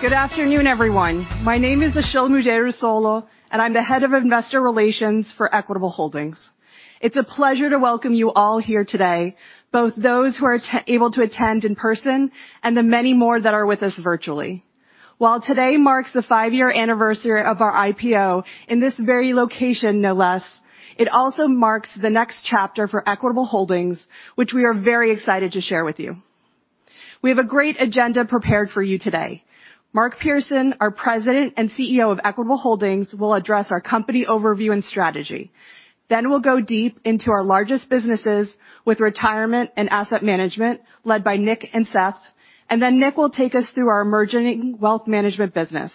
Good afternoon, everyone. My name is Işıl Müderrisoğlu, and I'm the Head of Investor Relations for Equitable Holdings. It's a pleasure to welcome you all here today, both those who are able to attend in person and the many more that are with us virtually. While today marks the five-year anniversary of our IPO in this very location, no less, it also marks the next chapter for Equitable Holdings, which we are very excited to share with you. We have a great agenda prepared for you today. Mark Pearson, our President and CEO of Equitable Holdings, will address our company overview and strategy. We'll go deep into our largest businesses with retirement and asset management led by Nick and Seth. Nick will take us through our emerging wealth management business.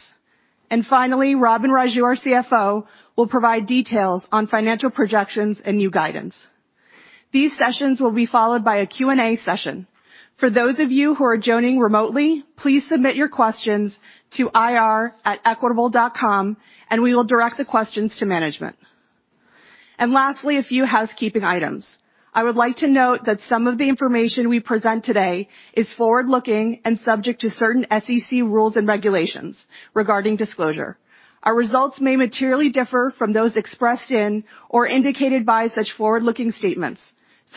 Finally, Robin Raju, our CFO, will provide details on financial projections and new guidance. These sessions will be followed by a Q&A session. For those of you who are joining remotely, please submit your questions to ir@equitable.com. We will direct the questions to management. Lastly, a few housekeeping items. I would like to note that some of the information we present today is forward-looking and subject to certain SEC rules and regulations regarding disclosure. Our results may materially differ from those expressed in or indicated by such forward-looking statements.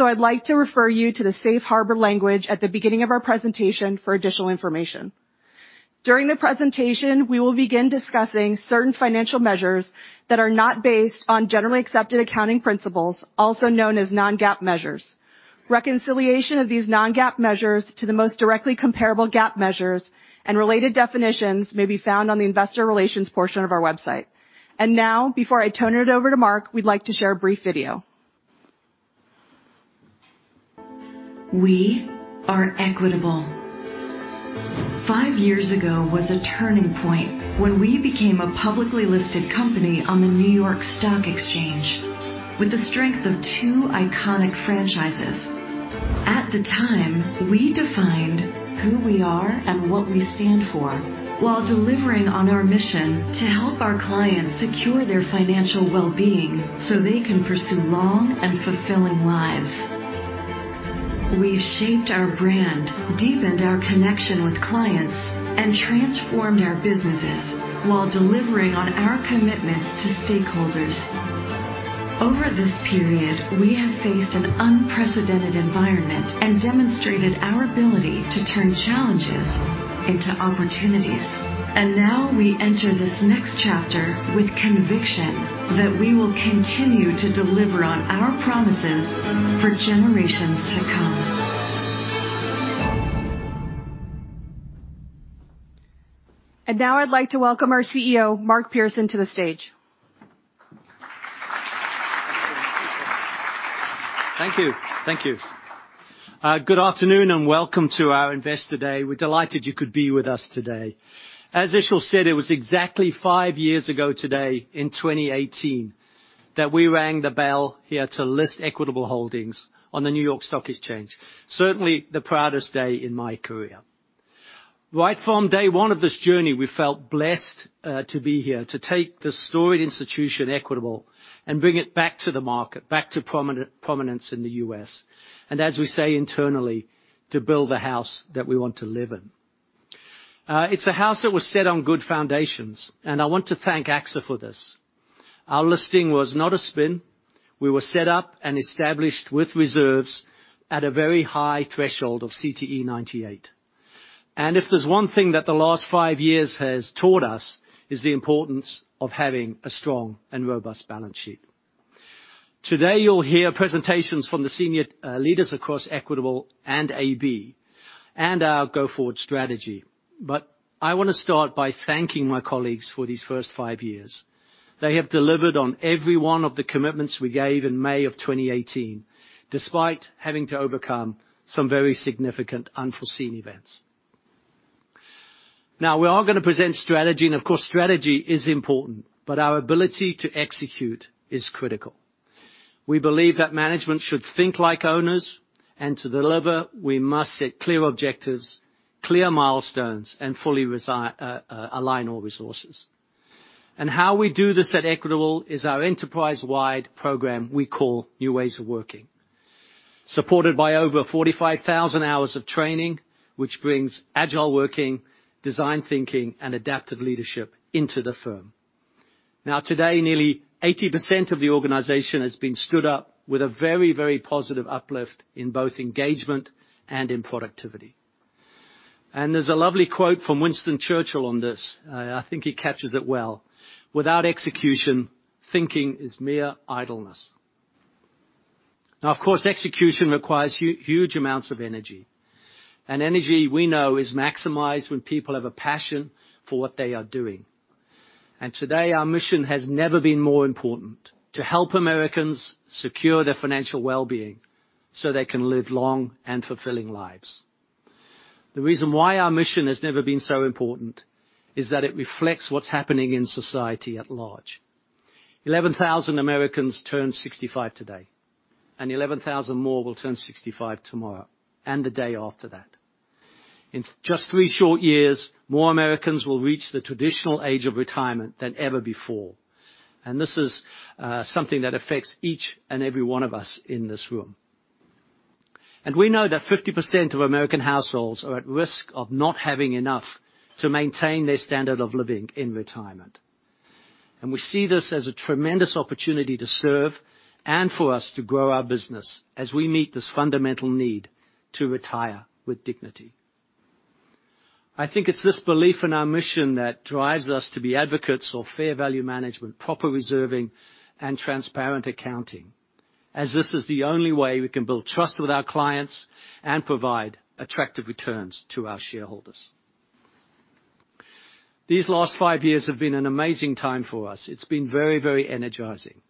I'd like to refer you to the safe harbor language at the beginning of our presentation for additional information. During the presentation, we will begin discussing certain financial measures that are not based on generally accepted accounting principles, also known as non-GAAP measures. Reconciliation of these non-GAAP measures to the most directly comparable GAAP measures and related definitions may be found on the investor relations portion of our website. Now, before I turn it over to Mark, we'd like to share a brief video. We are Equitable. Five years ago was a turning point when we became a publicly listed company on the New York Stock Exchange with the strength of two iconic franchises. At the time, we defined who we are and what we stand for while delivering on our mission to help our clients secure their financial well-being, so they can pursue long and fulfilling lives. We shaped our brand, deepened our connection with clients, and transformed our businesses while delivering on our commitments to stakeholders. Over this period, we have faced an unprecedented environment and demonstrated our ability to turn challenges into opportunities. Now we enter this next chapter with conviction that we will continue to deliver on our promises for generations to come. Now I'd like to welcome our CEO, Mark Pearson, to the stage. Thank you. Thank you. Good afternoon and welcome to our Investor Day. We're delighted you could be with us today. As Işıl said, it was exactly five years ago today in 2018 that we rang the bell here to list Equitable Holdings on the New York Stock Exchange. Certainly, the proudest day in my career. Right from day one of this journey, we felt blessed to be here, to take this storied institution, Equitable, and bring it back to the market, back to prominence in the U.S. As we say internally, to build the house that we want to live in. It's a house that was set on good foundations, I want to thank AXA for this. Our listing was not a spin. We were set up and established with reserves at a very high threshold of CTE98. If there's one thing that the last five years has taught us is the importance of having a strong and robust balance sheet. Today, you'll hear presentations from the senior leaders across Equitable and AB, and our go-forward strategy. I wanna start by thanking my colleagues for these first five years. They have delivered on every one of the commitments we gave in May of 2018, despite having to overcome some very significant unforeseen events. We are gonna present strategy, and of course, strategy is important, but our ability to execute is critical. We believe that management should think like owners, and to deliver, we must set clear objectives, clear milestones, and fully align all resources. How we do this at Equitable is our enterprise-wide program we call New Ways of Working. Supported by over 45,000 hours of training, which brings agile working, design thinking, and adaptive leadership into the firm. Today, nearly 80% of the organization has been stood up with a very positive uplift in both engagement and in productivity. There's a lovely quote from Winston Churchill on this. I think he captures it well: "Without execution, thinking is mere idleness." Of course, execution requires huge amounts of energy. Energy, we know is maximized when people have a passion for what they are doing. Today, our mission has never been more important: to help Americans secure their financial well-being so they can live long and fulfilling lives. The reason why our mission has never been so important is that it reflects what's happening in society at large. 11,000 Americans turn 65 today, 11,000 more will turn 65 tomorrow and the day after that. In just three short years, more Americans will reach the traditional age of retirement than ever before. This is something that affects each and every one of us in this room. We know that 50% of American households are at risk of not having enough to maintain their standard of living in retirement. We see this as a tremendous opportunity to serve and for us to grow our business as we meet this fundamental need to retire with dignity. I think it's this belief in our mission that drives us to be advocates for fair value management, proper reserving, and transparent accounting, as this is the only way we can build trust with our clients and provide attractive returns to our shareholders. These last five years have been an amazing time for us. It's been very, very energizing.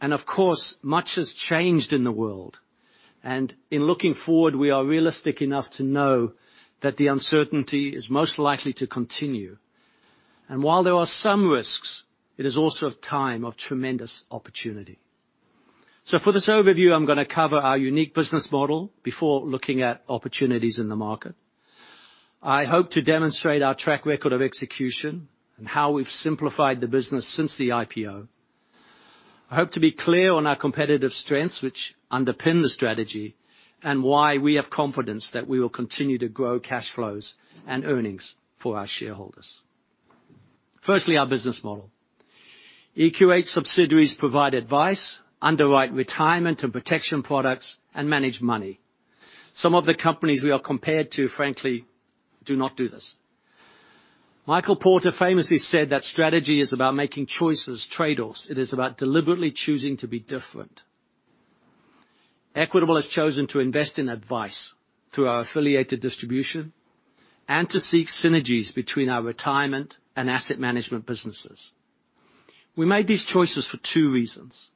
Of course, much has changed in the world. In looking forward, we are realistic enough to know that the uncertainty is most likely to continue. While there are some risks, it is also a time of tremendous opportunity. For this overview, I'm gonna cover our unique business model before looking at opportunities in the market. I hope to demonstrate our track record of execution and how we've simplified the business since the IPO. I hope to be clear on our competitive strengths, which underpin the strategy, and why we have confidence that we will continue to grow cash flows and earnings for our shareholders. Firstly, our business model. EQH subsidiaries provide advice, underwrite retirement and protection products, and manage money. Some of the companies we are compared to, frankly, do not do this. Michael Porter famously said that strategy is about making choices, trade-offs. It is about deliberately choosing to be different. Equitable has chosen to invest in advice through our affiliated distribution and to seek synergies between our retirement and asset management businesses. We made these choices for two reasons.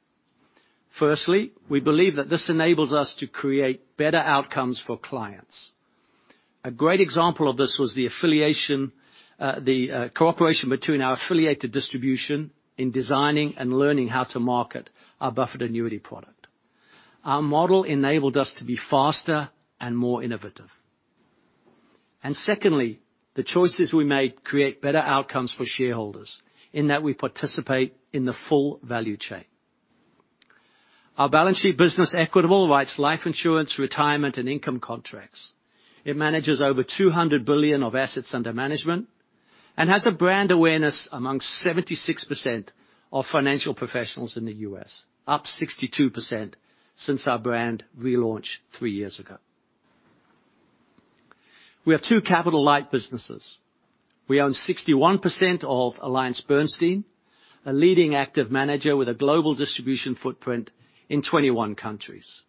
Firstly, we believe that this enables us to create better outcomes for clients. A great example of this was the cooperation between our affiliated distribution in designing and learning how to market our buffered annuity product. Our model enabled us to be faster and more innovative. Secondly, the choices we made create better outcomes for shareholders in that we participate in the full value chain. Our balance sheet business, Equitable, writes life insurance, retirement, and income contracts. It manages over $200 billion of assets under management, and has a brand awareness amongst 76% of financial professionals in the U.S., up 62% since our brand relaunch three years ago. We have two capital-light businesses. We own 61% of AllianceBernstein, a leading active manager with a global distribution footprint in 21 countries.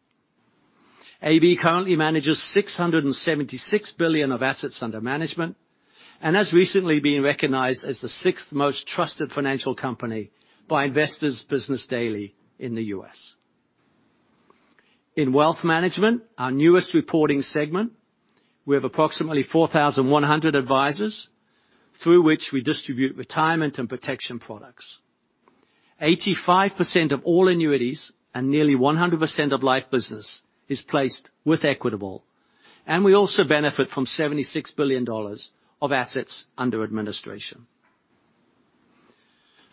AB currently manages $676 billion of assets under management, and has recently been recognized as the sixth most trusted financial company by Investor's Business Daily in the U.S. In wealth management, our newest reporting segment, we have approximately 4,100 advisors through which we distribute retirement and protection products. 85% of all annuities and nearly 100% of life business is placed with Equitable, and we also benefit from $76 billion of assets under administration.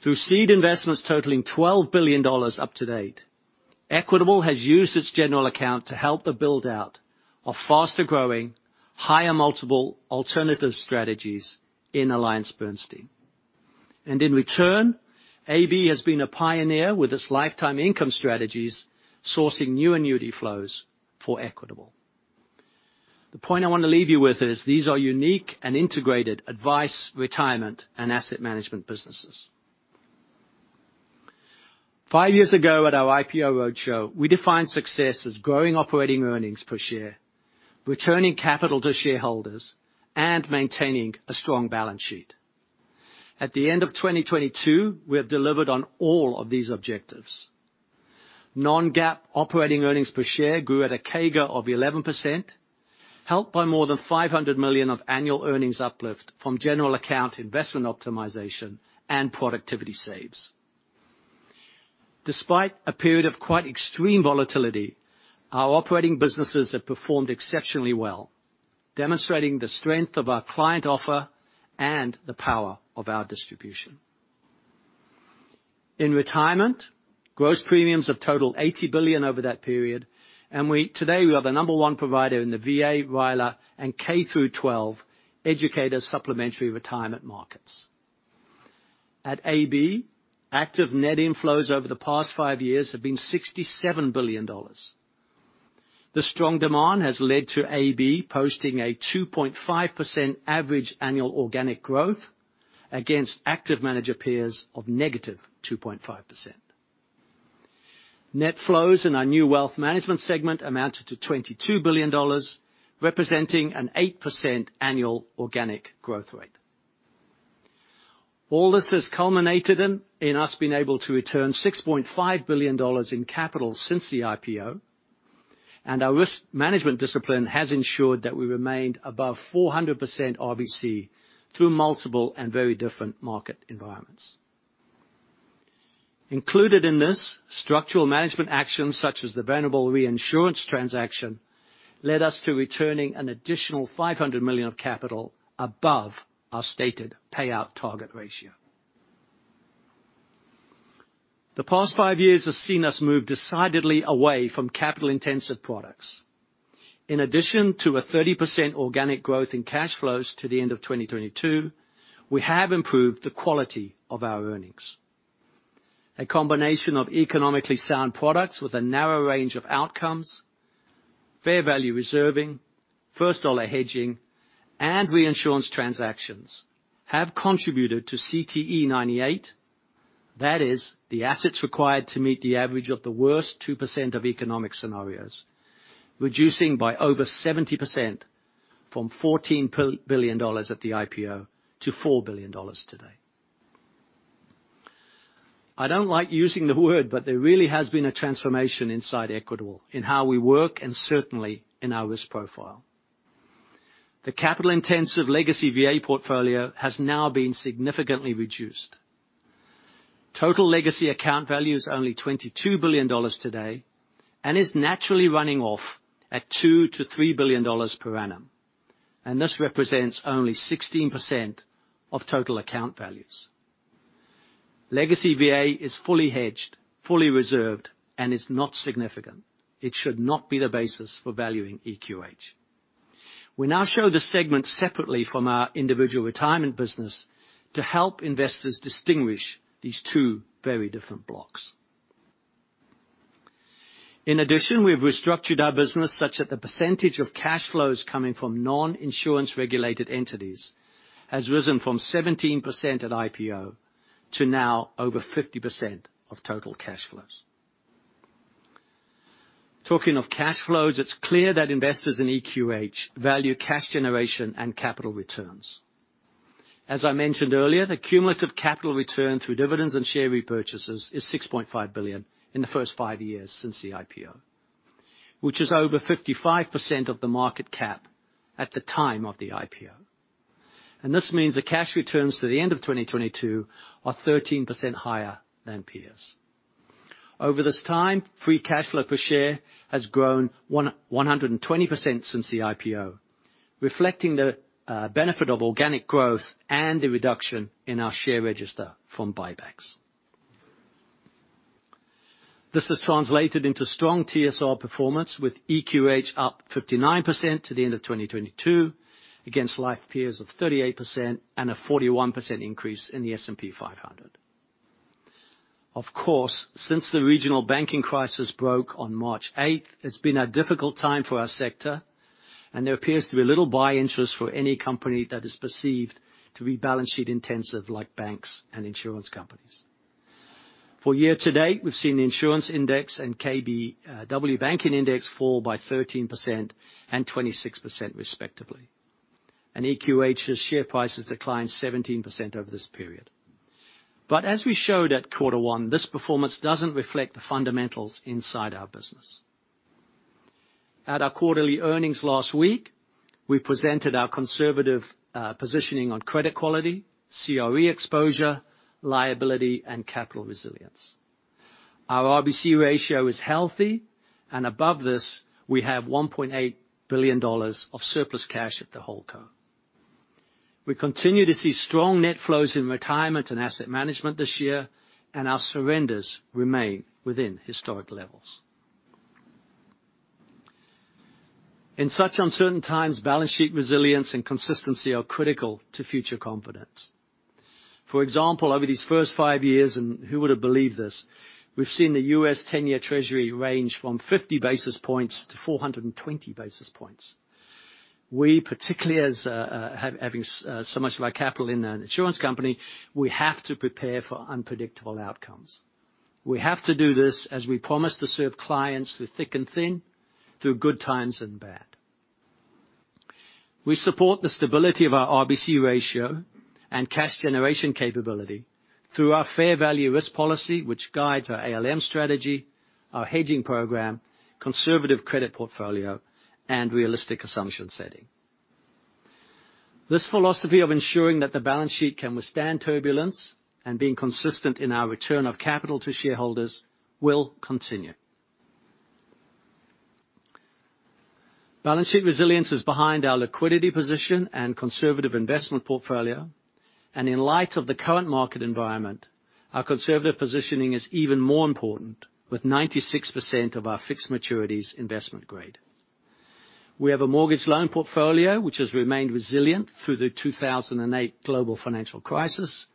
Through seed investments totaling $12 billion up to date, Equitable has used its general account to help the build-out of faster growing, higher multiple alternative strategies in AllianceBernstein. In return, AB has been a pioneer with its Lifetime Income Strategies, sourcing new annuity flows for Equitable. The point I want to leave you with is these are unique and integrated advice, retirement, and asset management businesses. Five years ago, at our IPO roadshow, we defined success as growing operating earnings per share, returning capital to shareholders, and maintaining a strong balance sheet. At the end of 2022, we have delivered on all of these objectives. non-GAAP operating earnings per share grew at a CAGR of 11%, helped by more than $500 million of annual earnings uplift from general account investment optimization and productivity saves. Despite a period of quite extreme volatility, our operating businesses have performed exceptionally well, demonstrating the strength of our client offer and the power of our distribution. In retirement, gross premiums have totaled $80 billion over that period, and today, we are the number one provider in the VA, RILA, and K-12 educators supplementary retirement markets. At AB, active net inflows over the past five years have been $67 billion. The strong demand has led to AB posting a 2.5% average annual organic growth against active manager peers of negative 2.5%. Net flows in our new wealth management segment amounted to $22 billion, representing an 8% annual organic growth rate. All this has culminated in us being able to return $6.5 billion in capital since the IPO. Our risk management discipline has ensured that we remained above 400% RBC through multiple and very different market environments. Included in this structural management actions, such as the Venerable reinsurance transaction, led us to returning an additional $500 million of capital above our stated payout target ratio. The past five years have seen us move decidedly away from capital intensive products. In addition to a 30% organic growth in cash flows to the end of 2022, we have improved the quality of our earnings. A combination of economically sound products with a narrow range of outcomes, fair value reserving, first dollar hedging, and reinsurance transactions have contributed to CTE98. That is, the assets required to meet the average of the worst 2% of economic scenarios, reducing by over 70% from $14 billion at the IPO to $4 billion today. I don't like using the word, there really has been a transformation inside Equitable in how we work and certainly in our risk profile. The capital-intensive legacy VA portfolio has now been significantly reduced. Total legacy account value is only $22 billion today and is naturally running off at $2 billion-$3 billion per annum. This represents only 16% of total account values. Legacy VA is fully hedged, fully reserved, and is not significant. It should not be the basis for valuing EQH. We now show the segment separately from our individual retirement business to help investors distinguish these two very different blocks. In addition, we've restructured our business such that the percentage of cash flows coming from non-insurance regulated entities has risen from 17% at IPO to now over 50% of total cash flows. Talking of cash flows, it's clear that investors in EQH value cash generation and capital returns. As I mentioned earlier, the cumulative capital return through dividends and share repurchases is $6.5 billion in the first five years since the IPO, which is over 55% of the market cap at the time of the IPO. This means the cash returns to the end of 2022 are 13% higher than peers. Over this time, free cash flow per share has grown 120% since the IPO, reflecting the benefit of organic growth and the reduction in our share register from buybacks. This has translated into strong TSR performance with EQH up 59% to the end of 2022, against life peers of 38% and a 41% increase in the S&P 500. Of course, since the regional banking crisis broke on March 8th, it's been a difficult time for our sector, and there appears to be little buy interest for any company that is perceived to be balance sheet intensive like banks and insurance companies. For year to date, we've seen the insurance index and KBW banking index fall by 13% and 26%, respectively. EQH's share prices declined 17% over this period. As we showed at Q1, this performance doesn't reflect the fundamentals inside our business. At our quarterly earnings last week, we presented our conservative positioning on credit quality, COE exposure, liability, and capital resilience. Our RBC ratio is healthy, and above this, we have $1.8 billion of surplus cash at the hold co. We continue to see strong net flows in retirement and asset management this year, and our surrenders remain within historic levels. In such uncertain times, balance sheet resilience and consistency are critical to future confidence. For example, over these first five years, and who would have believed this, we've seen the U.S. 10-Year Treasury range from 50 basis points to 420 basis points. We particularly as having so much of our capital in an insurance company, we have to prepare for unpredictable outcomes. We have to do this as we promise to serve clients through thick and thin, through good times and bad. We support the stability of our RBC ratio and cash generation capability through our fair value risk policy, which guides our ALM strategy, our hedging program, conservative credit portfolio, and realistic assumption setting. This philosophy of ensuring that the balance sheet can withstand turbulence and being consistent in our return of capital to shareholders will continue. Balance sheet resilience is behind our liquidity position and conservative investment portfolio, and in light of the current market environment, our conservative positioning is even more important, with 96% of our fixed maturities investment grade. We have a mortgage loan portfolio which has remained resilient through the 2008 global financial crisis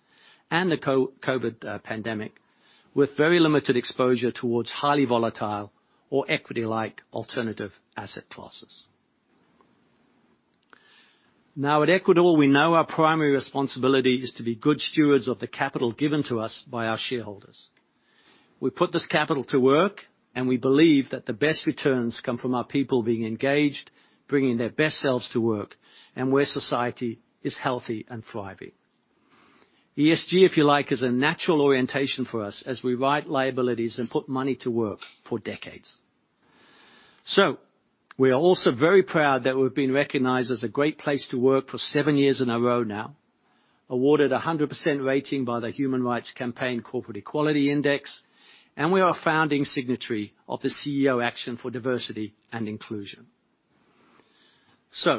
and the COVID pandemic, with very limited exposure towards highly volatile or equity-like alternative asset classes. At Equitable, we know our primary responsibility is to be good stewards of the capital given to us by our shareholders. We put this capital to work, and we believe that the best returns come from our people being engaged, bringing their best selves to work, and where society is healthy and thriving. ESG, if you like, is a natural orientation for us as we write liabilities and put money to work for decades. We are also very proud that we've been recognized as a great place to work for seven years in a row now, awarded a 100% rating by the Human Rights Campaign Foundation Corporate Equality Index, and we are a founding signatory of the CEO Action for Diversity & Inclusion.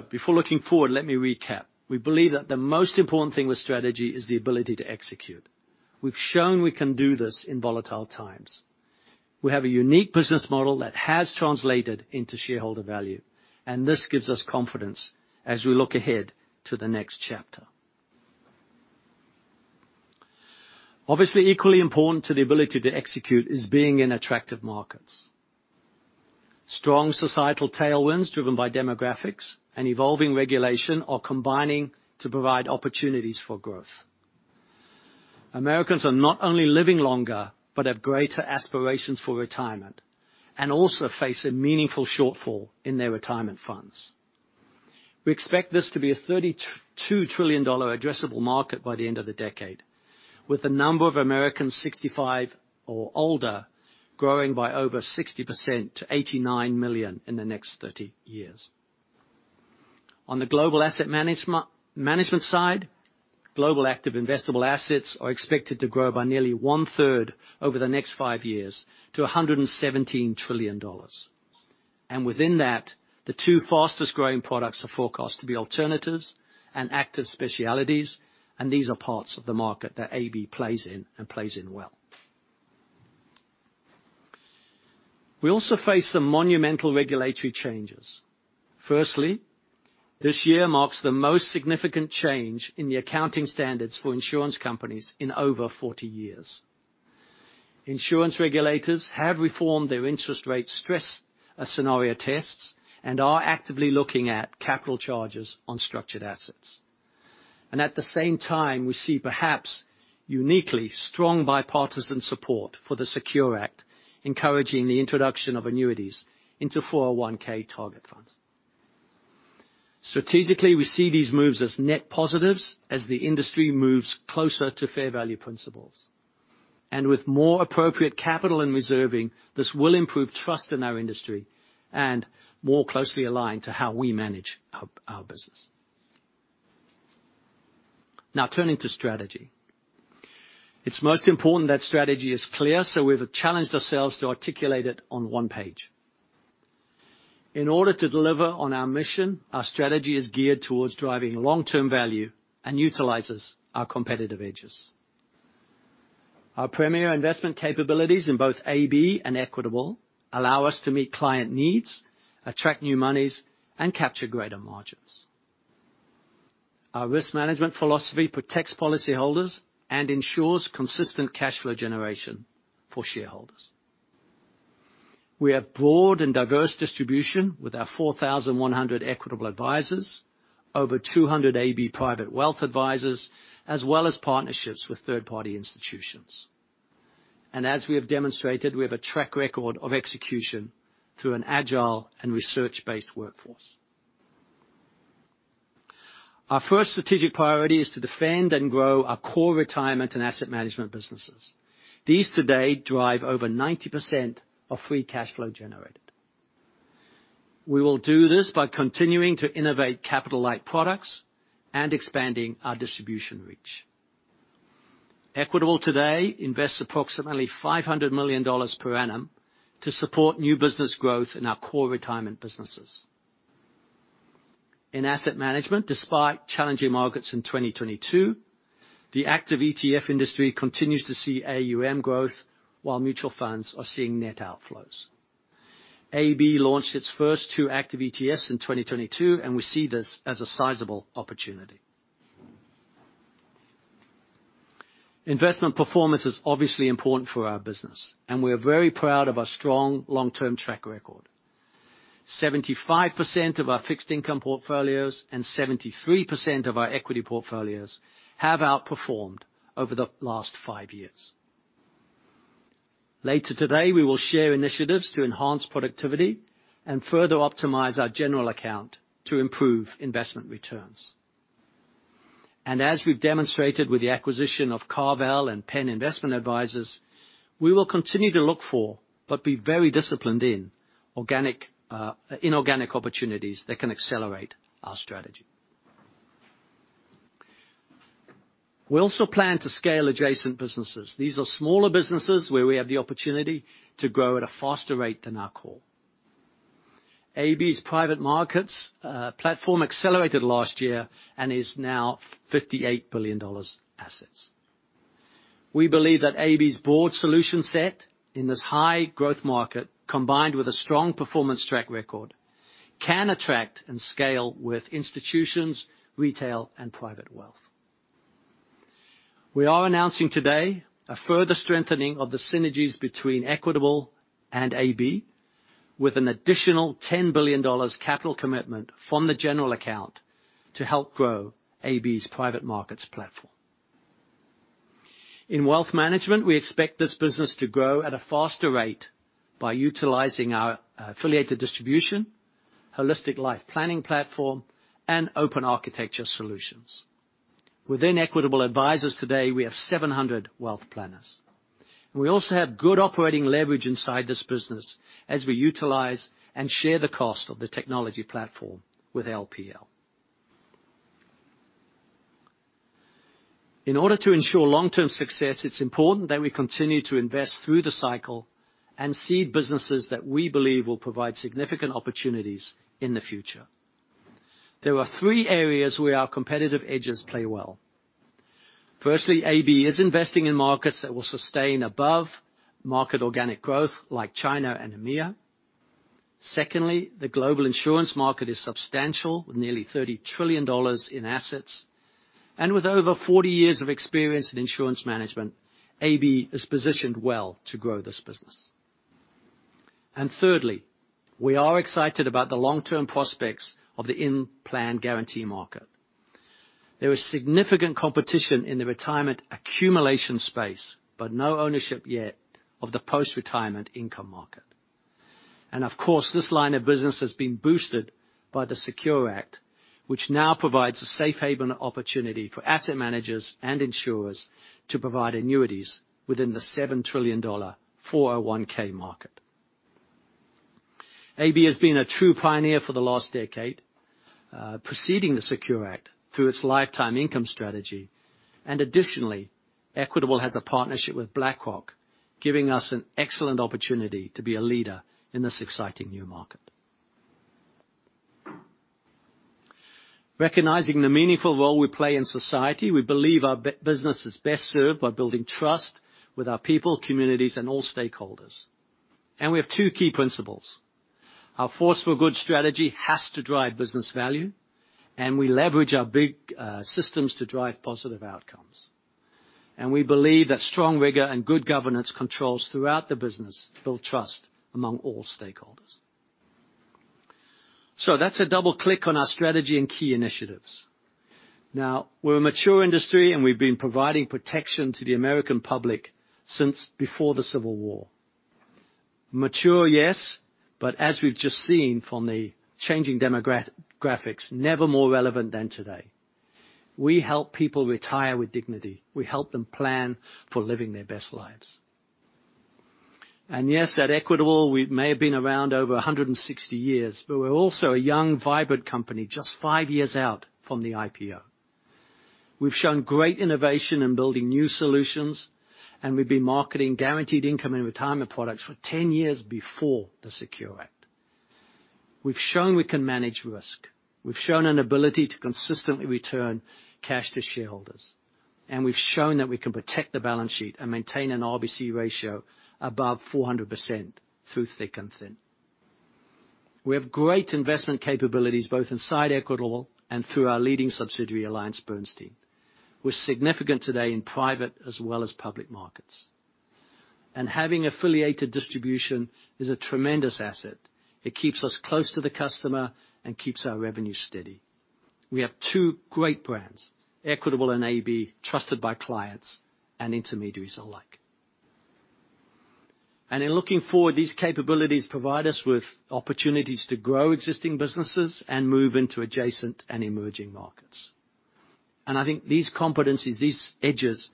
Before looking forward, let me recap. We believe that the most important thing with strategy is the ability to execute. We've shown we can do this in volatile times. We have a unique business model that has translated into shareholder value, and this gives us confidence as we look ahead to the next chapter. Obviously, equally important to the ability to execute is being in attractive markets. Strong societal tailwinds driven by demographics and evolving regulation are combining to provide opportunities for growth. Americans are not only living longer, but have greater aspirations for retirement, and also face a meaningful shortfall in their retirement funds. We expect this to be a $32 trillion addressable market by the end of the decade, with the number of Americans 65 or older growing by over 60% to 89 million in the next 30 years. On the global asset management side, global active investable assets are expected to grow by nearly 1/3 over the next five years to a $117 trillion. Within that, the two fastest-growing products are forecast to be alternatives and active specialties, These are parts of the market that AB plays in and plays in well. We also face some monumental regulatory changes. Firstly, this year marks the most significant change in the accounting standards for insurance companies in over 40 years. Insurance regulators have reformed their interest rate stress scenario tests and are actively looking at capital charges on structured assets. At the same time, we see perhaps uniquely strong bipartisan support for the SECURE Act, encouraging the introduction of annuities into 401(k) target funds. Strategically, we see these moves as net positives as the industry moves closer to fair value principles. With more appropriate capital and reserving, this will improve trust in our industry and more closely aligned to how we manage our business. Now turning to strategy. It's most important that strategy is clear, so we've challenged ourselves to articulate it on one page. In order to deliver on our mission, our strategy is geared towards driving long-term value and utilizes our competitive edges. Our premier investment capabilities in both AB and Equitable allow us to meet client needs, attract new monies, and capture greater margins. Our risk management philosophy protects policyholders and ensures consistent cash flow generation for shareholders. We have broad and diverse distribution with our 4,100 Equitable Advisors, over 200 AB private wealth advisors, as well as partnerships with third-party institutions. As we have demonstrated, we have a track record of execution through an agile and research-based workforce. Our first strategic priority is to defend and grow our core retirement and asset management businesses. These today drive over 90% of free cash flow generated. We will do this by continuing to innovate capital-light products and expanding our distribution reach. Equitable today invests approximately $500 million per annum to support new business growth in our core retirement businesses. In asset management, despite challenging markets in 2022, the active ETF industry continues to see AUM growth while mutual funds are seeing net outflows. AB launched its first two active ETFs in 2022. We see this as a sizable opportunity. Investment performance is obviously important for our business. We are very proud of our strong long-term track record. 75% of our fixed income portfolios and 73% of our equity portfolios have outperformed over the last five years. Later today, we will share initiatives to enhance productivity and further optimize our general account to improve investment returns. As we've demonstrated with the acquisition of CarVal and Penn Investment Advisors, we will continue to look for, but be very disciplined in organic, inorganic opportunities that can accelerate our strategy. We also plan to scale adjacent businesses. These are smaller businesses where we have the opportunity to grow at a faster rate than our core. AB's private markets platform accelerated last year and is now $58 billion assets. We believe that AB's broad solution set in this high growth market, combined with a strong performance track record, can attract and scale with institutions, retail, and private wealth. We are announcing today a further strengthening of the synergies between Equitable and AB with an additional $10 billion capital commitment from the general account to help grow AB's private markets platform. In wealth management, we expect this business to grow at a faster rate by utilizing our affiliated distribution, holistic life planning platform, and open architecture solutions. Within Equitable Advisors today, we have 700 wealth planners. We also have good operating leverage inside this business as we utilize and share the cost of the technology platform with LPL. In order to ensure long-term success, it's important that we continue to invest through the cycle and seed businesses that we believe will provide significant opportunities in the future. There are three areas where our competitive edges play well. Firstly, AB is investing in markets that will sustain above market organic growth like China and EMEA. Secondly, the global insurance market is substantial, nearly $30 trillion in assets. With over 40 years of experience in insurance management, AB is positioned well to grow this business. Thirdly, we are excited about the long-term prospects of the in-plan guarantee market. There is significant competition in the retirement accumulation space, but no ownership yet of the post-retirement income market. Of course, this line of business has been boosted by the SECURE Act, which now provides a safe haven opportunity for asset managers and insurers to provide annuities within the $7 trillion, 401(k) market. AB has been a true pioneer for the last decade, preceding the SECURE Act through its Lifetime Income Strategy. Additionally, Equitable has a partnership with BlackRock, giving us an excellent opportunity to be a leader in this exciting new market. Recognizing the meaningful role we play in society, we believe our business is best served by building trust with our people, communities, and all stakeholders. We have two key principles. Our Force for Good strategy has to drive business value, and we leverage our big systems to drive positive outcomes. We believe that strong rigor and good governance controls throughout the business build trust among all stakeholders. That's a double-click on our strategy and key initiatives. Now, we're a mature industry, and we've been providing protection to the American public since before the Civil War. Mature, yes, but as we've just seen from the changing demographics, never more relevant than today. We help people retire with dignity. We help them plan for living their best lives. Yes, at Equitable, we may have been around over 160 years, but we're also a young, vibrant company just five years out from the IPO. We've shown great innovation in building new solutions, and we've been marketing guaranteed income and retirement products for 10 years before the SECURE Act. We've shown we can manage risk. We've shown an ability to consistently return cash to shareholders. We've shown that we can protect the balance sheet and maintain an RBC ratio above 400% through thick and thin. We have great investment capabilities, both inside Equitable and through our leading subsidiary, AllianceBernstein. We're significant today in private as well as public markets. Having affiliated distribution is a tremendous asset. It keeps us close to the customer and keeps our revenue steady. We have two great brands, Equitable and AB, trusted by clients and intermediaries alike. In looking forward, these capabilities provide us with opportunities to grow existing businesses and move into adjacent and emerging markets. I think these competencies, these edges,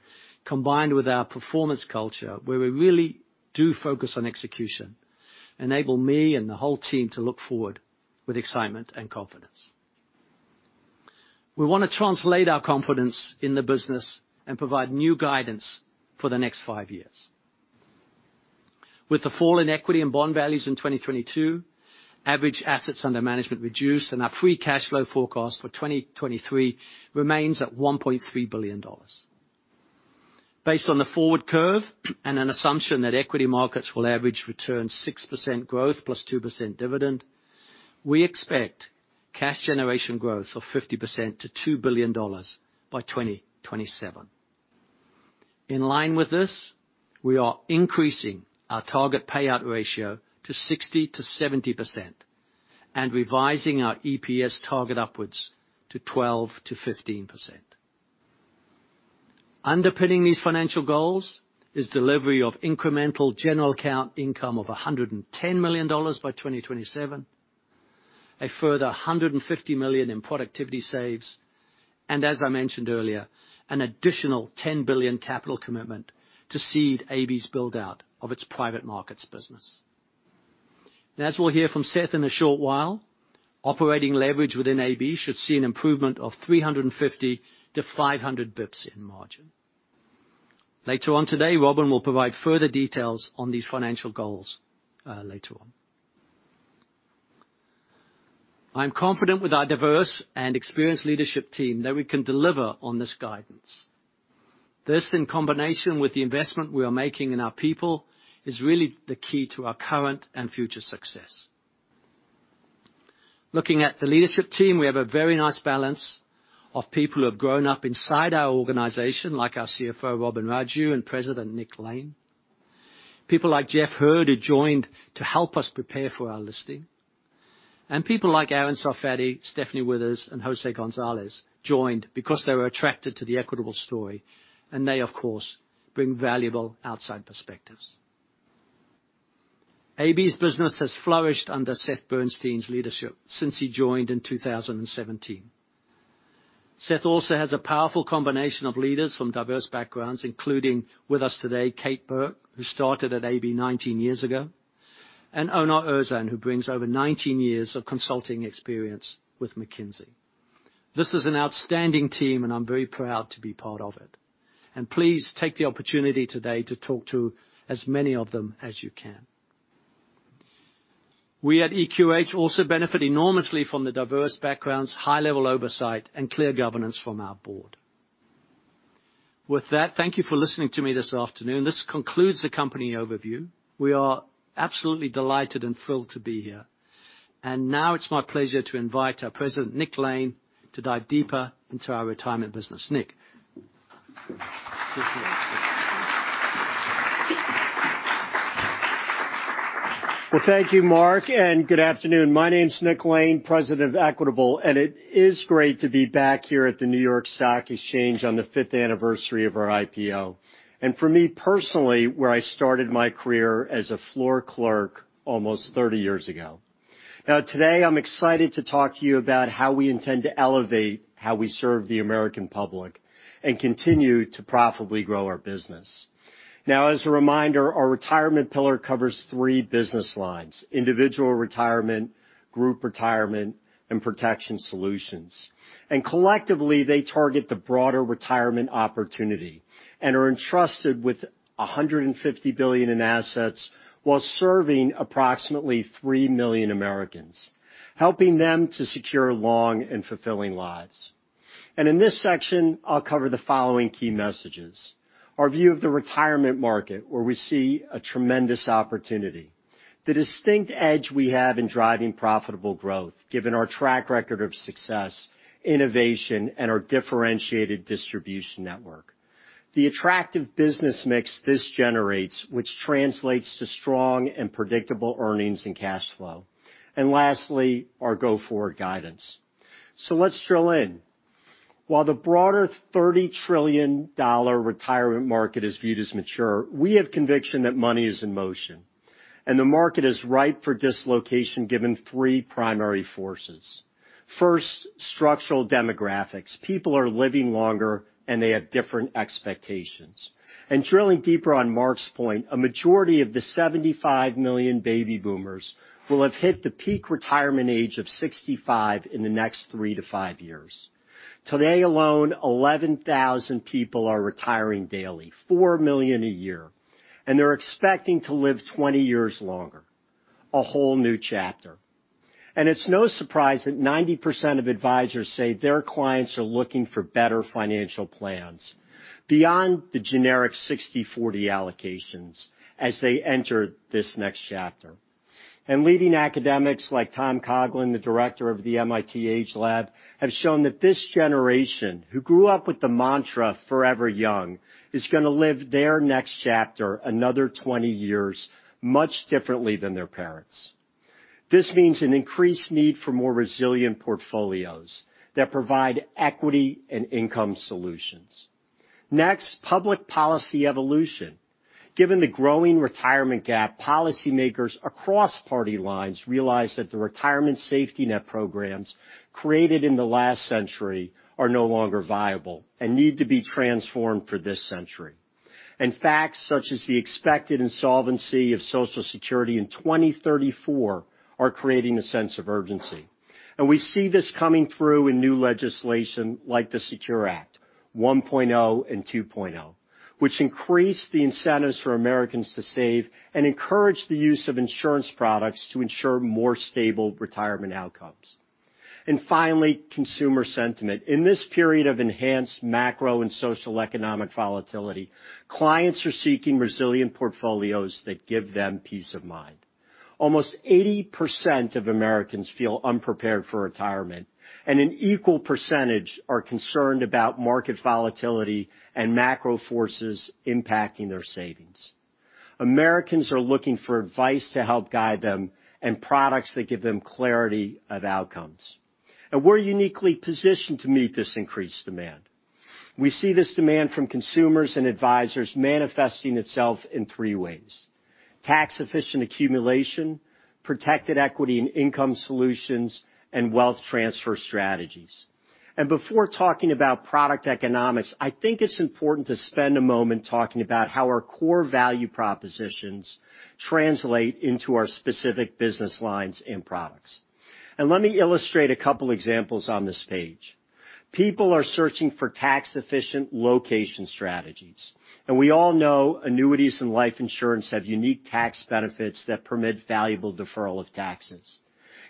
combined with our performance culture, where we really do focus on execution, enable me and the whole team to look forward with excitement and confidence. We wanna translate our confidence in the business and provide new guidance for the next five years. With the fall in equity and bond values in 2022, average assets under management reduced and our free cash flow forecast for 2023 remains at $1.3 billion. Based on the forward curve and an assumption that equity markets will average return 6% growth +2% dividend, we expect cash generation growth of 50% to $2 billion by 2027. In line with this, we are increasing our target payout ratio to 60%-70% and revising our EPS target upwards to 12%-15%. Underpinning these financial goals is delivery of incremental general account income of $110 million by 2027, a further $150 million in productivity saves, and as I mentioned earlier, an additional $10 billion capital commitment to seed AB's build-out of its private markets business. As we'll hear from Seth in a short while, operating leverage within AB should see an improvement of 350 to 500 basis points in margin. Later on today, Robin will provide further details on these financial goals later on. I'm confident with our diverse and experienced leadership team that we can deliver on this guidance. This, in combination with the investment we are making in our people, is really the key to our current and future success. Looking at the leadership team, we have a very nice balance of people who have grown up inside our organization, like our CFO, Robin Raju, and President Nick Lane. People like Jeff Hurd, who joined to help us prepare for our listing. People like Aaron Sarfatti, Stephanie Withers, and José González joined because they were attracted to the Equitable story, and they, of course, bring valuable outside perspectives. AB's business has flourished under Seth Bernstein's leadership since he joined in 2017. Seth also has a powerful combination of leaders from diverse backgrounds, including with us today, Kate Burke, who started at AB 19 years ago, and Onur Erzan, who brings over 19 years of consulting experience with McKinsey. This is an outstanding team, and I'm very proud to be part of it. Please take the opportunity today to talk to as many of them as you can. We at EQH also benefit enormously from the diverse backgrounds, high-level oversight, and clear governance from our board. With that, thank you for listening to me this afternoon. This concludes the company overview. We are absolutely delighted and thrilled to be here. Now it's my pleasure to invite our President, Nick Lane, to dive deeper into our retirement business. Nick. Well, thank you, Mark Pearson, and good afternoon. My name's Nick Lane, President of Equitable, and it is great to be back here at the New York Stock Exchange on the fifth anniversary of our IPO. For me personally, where I started my career as a floor clerk almost 30 years ago. Today I'm excited to talk to you about how we intend to elevate how we serve the American public and continue to profitably grow our business. As a reminder, our retirement pillar covers three business lines: individual retirement, group retirement, and protection solutions. Collectively, they target the broader retirement opportunity and are entrusted with $150 billion in assets while serving approximately 3 million Americans, helping them to secure long and fulfilling lives. In this section, I'll cover the following key messages: our view of the retirement market, where we see a tremendous opportunity, the distinct edge we have in driving profitable growth given our track record of success, innovation, and our differentiated distribution network, the attractive business mix this generates, which translates to strong and predictable earnings and cash flow, and lastly, our go-forward guidance. Let's drill in. While the broader $30 trillion retirement market is viewed as mature, we have conviction that money is in motion and the market is ripe for dislocation given three primary forces. First, structural demographics. People are living longer, and they have different expectations. Drilling deeper on Mark's point, a majority of the 75 million baby boomers will have hit the peak retirement age of 65 in the next three to five years. Today alone, 11,000 people are retiring daily, 4 million a year, and they're expecting to live 20 years longer. A whole new chapter. It's no surprise that 90% of advisors say their clients are looking for better financial plans beyond the generic 60/40 allocations as they enter this next chapter. Leading academics like Joseph Coughlin, the Director of the MIT AgeLab, have shown that this generation who grew up with the mantra forever young, is gonna live their next chapter, another 20 years, much differently than their parents. This means an increased need for more resilient portfolios that provide equity and income solutions. Next, public policy evolution. Given the growing retirement gap, policymakers across party lines realize that the retirement safety net programs created in the last century are no longer viable and need to be transformed for this century. Facts such as the expected insolvency of Social Security in 2034 are creating a sense of urgency. We see this coming through in new legislation like the SECURE Act, 1.0 and 2.0, which increased the incentives for Americans to save and encourage the use of insurance products to ensure more stable retirement outcomes. Finally, consumer sentiment. In this period of enhanced macro and socioeconomic volatility, clients are seeking resilient portfolios that give them peace of mind. Almost 80% of Americans feel unprepared for retirement, and an equal percentage are concerned about market volatility and macro forces impacting their savings. Americans are looking for advice to help guide them and products that give them clarity of outcomes. We're uniquely positioned to meet this increased demand. We see this demand from consumers and advisors manifesting itself in three ways: tax-efficient accumulation, protected equity and income solutions, and wealth transfer strategies. Before talking about product economics, I think it's important to spend a moment talking about how our core value propositions translate into our specific business lines and products. Let me illustrate a couple examples on this page. People are searching for tax-efficient location strategies, and we all know annuities and life insurance have unique tax benefits that permit valuable deferral of taxes.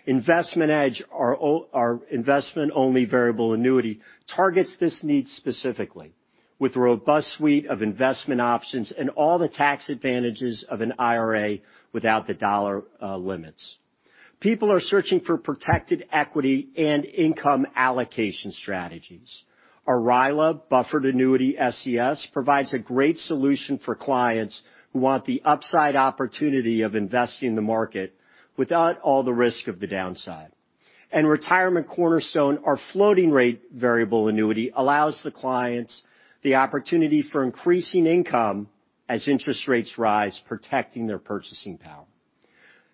Investment Edge, our investment-only variable annuity, targets this need specifically with a robust suite of investment options and all the tax advantages of an IRA without the dollar limits. People are searching for protected equity and income allocation strategies. Our RILA Buffered Annuity SCS provides a great solution for clients who want the upside opportunity of investing in the market without all the risk of the downside. Retirement Cornerstone, our floating rate variable annuity, allows the clients the opportunity for increasing income as interest rates rise, protecting their purchasing power.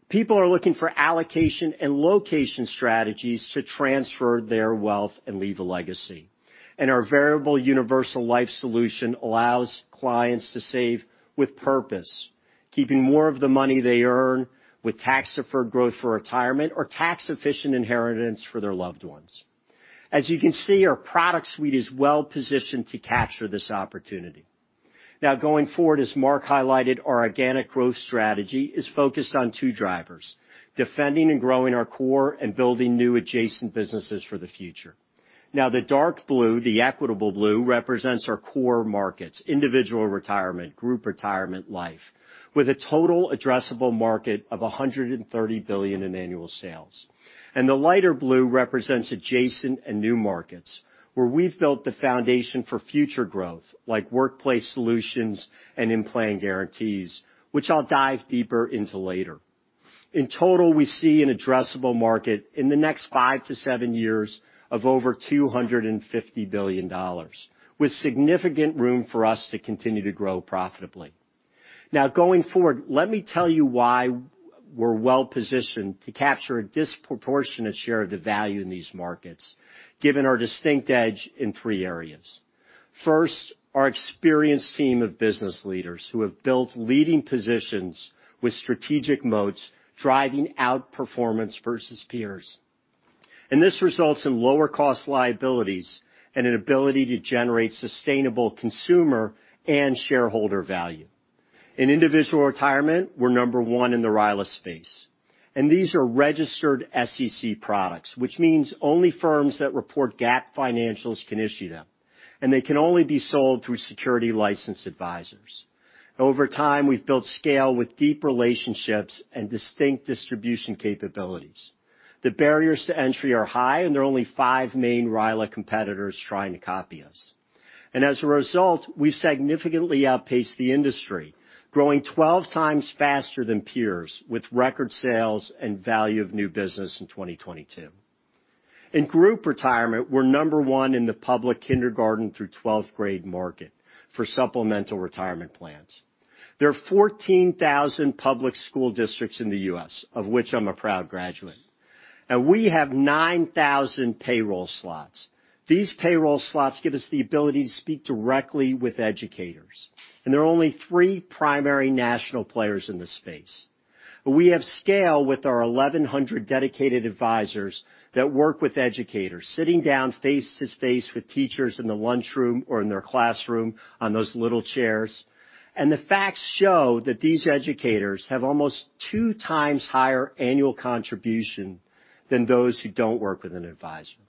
People are looking for allocation and location strategies to transfer their wealth and leave a legacy, and our variable universal life solution allows clients to save with purpose. Keeping more of the money they earn with tax-deferred growth for retirement or tax-efficient inheritance for their loved ones. As you can see, our product suite is well-positioned to capture this opportunity. Going forward, as Mark highlighted, our organic growth strategy is focused on two drivers, defending and growing our core and building new adjacent businesses for the future. The dark blue, the Equitable blue, represents our core markets, individual retirement, group retirement life, with a total addressable market of $130 billion in annual sales. The lighter blue represents adjacent and new markets, where we've built the foundation for future growth like workplace solutions and in plan guarantees, which I'll dive deeper into later. In total, we see an addressable market in the next five to seven years of over $250 billion with significant room for us to continue to grow profitably. Going forward, let me tell you why we're well-positioned to capture a disproportionate share of the value in these markets, given our distinct edge in three areas. First, our experienced team of business leaders who have built leading positions with strategic moats driving outperformance versus peers. This results in lower cost liabilities and an ability to generate sustainable consumer and shareholder value. In individual retirement, we're number one in the RILA space, and these are registered SEC products, which means only firms that report GAAP financials can issue them, and they can only be sold through security license advisors. Over time, we've built scale with deep relationships and distinct distribution capabilities. The barriers to entry are high, and there are only five main RILA competitors trying to copy us. As a result, we've significantly outpaced the industry, growing 12x faster than peers with record sales and value of new business in 2022. In group retirement, we're number one in the public kindergarten through 12th grade market for supplemental retirement plans. There are 14,000 public school districts in the U.S., of which I'm a proud graduate. We have 9,000 payroll slots. These payroll slots give us the ability to speak directly with educators. There are only three primary national players in this space. We have scale with our 1,100 dedicated advisors that work with educators, sitting down face-to-face with teachers in the lunchroom or in their classroom on those little chairs. The facts show that these educators have almost 2x higher annual contribution than those who don't work with an advisor.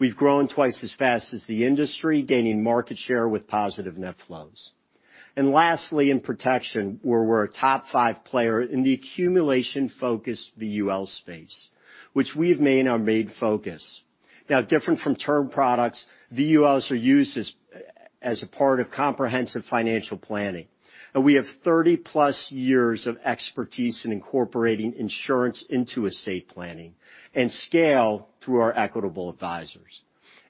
We've grown twice as fast as the industry, gaining market share with positive net flows. Lastly, in protection, where we're a top five player in the accumulation-focused VUL space, which we've made our main focus. Now different from term products, VULs are used as a part of comprehensive financial planning, and we have 30+ years of expertise in incorporating insurance into estate planning and scale through our Equitable Advisors.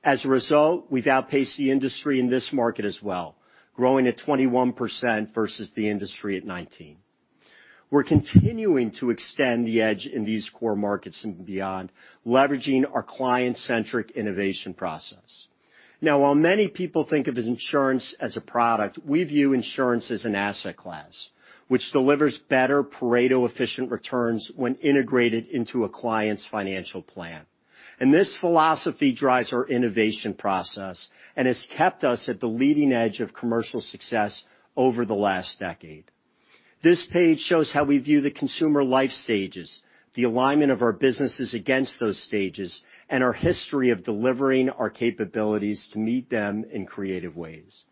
As a result, we've outpaced the industry in this market as well, growing at 21% versus the industry at 19%. We're continuing to extend the edge in these core markets and beyond, leveraging our client-centric innovation process. Now while many people think of insurance as a product, we view insurance as an asset class, which delivers better Pareto efficient returns when integrated into a client's financial plan. This philosophy drives our innovation process and has kept us at the leading edge of commercial success over the last decade. This page shows how we view the consumer life stages, the alignment of our businesses against those stages, and our history of delivering our capabilities to meet them in creative ways.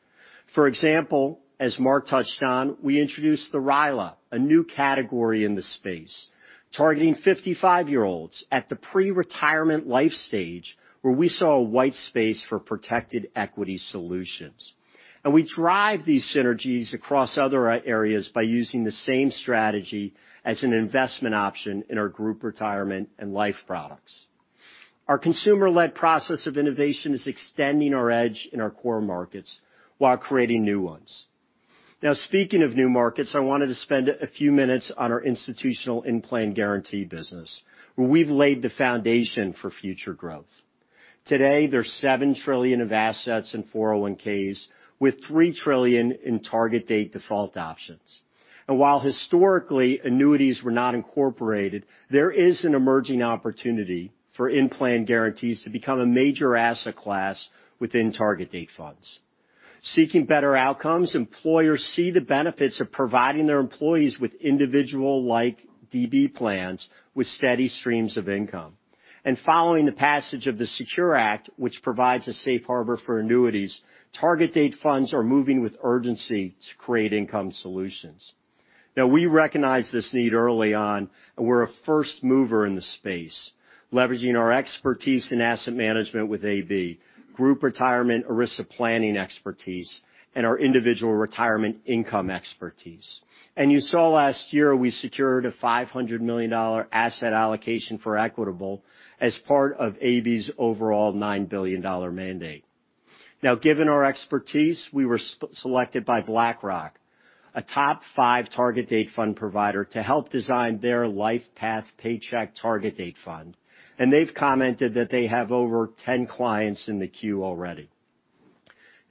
For example, as Mark touched on, we introduced the RILA, a new category in the space, targeting 55-year-olds at the pre-retirement life stage where we saw a wide space for protected equity solutions. We drive these synergies across other areas by using the same strategy as an investment option in our group retirement and life products. Our consumer-led process of innovation is extending our edge in our core markets while creating new ones. Speaking of new markets, I wanted to spend a few minutes on our institutional in-plan guarantee business, where we've laid the foundation for future growth. Today, there's $7 trillion of assets in 401(k)s, with $3 trillion in target date default options. While historically annuities were not incorporated, there is an emerging opportunity for in plan guarantees to become a major asset class within target date funds. Seeking better outcomes, employers see the benefits of providing their employees with individual like DB plans with steady streams of income. Following the passage of the SECURE Act, which provides a safe harbor for annuities, target date funds are moving with urgency to create income solutions. Now we recognize this need early on, and we're a first mover in the space, leveraging our expertise in asset management with AB, group retirement ERISA planning expertise, and our individual retirement income expertise. You saw last year we secured a $500 million asset allocation for Equitable as part of AB's overall $9 billion mandate. Given our expertise, we were selected by BlackRock, a top five target date fund provider, to help design their LifePath Paycheck target date fund. They've commented that they have over 10 clients in the queue already.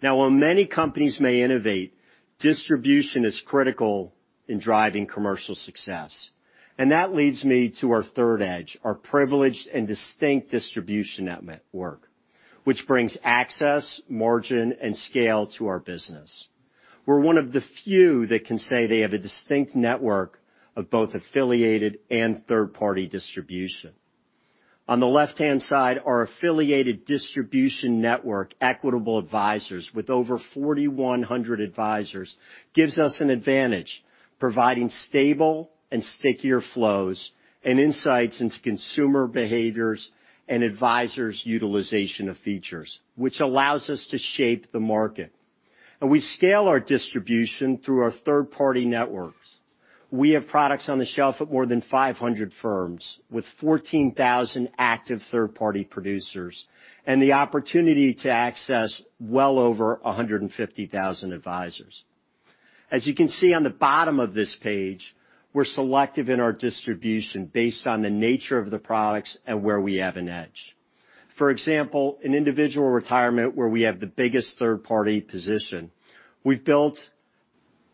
While many companies may innovate, distribution is critical in driving commercial success. That leads me to our third edge, our privileged and distinct distribution network, which brings access, margin, and scale to our business. We're one of the few that can say they have a distinct network of both affiliated and third-party distribution. On the left-hand side, our affiliated distribution network, Equitable Advisors, with over 4,100 advisors, gives us an advantage, providing stable and stickier flows and insights into consumer behaviors and advisors' utilization of features, which allows us to shape the market. We scale our distribution through our third-party networks. We have products on the shelf at more than 500 firms with 14,000 active third-party producers, and the opportunity to access well over 150,000 advisors. As you can see on the bottom of this page, we're selective in our distribution based on the nature of the products and where we have an edge. For example, in individual retirement, where we have the biggest third-party position, we've built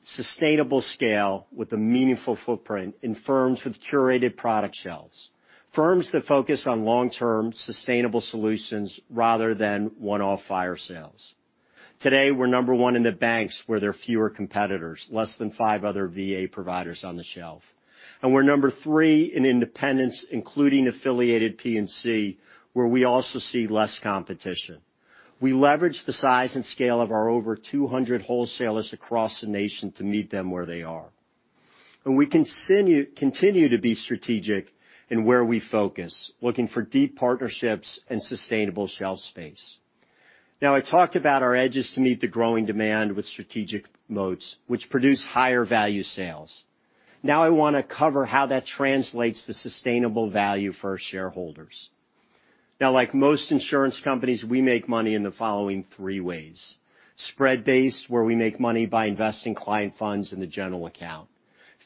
sustainable scale with a meaningful footprint in firms with curated product shelves, firms that focus on long-term sustainable solutions rather than one-off fire sales. Today, we're number one in the banks where there are fewer competitors, less than five other VA providers on the shelf. We're number three in independents, including affiliated P&C, where we also see less competition. We leverage the size and scale of our over 200 wholesalers across the nation to meet them where they are. We continue to be strategic in where we focus, looking for deep partnerships and sustainable shelf space. I talked about our edges to meet the growing demand with strategic moats, which produce higher value sales. I wanna cover how that translates to sustainable value for our shareholders. Like most insurance companies, we make money in the following three ways: spread-based, where we make money by investing client funds in the general account,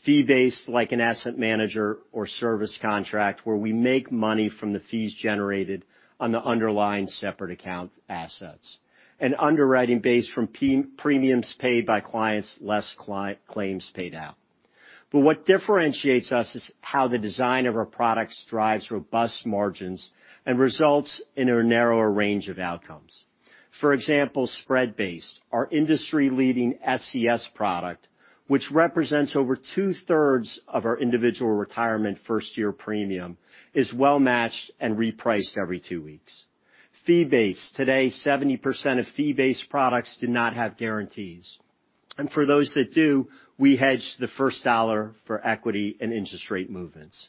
fee-based, like an asset manager or service contract, where we make money from the fees generated on the underlying separate account assets, and underwriting-based from premiums paid by clients less client claims paid out. What differentiates us is how the design of our products drives robust margins and results in a narrower range of outcomes. For example, spread-based, our industry-leading SCS product, which represents over 2/3 of our individual retirement first-year premium, is well-matched and repriced every two weeks. Fee-based, today 70% of fee-based products do not have guarantees, and for those that do, we hedge the first dollar for equity and interest rate movements.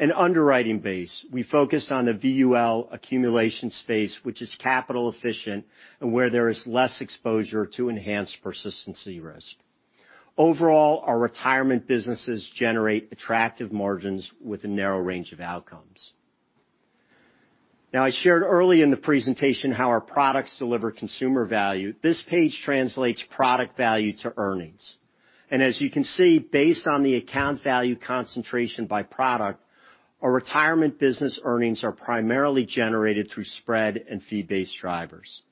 In underwriting-based, we focus on the VUL accumulation space, which is capital efficient and where there is less exposure to enhanced persistency risk. Overall, our retirement businesses generate attractive margins with a narrow range of outcomes. I shared early in the presentation how our products deliver consumer value. This page translates product value to earnings. As you can see, based on the account value concentration by product, our retirement business earnings are primarily generated through spread and fee-based drivers.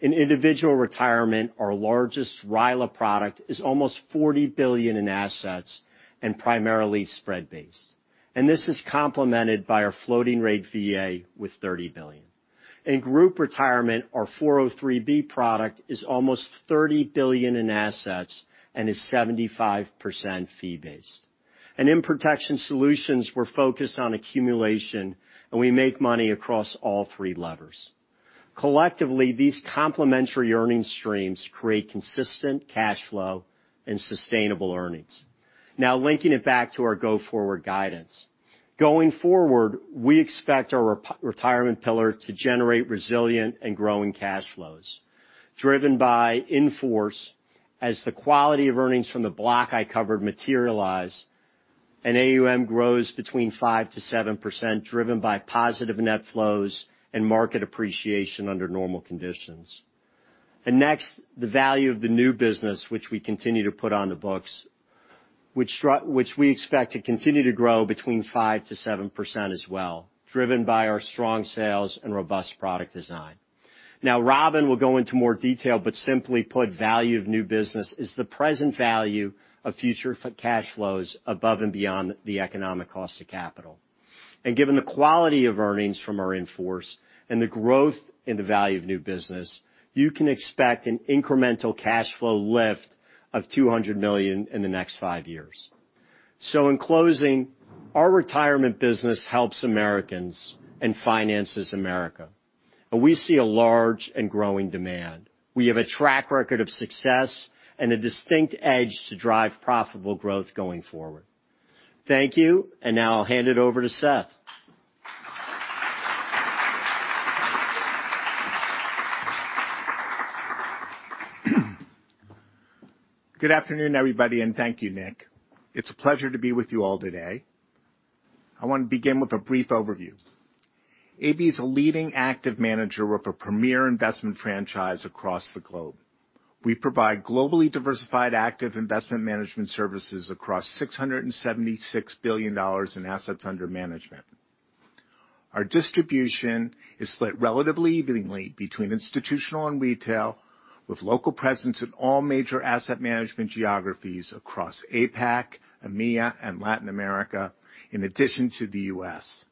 In individual retirement, our largest RILA product is almost $40 billion in assets and primarily spread-based. This is complemented by our floating rate VA with $30 billion. In group retirement, our 403(b) product is almost $30 billion in assets and is 75% fee-based. In protection solutions, we're focused on accumulation, and we make money across all three levers. Collectively, these complementary earnings streams create consistent cash flow and sustainable earnings. Linking it back to our go-forward guidance. Going forward, we expect our retirement pillar to generate resilient and growing cash flows driven by in-force as the quality of earnings from the block I covered materialize and AUM grows between 5% to 7% driven by positive net flows and market appreciation under normal conditions. Next, the value of the new business which we continue to put on the books, which we expect to continue to grow between 5% to 7% as well, driven by our strong sales and robust product design. Robin will go into more detail, but simply put, value of new business is the present value of future cash flows above and beyond the economic cost of capital. Given the quality of earnings from our in-force and the growth in the value of new business, you can expect an incremental cash flow lift of $200 million in the next five years. In closing, our retirement business helps Americans and finances America, and we see a large and growing demand. We have a track record of success and a distinct edge to drive profitable growth going forward. Thank you. Now I'll hand it over to Seth. Good afternoon, everybody. Thank you, Nick. It's a pleasure to be with you all today. I want to begin with a brief overview. AB is a leading active manager with a premier investment franchise across the globe. We provide globally diversified active investment management services across $676 billion in assets under management. Our distribution is split relatively evenly between institutional and retail, with local presence in all major asset management geographies across APAC, EMEA, and Latin America, in addition to the U.S.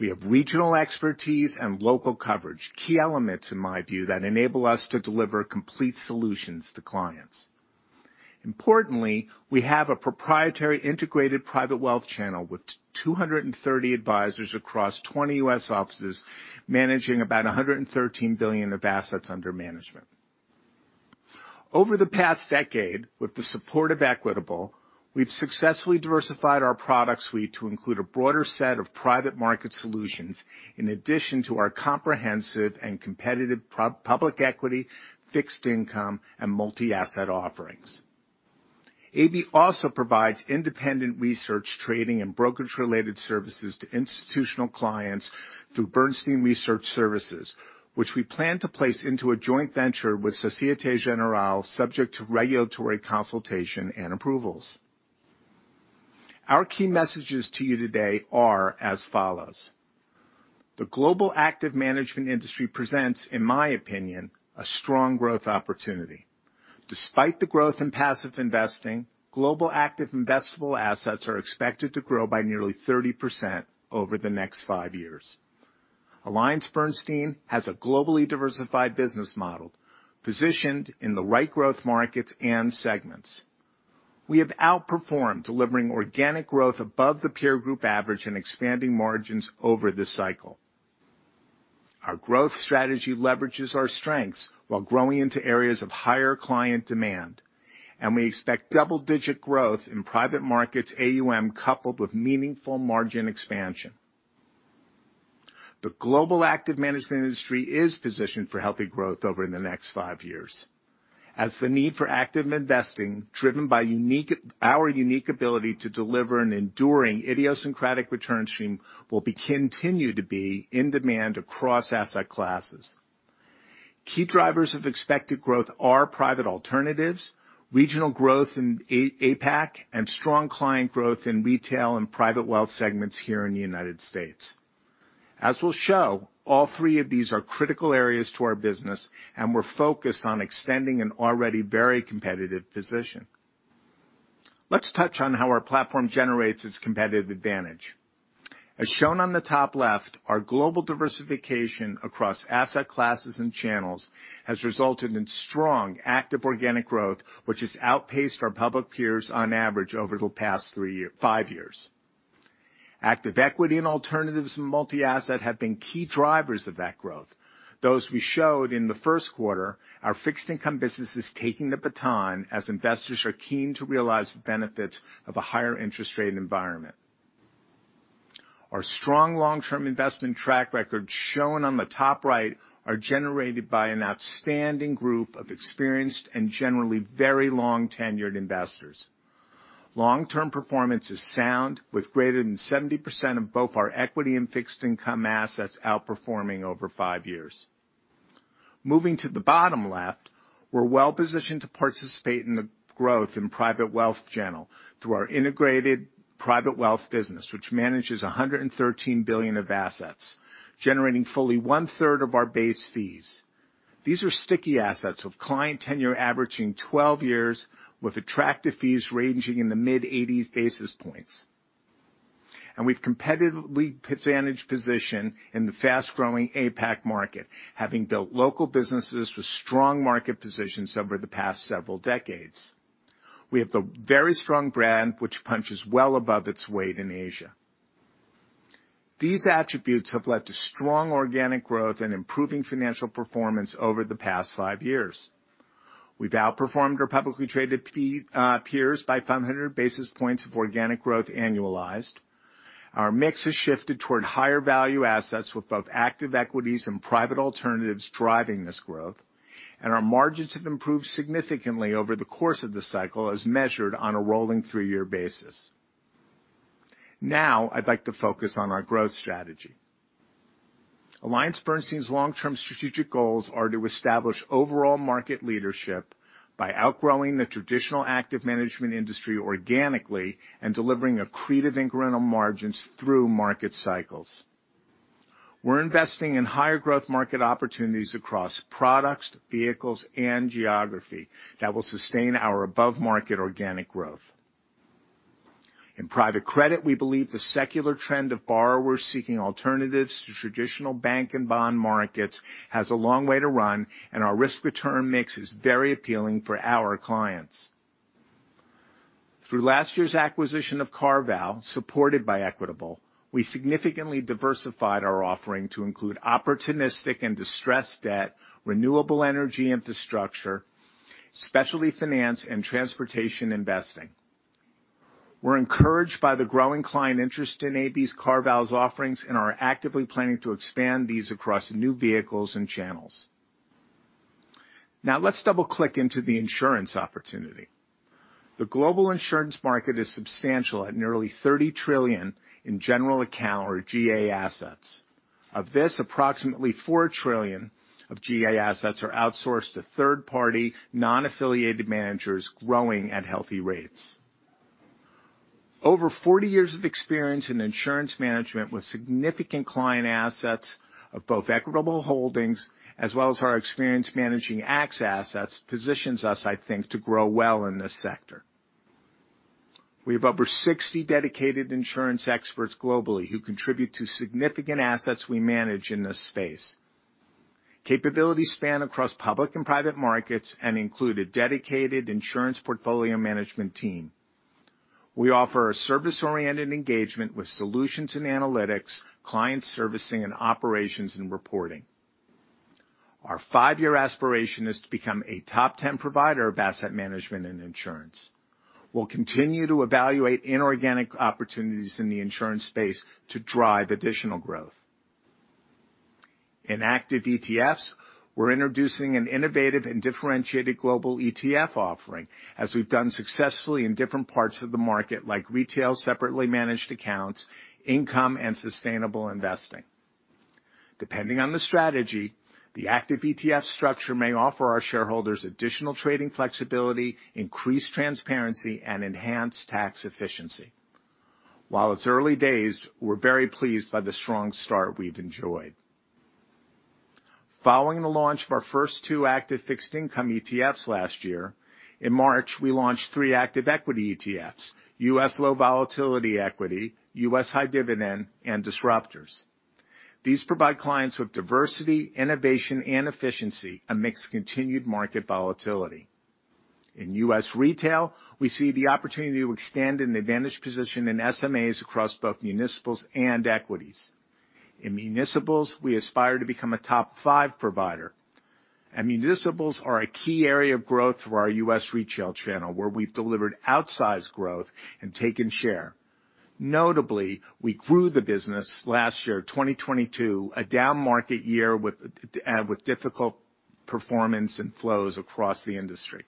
We have regional expertise and local coverage, key elements, in my view, that enable us to deliver complete solutions to clients. Importantly, we have a proprietary integrated private wealth channel with 230 advisors across 20 U.S. offices, managing about $113 billion of assets under management. Over the past decade, with the support of Equitable, we've successfully diversified our product suite to include a broader set of private market solutions in addition to our comprehensive and competitive public equity, fixed income, and multi-asset offerings. AB also provides independent research, trading, and brokerage-related services to institutional clients through Bernstein Research Services, which we plan to place into a joint venture with Société Générale, subject to regulatory consultation and approvals. Our key messages to you today are as follows. The global active management industry presents, in my opinion, a strong growth opportunity. Despite the growth in passive investing, global active investable assets are expected to grow by nearly 30% over the next five years. AllianceBernstein has a globally diversified business model positioned in the right growth markets and segments. We have outperformed, delivering organic growth above the peer group average and expanding margins over the cycle. Our growth strategy leverages our strengths while growing into areas of higher client demand. We expect double-digit growth in private markets AUM coupled with meaningful margin expansion. The global active management industry is positioned for healthy growth over the next five years as the need for active investing, driven by our unique ability to deliver an enduring idiosyncratic return stream will continue to be in demand across asset classes. Key drivers of expected growth are private alternatives, regional growth in APAC, and strong client growth in retail and private wealth segments here in the United States. As we'll show, all three of these are critical areas to our business. We're focused on extending an already very competitive position. Let's touch on how our platform generates its competitive advantage. As shown on the top left, our global diversification across asset classes and channels has resulted in strong active organic growth, which has outpaced our public peers on average over the past five years. Active equity and alternatives in multi-asset have been key drivers of that growth. Those we showed in the first quarter, our fixed income business is taking the baton as investors are keen to realize the benefits of a higher interest rate environment. Our strong long-term investment track record shown on the top right are generated by an outstanding group of experienced and generally very long-tenured investors. Long-term performance is sound with greater than 70% of both our equity and fixed income assets outperforming over five years. Moving to the bottom left, we're well-positioned to participate in the growth in private wealth channel through our integrated private wealth business, which manages $113 billion of assets, generating fully 1/3 of our base fees. These are sticky assets with client tenure averaging 12 years with attractive fees ranging in the mid-80 basis points. We've competitively advantaged position in the fast-growing APAC market, having built local businesses with strong market positions over the past several decades. We have the very strong brand which punches well above its weight in Asia. These attributes have led to strong organic growth and improving financial performance over the past five years. We've outperformed our publicly traded fee peers by 500 basis points of organic growth annualized. Our mix has shifted toward higher value assets with both active equities and private alternatives driving this growth, and our margins have improved significantly over the course of the cycle as measured on a rolling three-year basis. Now I'd like to focus on our growth strategy. AllianceBernstein's long-term strategic goals are to establish overall market leadership by outgrowing the traditional active management industry organically and delivering accretive incremental margins through market cycles. We're investing in higher growth market opportunities across products, vehicles, and geography that will sustain our above-market organic growth. In private credit, we believe the secular trend of borrowers seeking alternatives to traditional bank and bond markets has a long way to run, and our risk-return mix is very appealing for our clients. Through last year's acquisition of CarVal, supported by Equitable, we significantly diversified our offering to include opportunistic and distressed debt, renewable energy infrastructure, specialty finance, and transportation investing. We're encouraged by the growing client interest in AB's CarVal's offerings and are actively planning to expand these across new vehicles and channels. Let's double-click into the insurance opportunity. The global insurance market is substantial at nearly $30 trillion in general account or GA assets. Of this, approximately $4 trillion of GA assets are outsourced to third-party non-affiliated managers growing at healthy rates. Over 40 years of experience in insurance management with significant client assets of both Equitable Holdings as well as our experience managing AXA assets positions us, I think, to grow well in this sector. We have over 60 dedicated insurance experts globally who contribute to significant assets we manage in this space. Capabilities span across public and private markets and include a dedicated insurance portfolio management team. We offer a service-oriented engagement with solutions and analytics, client servicing and operations and reporting. Our five-year aspiration is to become a top 10 provider of asset management and insurance. We'll continue to evaluate inorganic opportunities in the insurance space to drive additional growth. In active ETFs, we're introducing an innovative and differentiated global ETF offering, as we've done successfully in different parts of the market, like retail, separately managed accounts, income and sustainable investing. Depending on the strategy, the active ETF structure may offer our shareholders additional trading flexibility, increased transparency, and enhanced tax efficiency. While it's early days, we're very pleased by the strong start we've enjoyed. Following the launch of our two active fixed income ETFs last year, in March, we launched three active equity ETFs, US Low Volatility Equity, U.S. High Dividend, and Disruptors. These provide clients with diversity, innovation and efficiency amidst continued market volatility. In U.S. Retail, we see the opportunity to extend an advantage position in SMAs across both municipals and equities. Municipals are a key area of growth for our U.S. Retail channel, where we've delivered outsized growth and taken share. Notably, we grew the business last year, 2022, a down market year with difficult performance and flows across the industry.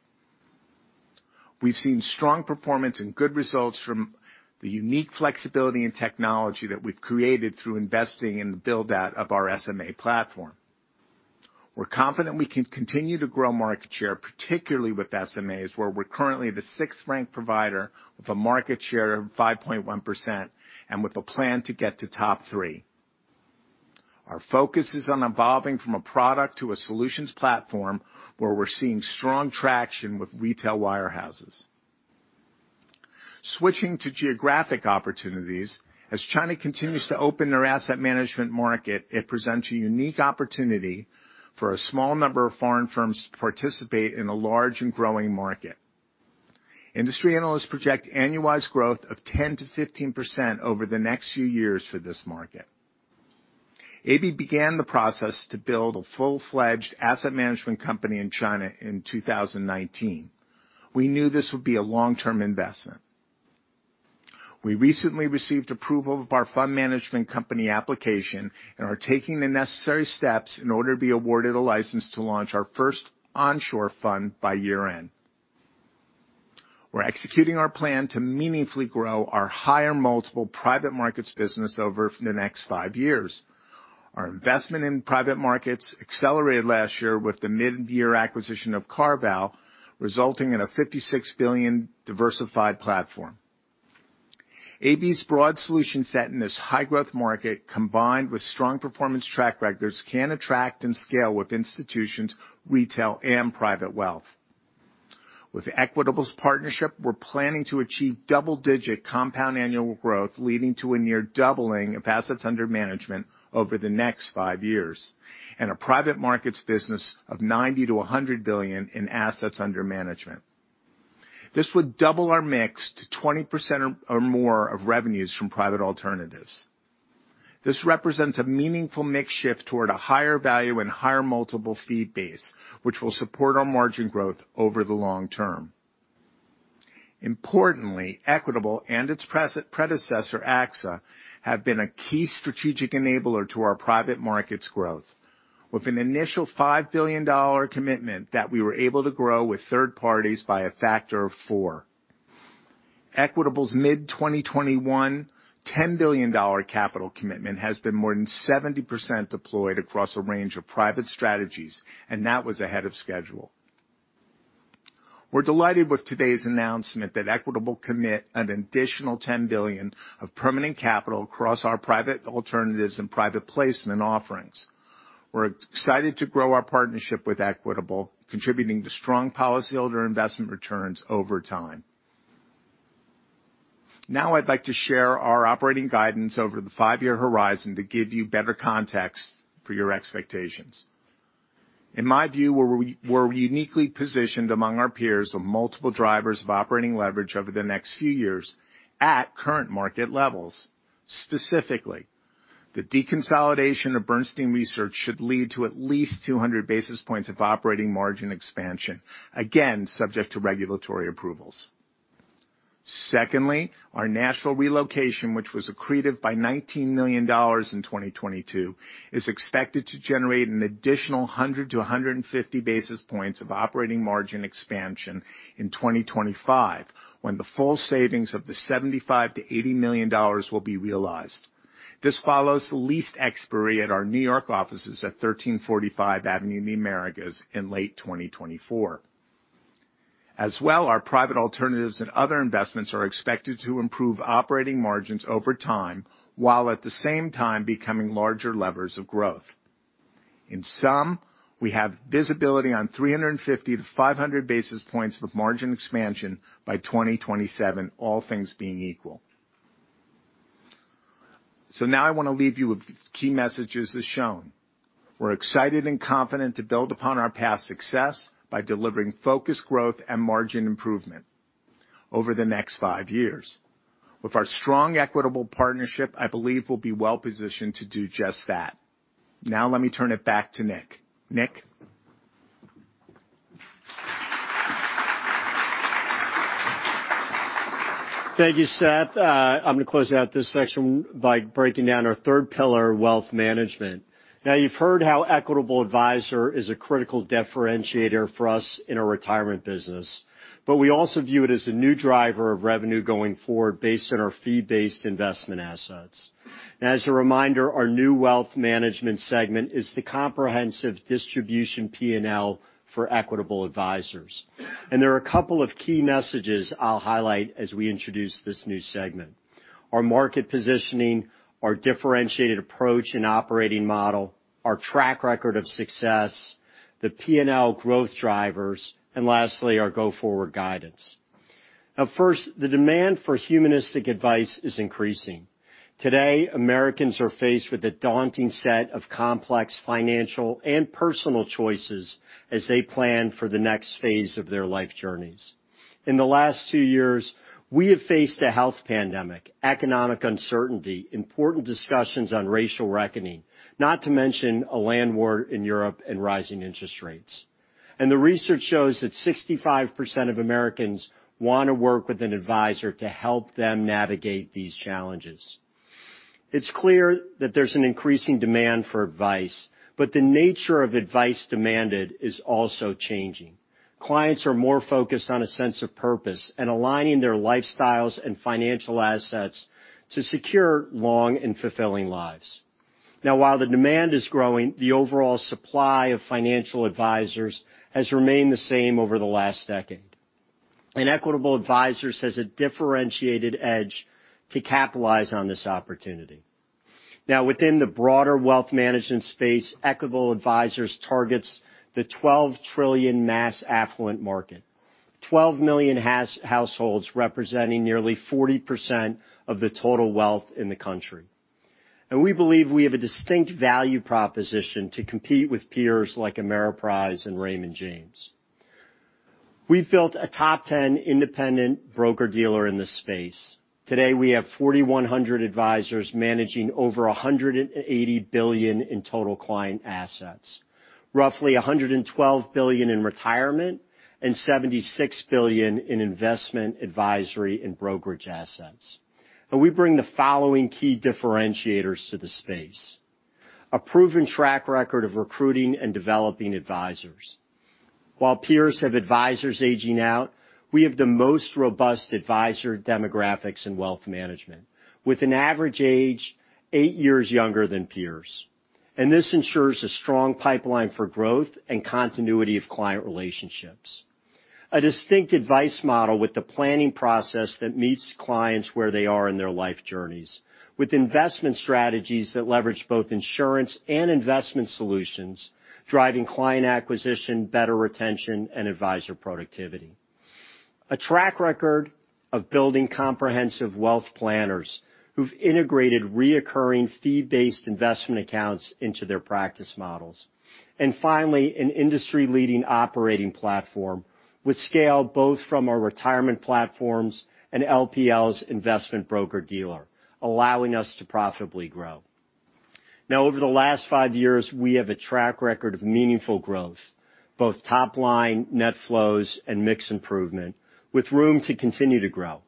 We've seen strong performance and good results from the unique flexibility and technology that we've created through investing in the build-out of our SMA platform. We're confident we can continue to grow market share, particularly with SMAs, where we're currently the sixth-ranked provider with a market share of 5.1% and with a plan to get to top three. Our focus is on evolving from a product to a solutions platform where we're seeing strong traction with retail wirehouses. Switching to geographic opportunities, as China continues to open their asset management market, it presents a unique opportunity for a small number of foreign firms to participate in a large and growing market. Industry analysts project annualized growth of 10%-15% over the next few years for this market. AB began the process to build a full-fledged asset management company in China in 2019. We knew this would be a long-term investment. We recently received approval of our fund management company application and are taking the necessary steps in order to be awarded a license to launch our first onshore fund by year-end. We're executing our plan to meaningfully grow our higher multiple private markets business over the next five years. Our investment in private markets accelerated last year with the mid-year acquisition of CarVal, resulting in a $56 billion diversified platform. AB's broad solution set in this high-growth market, combined with strong performance track records, can attract and scale with institutions, retail, and private wealth. With Equitable's partnership, we're planning to achieve double-digit compound annual growth, leading to a near doubling of assets under management over the next five years, and a private markets business of $90 billion-$100 billion in assets under management. This would double our mix to 20% or more of revenues from private alternatives. This represents a meaningful mix shift toward a higher value and higher multiple fee base, which will support our margin growth over the long term. Importantly, Equitable and its predecessor, AXA, have been a key strategic enabler to our private markets growth. With an initial $5 billion commitment that we were able to grow with third parties by a factor of four. Equitable's mid-2021 $10 billion capital commitment has been more than 70% deployed across a range of private strategies, and that was ahead of schedule. We're delighted with today's announcement that Equitable commit an additional $10 billion of permanent capital across our private alternatives and private placement offerings. We're excited to grow our partnership with Equitable, contributing to strong policyholder investment returns over time. I'd like to share our operating guidance over the five-year horizon to give you better context for your expectations. In my view, we're uniquely positioned among our peers of multiple drivers of operating leverage over the next few years at current market levels. Specifically, the deconsolidation of Bernstein Research should lead to at least 200 basis points of operating margin expansion, again, subject to regulatory approvals. Our national relocation, which was accretive by $19 million in 2022, is expected to generate an additional 100-150 basis points of operating margin expansion in 2025, when the full savings of $75 million-$80 million will be realized. This follows lease expiry at our New York offices at 1345 Avenue of the Americas in late 2024. Our private alternatives and other investments are expected to improve operating margins over time, while at the same time becoming larger levers of growth. In sum, we have visibility on 350 to 500 basis points of margin expansion by 2027, all things being equal. I wanna leave you with key messages as shown. We're excited and confident to build upon our past success by delivering focused growth and margin improvement over the next five years. With our strong Equitable partnership, I believe we'll be well-positioned to do just that. Let me turn it back to Nick. Nick? Thank you, Seth. I'm going to close out this section by breaking down our third pillar, wealth management. You've heard how Equitable Advisors is a critical differentiator for us in our retirement business, we also view it as a new driver of revenue going forward based on our fee-based investment assets. As a reminder, our new wealth management segment is the comprehensive distribution P&L for Equitable Advisors. There are a couple of key messages I'll highlight as we introduce this new segment. Our market positioning, our differentiated approach and operating model, our track record of success, the P&L growth drivers, and lastly, our go-forward guidance. First, the demand for humanistic advice is increasing. Today, Americans are faced with a daunting set of complex financial and personal choices as they plan for the next phase of their life journeys. In the last two years, we have faced a health pandemic, economic uncertainty, important discussions on racial reckoning, not to mention a land war in Europe and rising interest rates. The research shows that 65% of Americans wanna work with an advisor to help them navigate these challenges. It's clear that there's an increasing demand for advice, but the nature of advice demanded is also changing. Clients are more focused on a sense of purpose and aligning their lifestyles and financial assets to secure long and fulfilling lives. While the demand is growing, the overall supply of financial advisors has remained the same over the last decade. Equitable Advisors has a differentiated edge to capitalize on this opportunity. Within the broader wealth management space, Equitable Advisors targets the $12 trillion mass affluent market. 12 million households representing nearly 40% of the total wealth in the country. We believe we have a distinct value proposition to compete with peers like Ameriprise and Raymond James. We've built a top 10 independent broker-dealer in this space. Today, we have 4,100 advisors managing over $180 billion in total client assets, roughly $112 billion in retirement and $76 billion in investment advisory and brokerage assets. We bring the following key differentiators to the space. A proven track record of recruiting and developing advisors. While peers have advisors aging out, we have the most robust advisor demographics in wealth management, with an average age eight years younger than peers. This ensures a strong pipeline for growth and continuity of client relationships. A distinct advice model with the planning process that meets clients where they are in their life journeys, with investment strategies that leverage both insurance and investment solutions, driving client acquisition, better retention, and advisor productivity. A track record of building comprehensive wealth planners who've integrated reoccurring fee-based investment accounts into their practice models. Finally, an industry-leading operating platform, with scale both from our retirement platforms and LPL's investment broker-dealer, allowing us to profitably grow. Over the last five years, we have a track record of meaningful growth, both top line net flows and mix improvement, with room to continue to grow.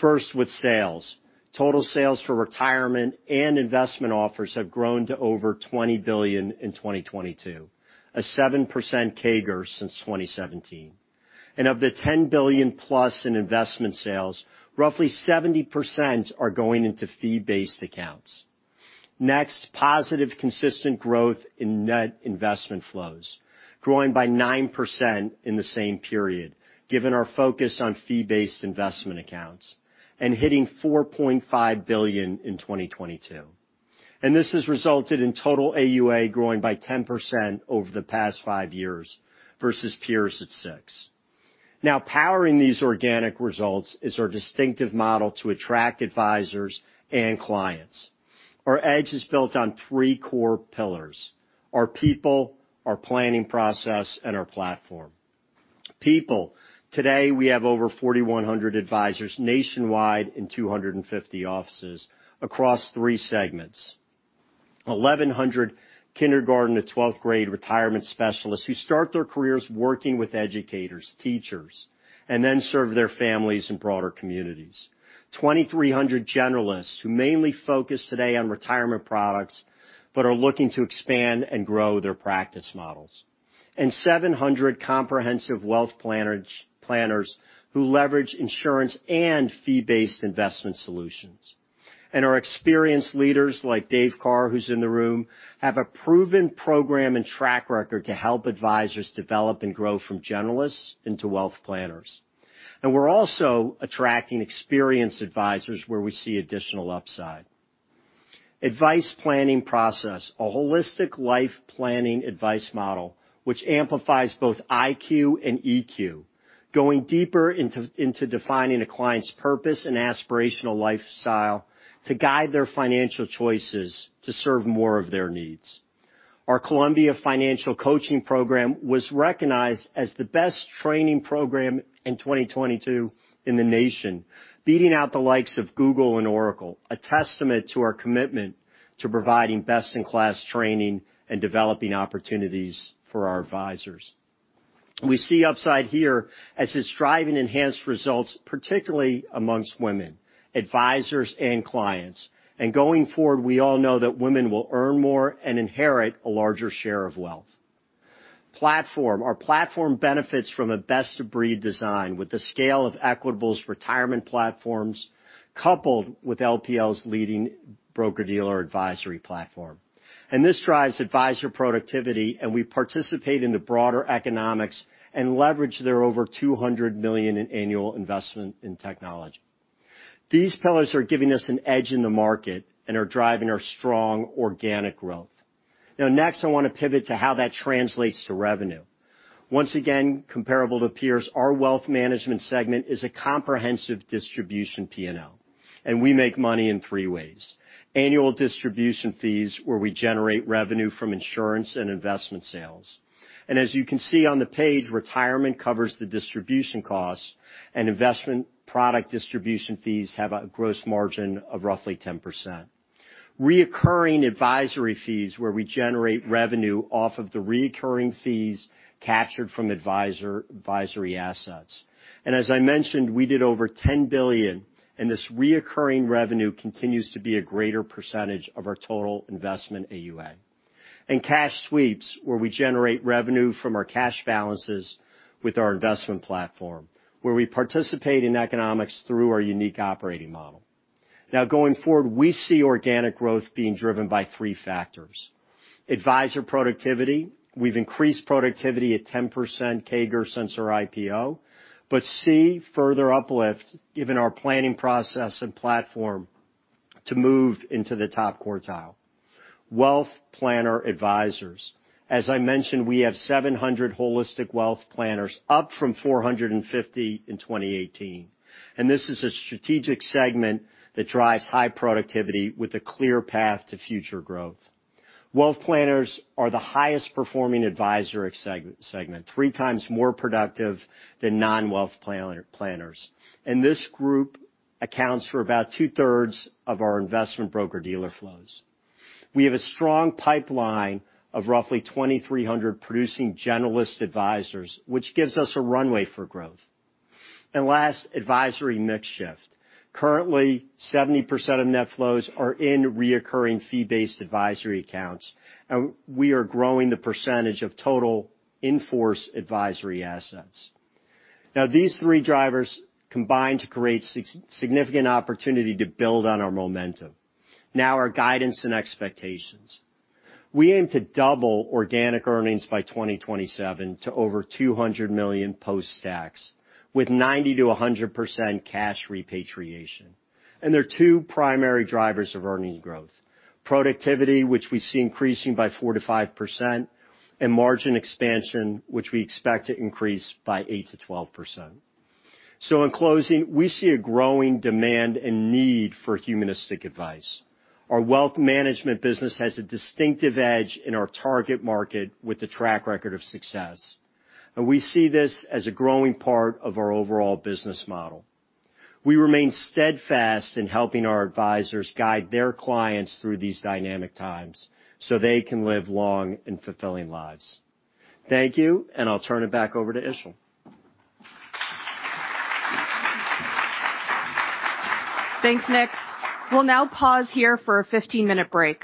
First, with sales. Total sales for retirement and investment offers have grown to over $20 billion in 2022, a 7% CAGR since 2017. Of the $10 billion+ in investment sales, roughly 70% are going into fee-based accounts. Next, positive consistent growth in net investment flows, growing by 9% in the same period, given our focus on fee-based investment accounts, and hitting $4.5 billion in 2022. This has resulted in total AUA growing by 10% over the past five years versus peers at 6%. Powering these organic results is our distinctive model to attract advisors and clients. Our edge is built on three core pillars, our people, our planning process, and our platform. People. Today, we have over 4,100 advisors nationwide in 250 offices across three segments. 1,100 kindergarten to 12th grade retirement specialists who start their careers working with educators, teachers, and then serve their families and broader communities. 2,300 generalists who mainly focus today on retirement products but are looking to expand and grow their practice models. 700 comprehensive wealth planners who leverage insurance and fee-based investment solutions. Our experienced leaders like Dave Karr, who's in the room, have a proven program and track record to help advisors develop and grow from generalists into wealth planners. We're also attracting experienced advisors where we see additional upside. Advice planning process, a holistic life planning advice model which amplifies both IQ and EQ, going deeper into defining a client's purpose and aspirational lifestyle to guide their financial choices to serve more of their needs. Our Columbia Financial Coaching program was recognized as the best training program in 2022 in the nation, beating out the likes of Google and Oracle, a testament to our commitment to providing best-in-class training and developing opportunities for our advisors. We see upside here as it's driving enhanced results, particularly amongst women, advisors and clients. Going forward, we all know that women will earn more and inherit a larger share of wealth. Platform. Our platform benefits from a best-of-breed design with the scale of Equitable's retirement platforms coupled with LPL's leading broker-dealer advisory platform. This drives advisor productivity, and we participate in the broader economics and leverage their over $200 million in annual investment in technology. These pillars are giving us an edge in the market and are driving our strong organic growth. Next, I want to pivot to how that translates to revenue. Once again, comparable to peers, our wealth management segment is a comprehensive distribution P&L. We make money in three ways. Annual distribution fees, where we generate revenue from insurance and investment sales. As you can see on the page, retirement covers the distribution costs, and investment product distribution fees have a gross margin of roughly 10%. Reoccurring advisory fees, where we generate revenue off of the reoccurring fees captured from advisory assets. As I mentioned, we did over $10 billion, and this reoccurring revenue continues to be a greater percentage of our total investment AUA. Cash sweeps, where we generate revenue from our cash balances with our investment platform, where we participate in economics through our unique operating model. Now going forward, we see organic growth being driven by three factors. Advisor productivity. We've increased productivity at 10% CAGR since our IPO, but see further uplift given our planning process and platform to move into the top quartile. Wealth planner advisors. As I mentioned, we have 700 holistic wealth planners, up from 450 in 2018. This is a strategic segment that drives high productivity with a clear path to future growth. Wealth planners are the highest performing advisory segment, 3x more productive than non-wealth planners. This group accounts for about 2/3 of our investment broker-dealer flows. We have a strong pipeline of roughly 2,300 producing generalist advisors, which gives us a runway for growth. Last, advisory mix shift. Currently, 70% of net flows are in reoccurring fee-based advisory accounts, and we are growing the percentage of total in-force advisory assets. These three drivers combine to create significant opportunity to build on our momentum. Our guidance and expectations. We aim to double organic earnings by 2027 to over $200 million post-tax, with 90%-100% cash repatriation. There are two primary drivers of earnings growth. Productivity, which we see increasing by 4%-5%, and margin expansion, which we expect to increase by 8%-12%. In closing, we see a growing demand and need for humanistic advice. Our wealth management business has a distinctive edge in our target market with a track record of success. We see this as a growing part of our overall business model. We remain steadfast in helping our advisors guide their clients through these dynamic times so they can live long and fulfilling lives. Thank you, and I'll turn it back over to Işıl. Thanks, Nick. We'll now pause here for a 15-minute break.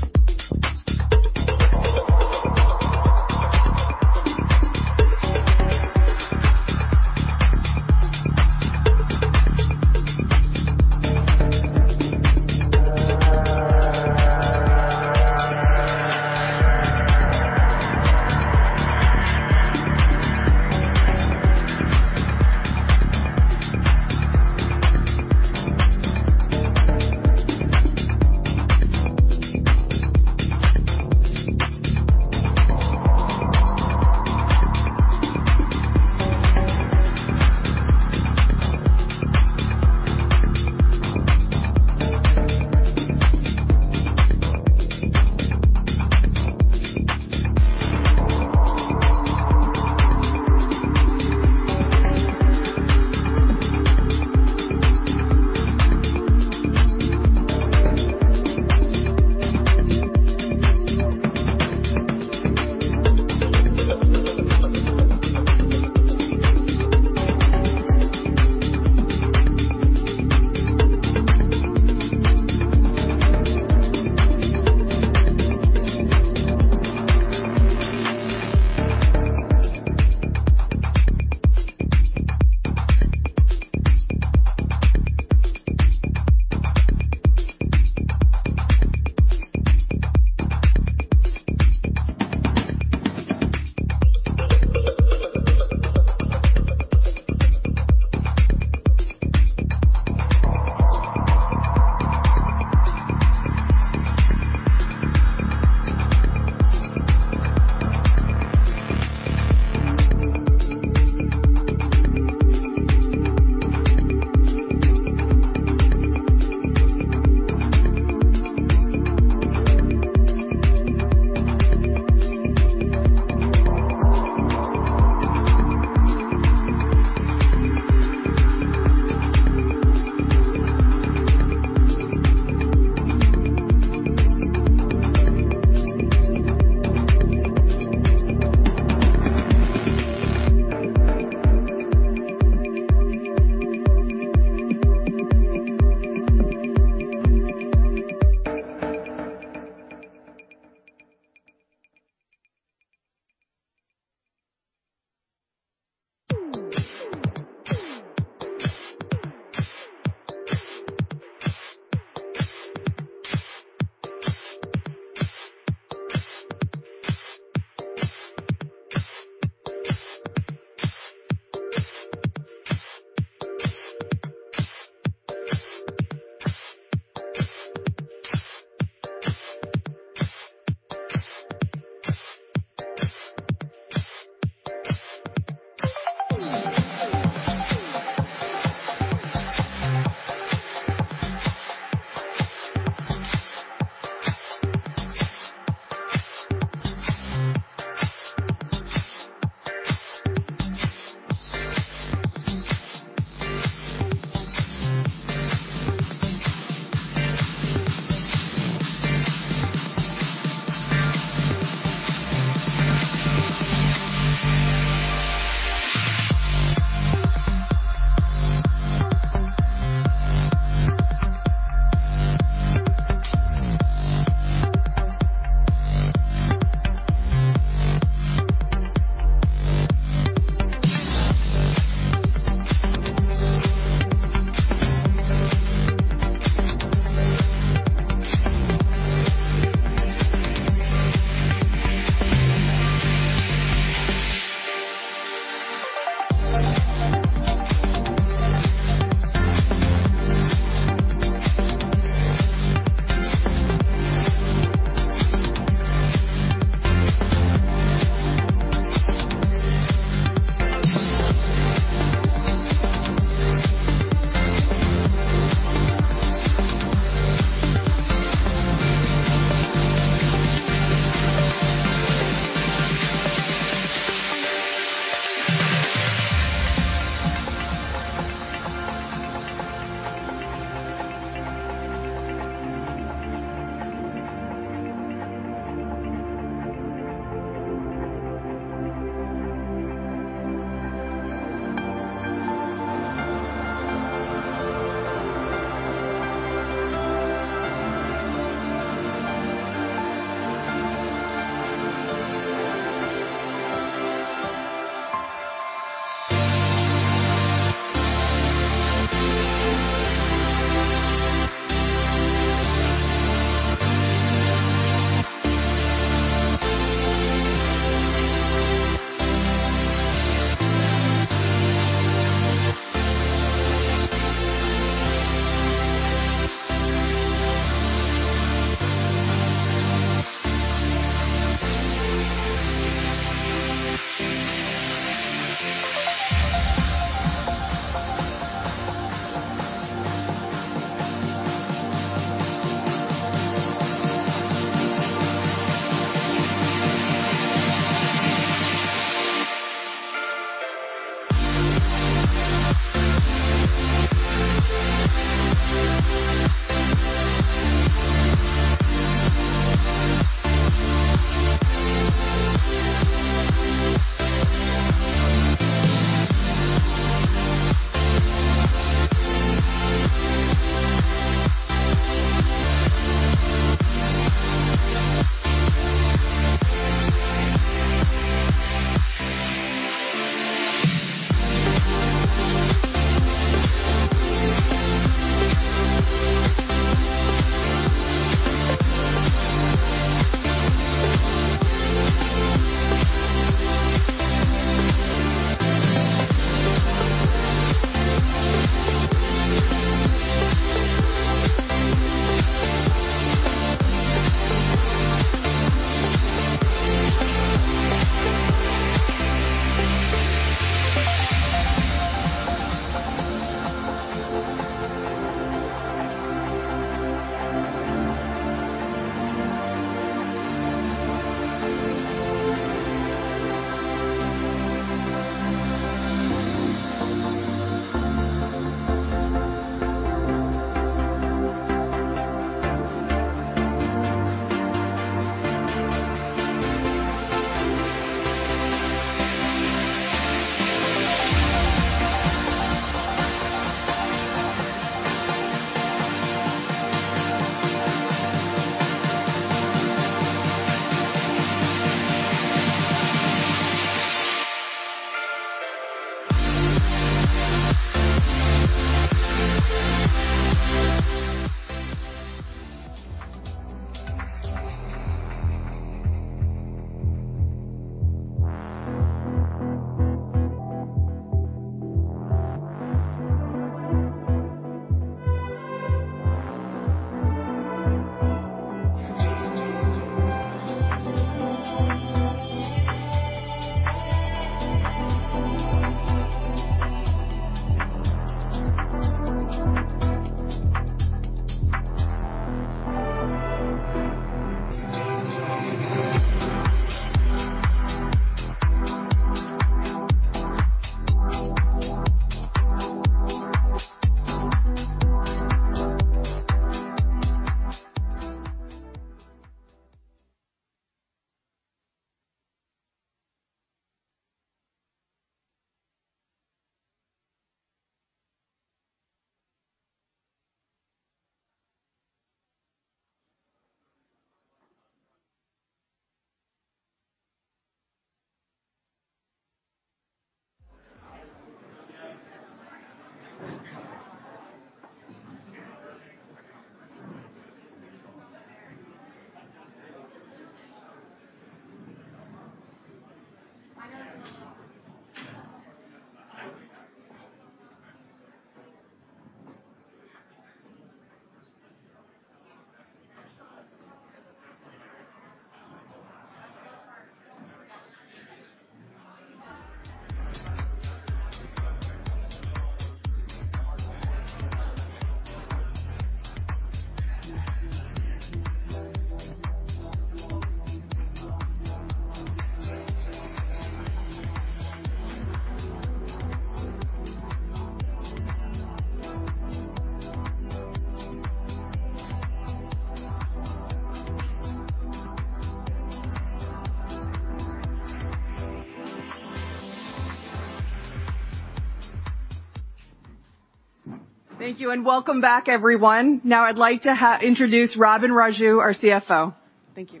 Thank you, and welcome back, everyone. Now I'd like to introduce Robin Raju, our CFO. Thank you.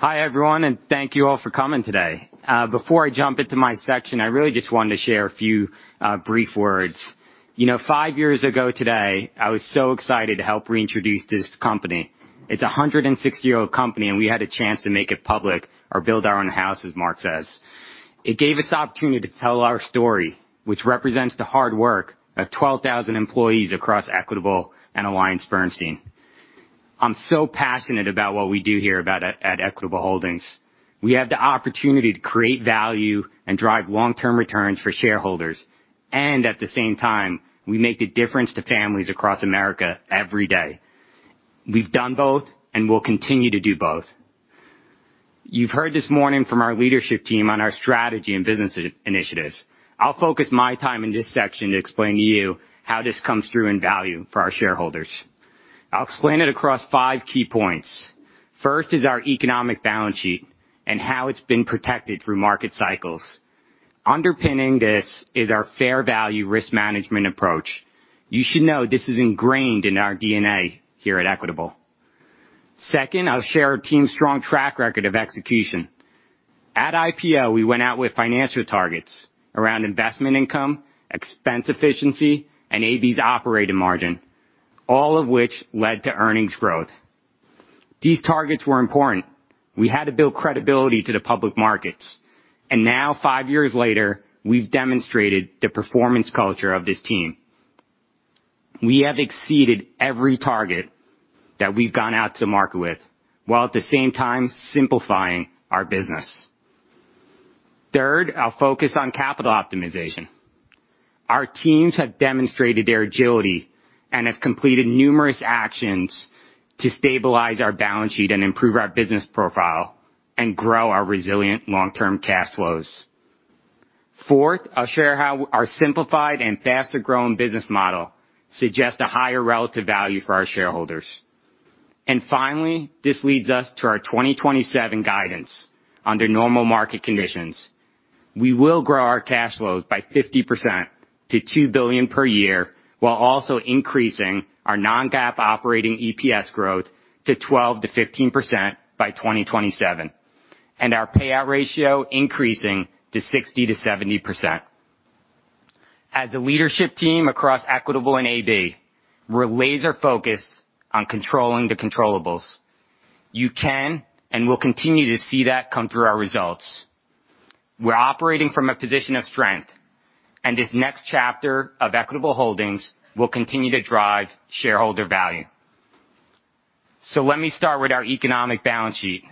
Hi, everyone. Thank you all for coming today. Before I jump into my section, I really just wanted to share a few brief words. You know, five years ago today, I was so excited to help reintroduce this company. It's a 160-year-old company, and we had a chance to make it public or build our own house, as Mark says. It gave us the opportunity to tell our story, which represents the hard work of 12,000 employees across Equitable and AllianceBernstein. I'm so passionate about what we do here at Equitable Holdings. We have the opportunity to create value and drive long-term returns for shareholders, and at the same time, we make the difference to families across America every day. We've done both and will continue to do both. You've heard this morning from our leadership team on our strategy and business initiatives. I'll focus my time in this section to explain to you how this comes through in value for our shareholders. I'll explain it across five key points. First is our economic balance sheet and how it's been protected through market cycles. Underpinning this is our fair value risk management approach. You should know this is ingrained in our DNA here at Equitable. Second, I'll share our team's strong track record of execution. At IPO, we went out with financial targets around investment income, expense efficiency, and AB's operating margin, all of which led to earnings growth. These targets were important. We had to build credibility to the public markets. Now, five years later, we've demonstrated the performance culture of this team. We have exceeded every target that we've gone out to market with, while at the same time simplifying our business. Third, I'll focus on capital optimization. Our teams have demonstrated their agility and have completed numerous actions to stabilize our balance sheet and improve our business profile and grow our resilient long-term cash flows. Fourth, I'll share how our simplified and faster-growing business model suggests a higher relative value for our shareholders. Finally, this leads us to our 2027 guidance under normal market conditions. We will grow our cash flows by 50% to $2 billion per year, while also increasing our non-GAAP operating EPS growth to 12%-15% by 2027, and our payout ratio increasing to 60%-70%. As a leadership team across Equitable and AB, we're laser-focused on controlling the controllables. You can and will continue to see that come through our results. We're operating from a position of strength, and this next chapter of Equitable Holdings will continue to drive shareholder value. Let me start with our economic balance sheet.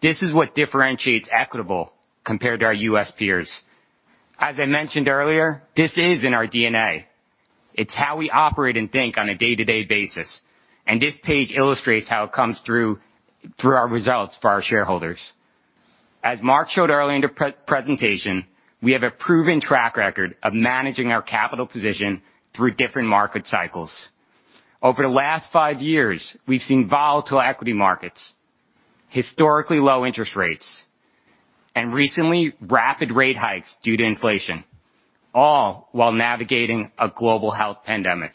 This is what differentiates Equitable compared to our U.S. peers. As I mentioned earlier, this is in our DNA. It's how we operate and think on a day-to-day basis. This page illustrates how it comes through our results for our shareholders. As Mark showed earlier in the pre-presentation, we have a proven track record of managing our capital position through different market cycles. Over the last five years, we've seen volatile equity markets, historically low interest rates, and recently, rapid rate hikes due to inflation, all while navigating a global health pandemic.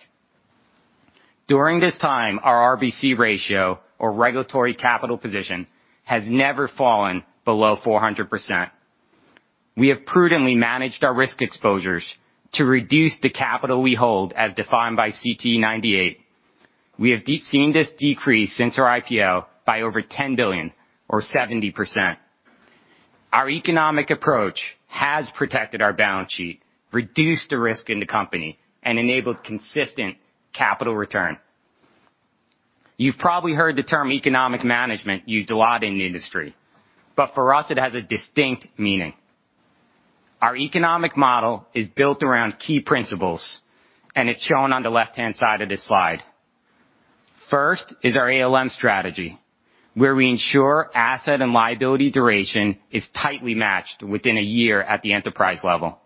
During this time, our RBC ratio or regulatory capital position has never fallen below 400%. We have seen this decrease since our IPO by over $10 billion or 70%. Our economic approach has protected our balance sheet, reduced the risk in the company, and enabled consistent capital return. You've probably heard the term economic management used a lot in the industry, but for us it has a distinct meaning. Our economic model is built around key principles, and it's shown on the left-hand side of this slide. First is our ALM strategy, where we ensure asset and liability duration is tightly matched within one year at the enterprise level.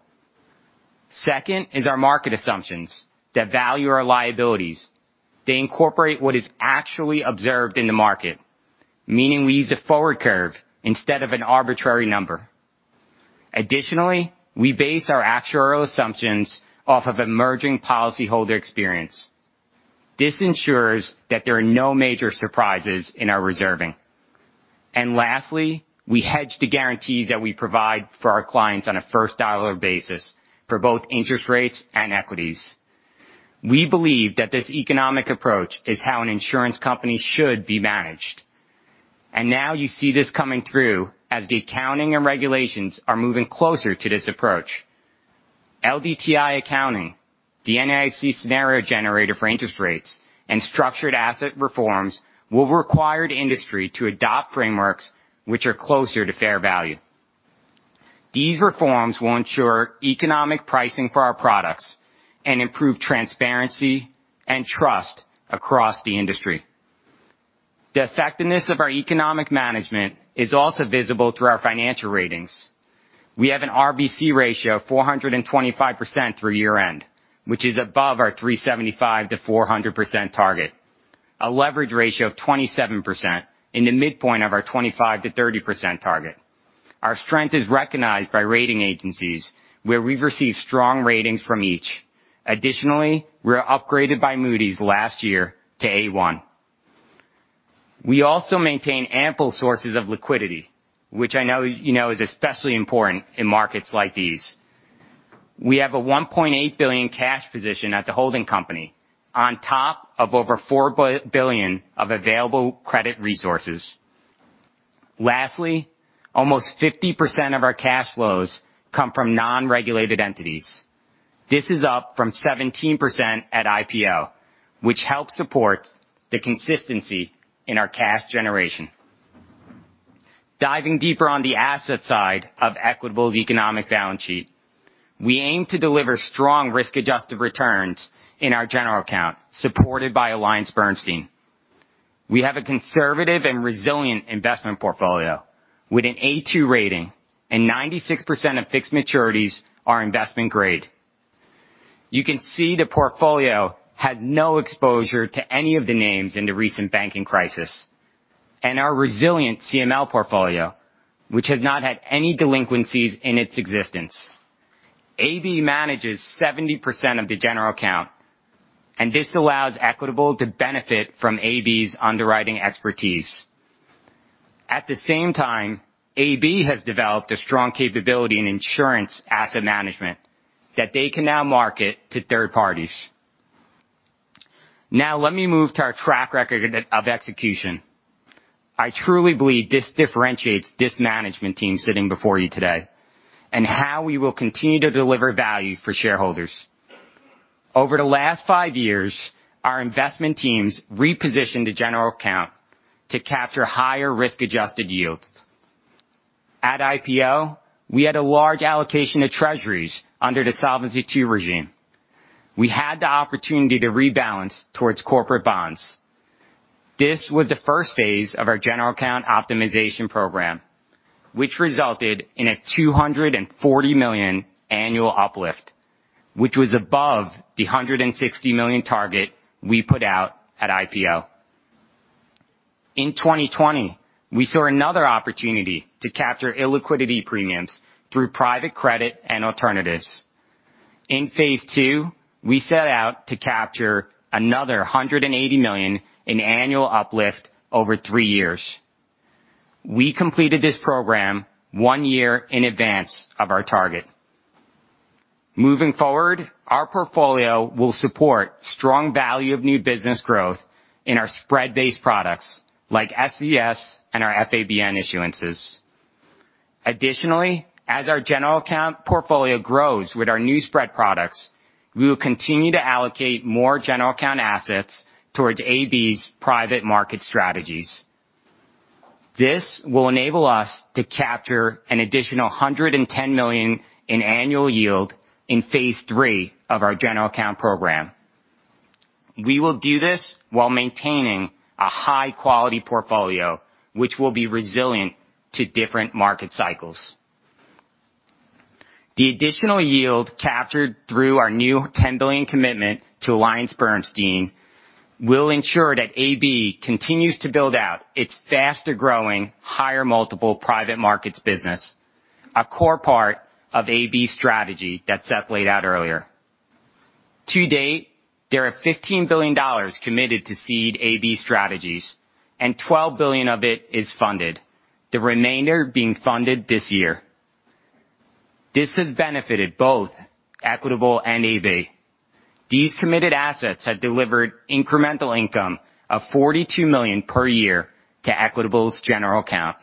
Second is our market assumptions that value our liabilities. They incorporate what is actually observed in the market, meaning we use a forward curve instead of an arbitrary number. Additionally, we base our actuarial assumptions off of emerging policyholder experience. This ensures that there are no major surprises in our reserving. Lastly, we hedge the guarantees that we provide for our clients on a first dollar basis for both interest rates and equities. We believe that this economic approach is how an insurance company should be managed. Now you see this coming through as the accounting and regulations are moving closer to this approach. LDTI accounting, the NAIC scenario generator for interest rates, and structured asset reforms will require the industry to adopt frameworks which are closer to fair value. These reforms will ensure economic pricing for our products and improve transparency and trust across the industry. The effectiveness of our economic management is also visible through our financial ratings. We have an RBC ratio of 425% through year-end, which is above our 375%-400% target. A leverage ratio of 27% in the midpoint of our 25%-30% target. Our strength is recognized by rating agencies, where we've received strong ratings from each. Additionally, we were upgraded by Moody's last year to A1. We also maintain ample sources of liquidity, which I know you know is especially important in markets like these. We have a $1.8 billion cash position at the holding company on top of over $4 billion of available credit resources. Lastly, almost 50% of our cash flows come from non-regulated entities. This is up from 17% at IPO, which helps support the consistency in our cash generation. Diving deeper on the asset side of Equitable's economic balance sheet, we aim to deliver strong risk-adjusted returns in our general account, supported by AllianceBernstein. We have a conservative and resilient investment portfolio with an A2 rating and 96% of fixed maturities are investment grade. You can see the portfolio has no exposure to any of the names in the recent banking crisis. Our resilient CML portfolio, which has not had any delinquencies in its existence. AB manages 70% of the general account. This allows Equitable to benefit from AB's underwriting expertise. At the same time, AB has developed a strong capability in insurance asset management that they can now market to third parties. Let me move to our track record of execution. I truly believe this differentiates this management team sitting before you today and how we will continue to deliver value for shareholders. Over the last five years, our investment teams repositioned the general account to capture higher risk-adjusted yields. At IPO, we had a large allocation to treasuries under the Solvency II regime. We had the opportunity to rebalance towards corporate bonds. This was the first phase of our general account optimization program, which resulted in a $240 million annual uplift, which was above the $160 million target we put out at IPO. In 2020, we saw another opportunity to capture illiquidity premiums through private credit and alternatives. In phase two, we set out to capture another $180 million in annual uplift over three years. We completed this program one year in advance of our target. Moving forward, our portfolio will support strong value of new business growth in our spread-based products like SCS and our FABN issuances. Additionally, as our general account portfolio grows with our new spread products, we will continue to allocate more general account assets towards AB's private market strategies. This will enable us to capture an additional $110 million in annual yield in phase three of our general account program. We will do this while maintaining a high-quality portfolio, which will be resilient to different market cycles. The additional yield captured through our new $10 billion commitment to AllianceBernstein will ensure that AB continues to build out its faster-growing, higher multiple private markets business, a core part of AB strategy that Seth laid out earlier. To date, there are $15 billion committed to seed AB strategies, and $12 billion of it is funded, the remainder being funded this year. This has benefited both Equitable and AB. These committed assets have delivered incremental income of $42 million per year to Equitable's general account.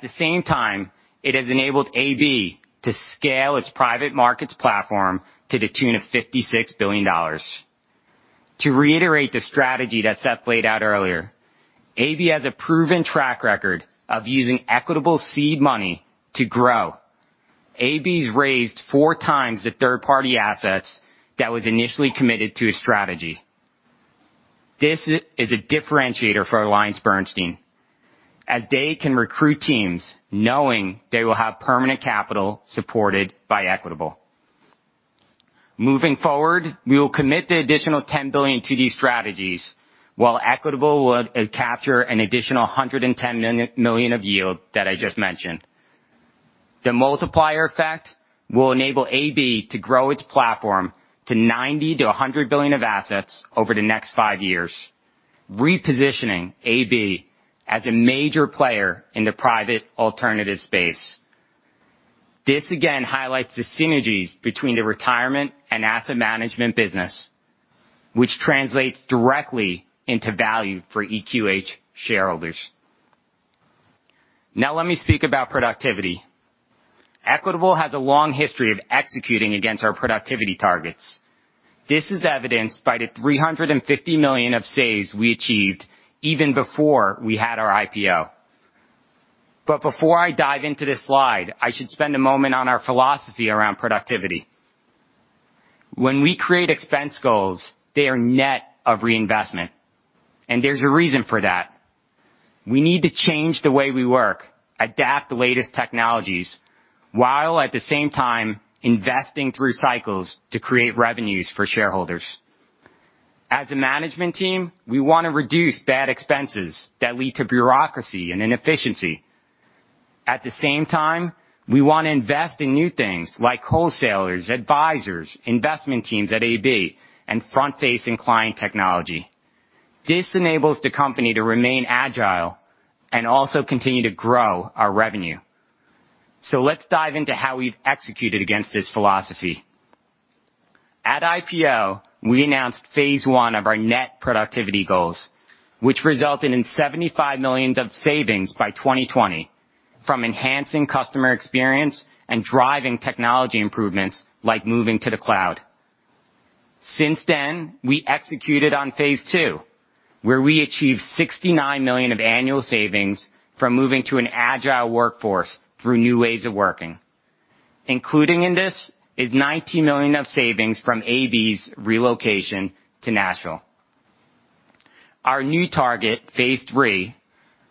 The same time, it has enabled AB to scale its private markets platform to the tune of $56 billion. To reiterate the strategy that Seth laid out earlier, AB has a proven track record of using Equitable seed money to grow. AB's raised 4x the third-party assets that was initially committed to a strategy. This is a differentiator for AllianceBernstein, as they can recruit teams knowing they will have permanent capital supported by Equitable. Moving forward, we will commit the additional $10 billion to these strategies, while Equitable will capture an additional $110 million of yield that I just mentioned. The multiplier effect will enable AB to grow its platform to $90 billion-$100 billion of assets over the next five years, repositioning AB as a major player in the private alternative space. This again highlights the synergies between the retirement and asset management business, which translates directly into value for EQH shareholders. Let me speak about productivity. Equitable has a long history of executing against our productivity targets. This is evidenced by the $350 million of saves we achieved even before we had our IPO. Before I dive into this slide, I should spend a moment on our philosophy around productivity. When we create expense goals, they are net of reinvestment, and there's a reason for that. We need to change the way we work, adapt the latest technologies, while at the same time investing through cycles to create revenues for shareholders. As a management team, we want to reduce bad expenses that lead to bureaucracy and inefficiency. At the same time, we want to invest in new things like wholesalers, advisors, investment teams at AB, and front-facing client technology. This enables the company to remain agile and also continue to grow our revenue. Let's dive into how we've executed against this philosophy. At IPO, we announced phase one of our net productivity goals, which resulted in $75 million of savings by 2020 from enhancing customer experience and driving technology improvements like moving to the cloud. Since then, we executed on phase two, where we achieved $69 million of annual savings from moving to an agile workforce through New Ways of Working. Including in this is $19 million of savings from AB's relocation to Nashville. Our new target, phase three,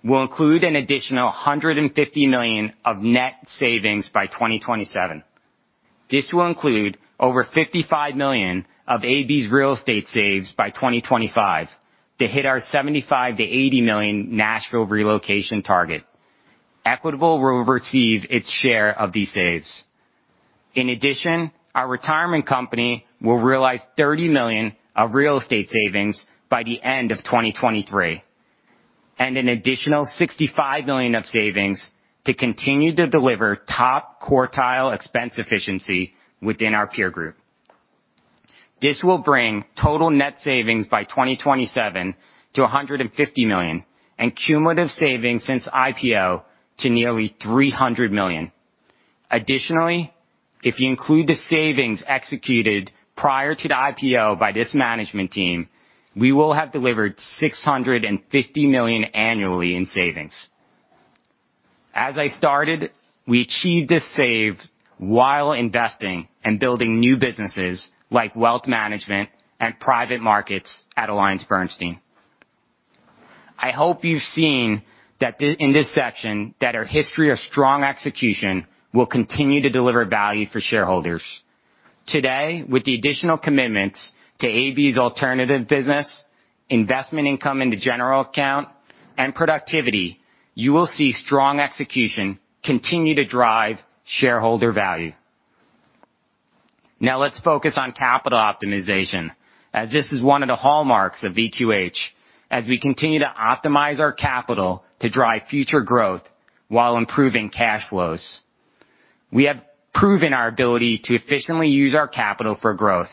will include an additional $150 million of net savings by 2027. This will include over $55 million of AB's real estate saves by 2025 to hit our $75 million-$80 million Nashville relocation target. Equitable will receive its share of these saves. In addition, our retirement company will realize $30 million of real estate savings by the end of 2023, and an additional $65 million of savings to continue to deliver top quartile expense efficiency within our peer group. This will bring total net savings by 2027 to $150 million and cumulative savings since IPO to nearly $300 million. Additionally, if you include the savings executed prior to the IPO by this management team, we will have delivered $650 million annually in savings. As I started, we achieved this save while investing and building new businesses like wealth management and private markets at AllianceBernstein. I hope you've seen that in this section that our history of strong execution will continue to deliver value for shareholders. Today, with the additional commitments to AB's alternative business, investment income into general account, and productivity, you will see strong execution continue to drive shareholder value. Let's focus on capital optimization, as this is one of the hallmarks of EQH as we continue to optimize our capital to drive future growth while improving cash flows. We have proven our ability to efficiently use our capital for growth.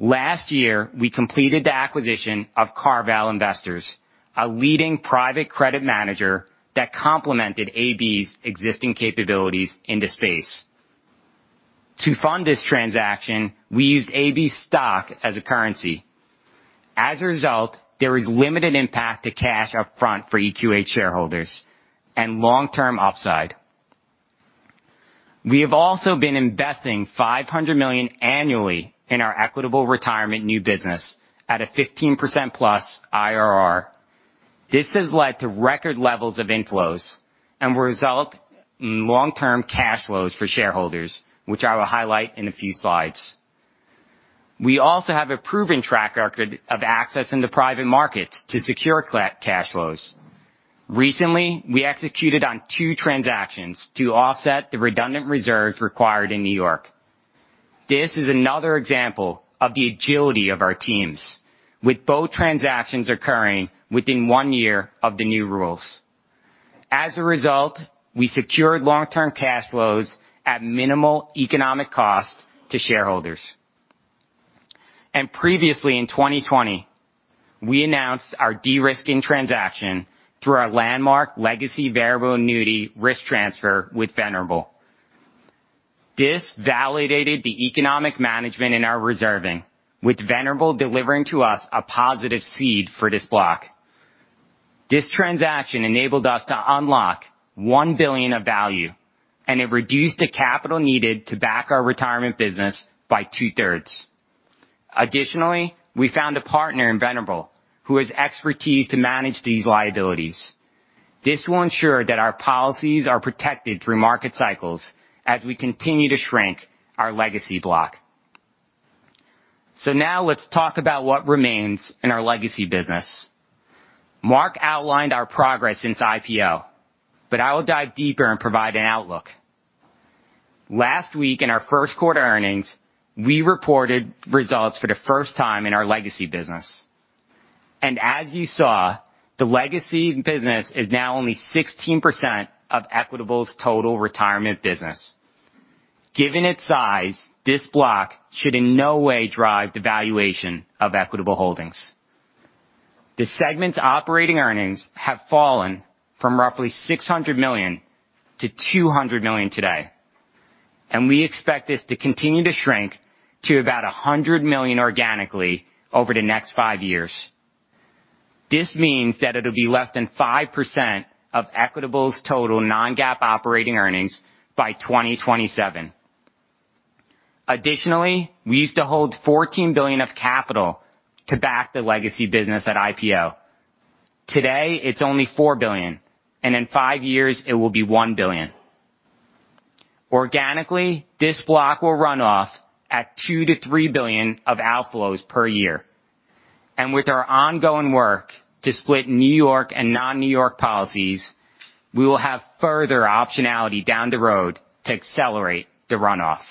Last year, we completed the acquisition of CarVal Investors, a leading private credit manager that complemented AB's existing capabilities into space. To fund this transaction, we used AB stock as a currency. As a result, there is limited impact to cash up front for EQH shareholders and long-term upside. We have also been investing $500 million annually in our Equitable Retirement new business at a 15%+ IRR. This has led to record levels of inflows and will result in long-term cash flows for shareholders, which I will highlight in a few slides. We also have a proven track record of access into private markets to secure cash flows. Recently, we executed on two transactions to offset the redundant reserves required in New York. This is another example of the agility of our teams, with both transactions occurring within one year of the new rules. As a result, we secured long-term cash flows at minimal economic cost to shareholders. Previously, in 2020, we announced our de-risking transaction through our landmark legacy variable annuity risk transfer with Venerable. This validated the economic management in our reserving, with Venerable delivering to us a positive seed for this block. This transaction enabled us to unlock $1 billion of value, and it reduced the capital needed to back our retirement business by 2/3. Additionally, we found a partner in Venerable who has expertise to manage these liabilities. This will ensure that our policies are protected through market cycles as we continue to shrink our legacy block. Now let's talk about what remains in our legacy business. Mark outlined our progress since IPO, but I will dive deeper and provide an outlook. Last week, in our first quarter earnings, we reported results for the first time in our legacy business. As you saw, the legacy business is now only 16% of Equitable's total retirement business. Given its size, this block should in no way drive the valuation of Equitable Holdings. The segment's operating earnings have fallen from roughly $600 million to $200 million today. We expect this to continue to shrink to about $100 million organically over the next five years. This means that it'll be less than 5% of Equitable's total non-GAAP operating earnings by 2027. Additionally, we used to hold $14 billion of capital to back the legacy business at IPO. Today it's only $4 billion, and in five years it will be $1 billion. Organically, this block will run off at $2 billion-$3 billion of outflows per year. With our ongoing work to split New York and non-New York policies, we will have further optionality down the road to accelerate the runoff.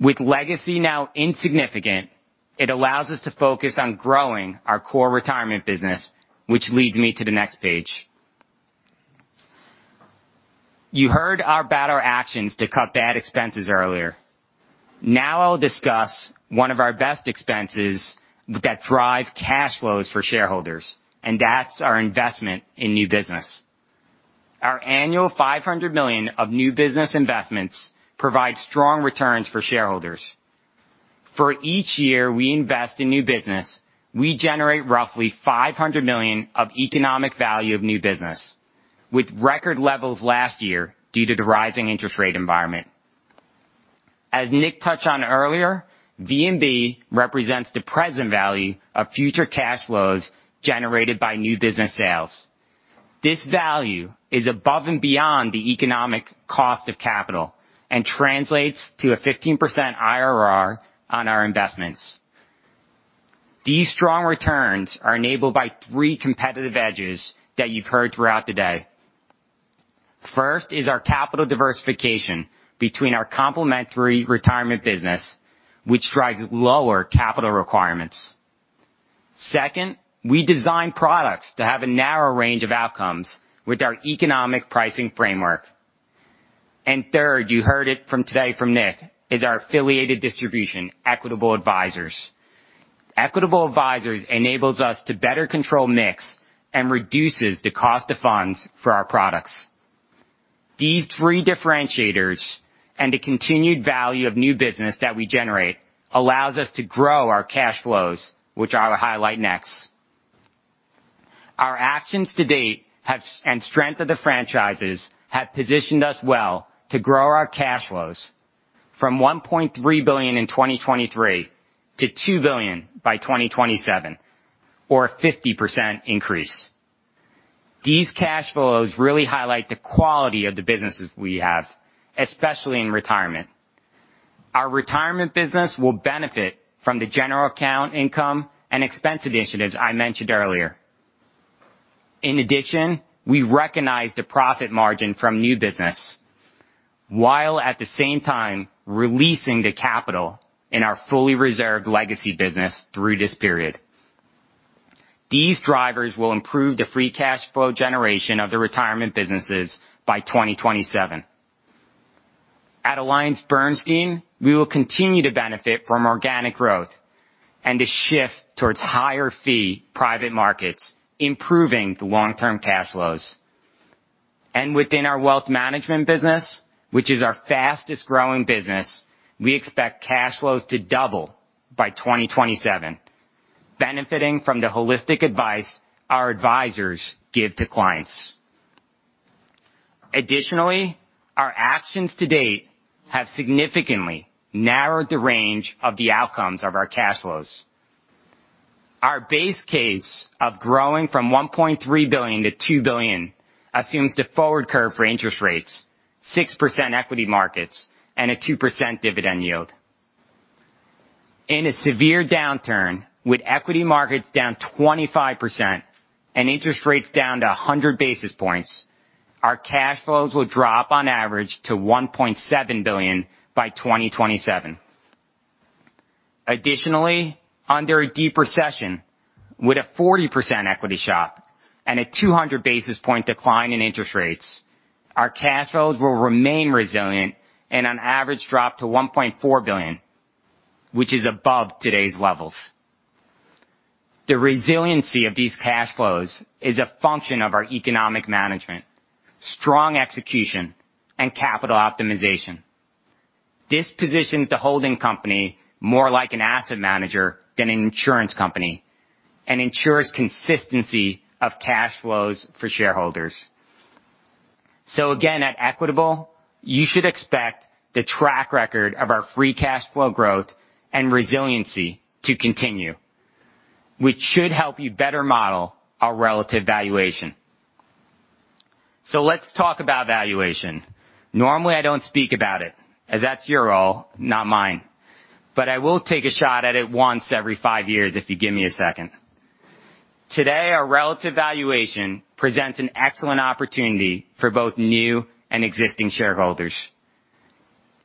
With legacy now insignificant, it allows us to focus on growing our core retirement business, which leads me to the next page. You heard about our actions to cut bad expenses earlier. I'll discuss one of our best expenses that drive cash flows for shareholders, that's our investment in new business. Our annual $500 million of new business investments provide strong returns for shareholders. For each year we invest in new business, we generate roughly $500 million of economic value of new business, with record levels last year due to the rising interest rate environment. As Nick touched on earlier, VNB represents the present value of future cash flows generated by new business sales. This value is above and beyond the economic cost of capital and translates to a 15% IRR on our investments. These strong returns are enabled by three competitive edges that you've heard throughout the day. First is our capital diversification between our complementary retirement business, which drives lower capital requirements. Second, we design products to have a narrow range of outcomes with our economic pricing framework. Third, you heard it from today from Nick, is our affiliated distribution, Equitable Advisors. Equitable Advisors enables us to better control mix and reduces the cost of funds for our products. These three differentiators and the continued value of new business that we generate allows us to grow our cash flows, which I will highlight next. Our actions to date have and strength of the franchises have positioned us well to grow our cash flows from $1.3 billion in 2023 to $2 billion by 2027, or a 50% increase. These cash flows really highlight the quality of the businesses we have, especially in retirement. Our retirement business will benefit from the general account income and expense initiatives I mentioned earlier. We recognize the profit margin from new business, while at the same time releasing the capital in our fully reserved legacy business through this period. These drivers will improve the free cash flow generation of the retirement businesses by 2027. At AllianceBernstein, we will continue to benefit from organic growth. The shift towards higher fee private markets, improving the long-term cash flows. Within our wealth management business, which is our fastest growing business, we expect cash flows to double by 2027, benefiting from the holistic advice our advisors give to clients. Additionally, our actions to date have significantly narrowed the range of the outcomes of our cash flows. Our base case of growing from $1.3 billion to $2 billion assumes the forward curve for interest rates, 6% equity markets, and a 2% dividend yield. In a severe downturn, with equity markets down 25% and interest rates down to 100 basis points, our cash flows will drop on average to $1.7 billion by 2027. Additionally, under a deep recession, with a 40% equity shop and a 200 basis point decline in interest rates, our cash flows will remain resilient and on average, drop to $1.4 billion, which is above today's levels. The resiliency of these cash flows is a function of our economic management, strong execution, and capital optimization. This positions the holding company more like an asset manager than an insurance company and ensures consistency of cash flows for shareholders. Again, at Equitable, you should expect the track record of our free cash flow growth and resiliency to continue, which should help you better model our relative valuation. Let's talk about valuation. Normally, I don't speak about it, as that's your role, not mine. I will take a shot at it once every five years if you give me a second. Today, our relative valuation presents an excellent opportunity for both new and existing shareholders.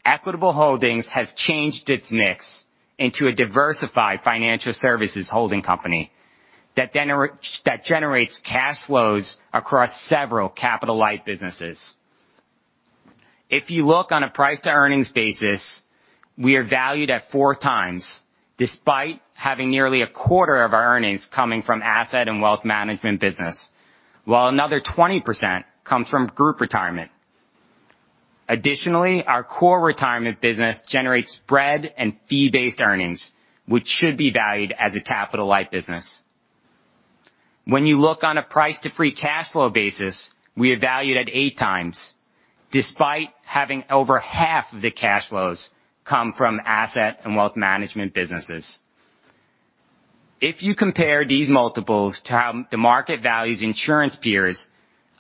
Equitable Holdings has changed its mix into a diversified financial services holding company that generates cash flows across several capital-light businesses. If you look on a price-to-earnings basis, we are valued at 4x despite having nearly a quarter of our earnings coming from asset and wealth management business, while another 20% comes from group retirement. Additionally, our core retirement business generates spread and fee-based earnings, which should be valued as a capital-light business. When you look on a price-to-free cash flow basis, we are valued at 8x despite having over half of the cash flows come from asset and wealth management businesses. If you compare these multiples to how the market values insurance peers,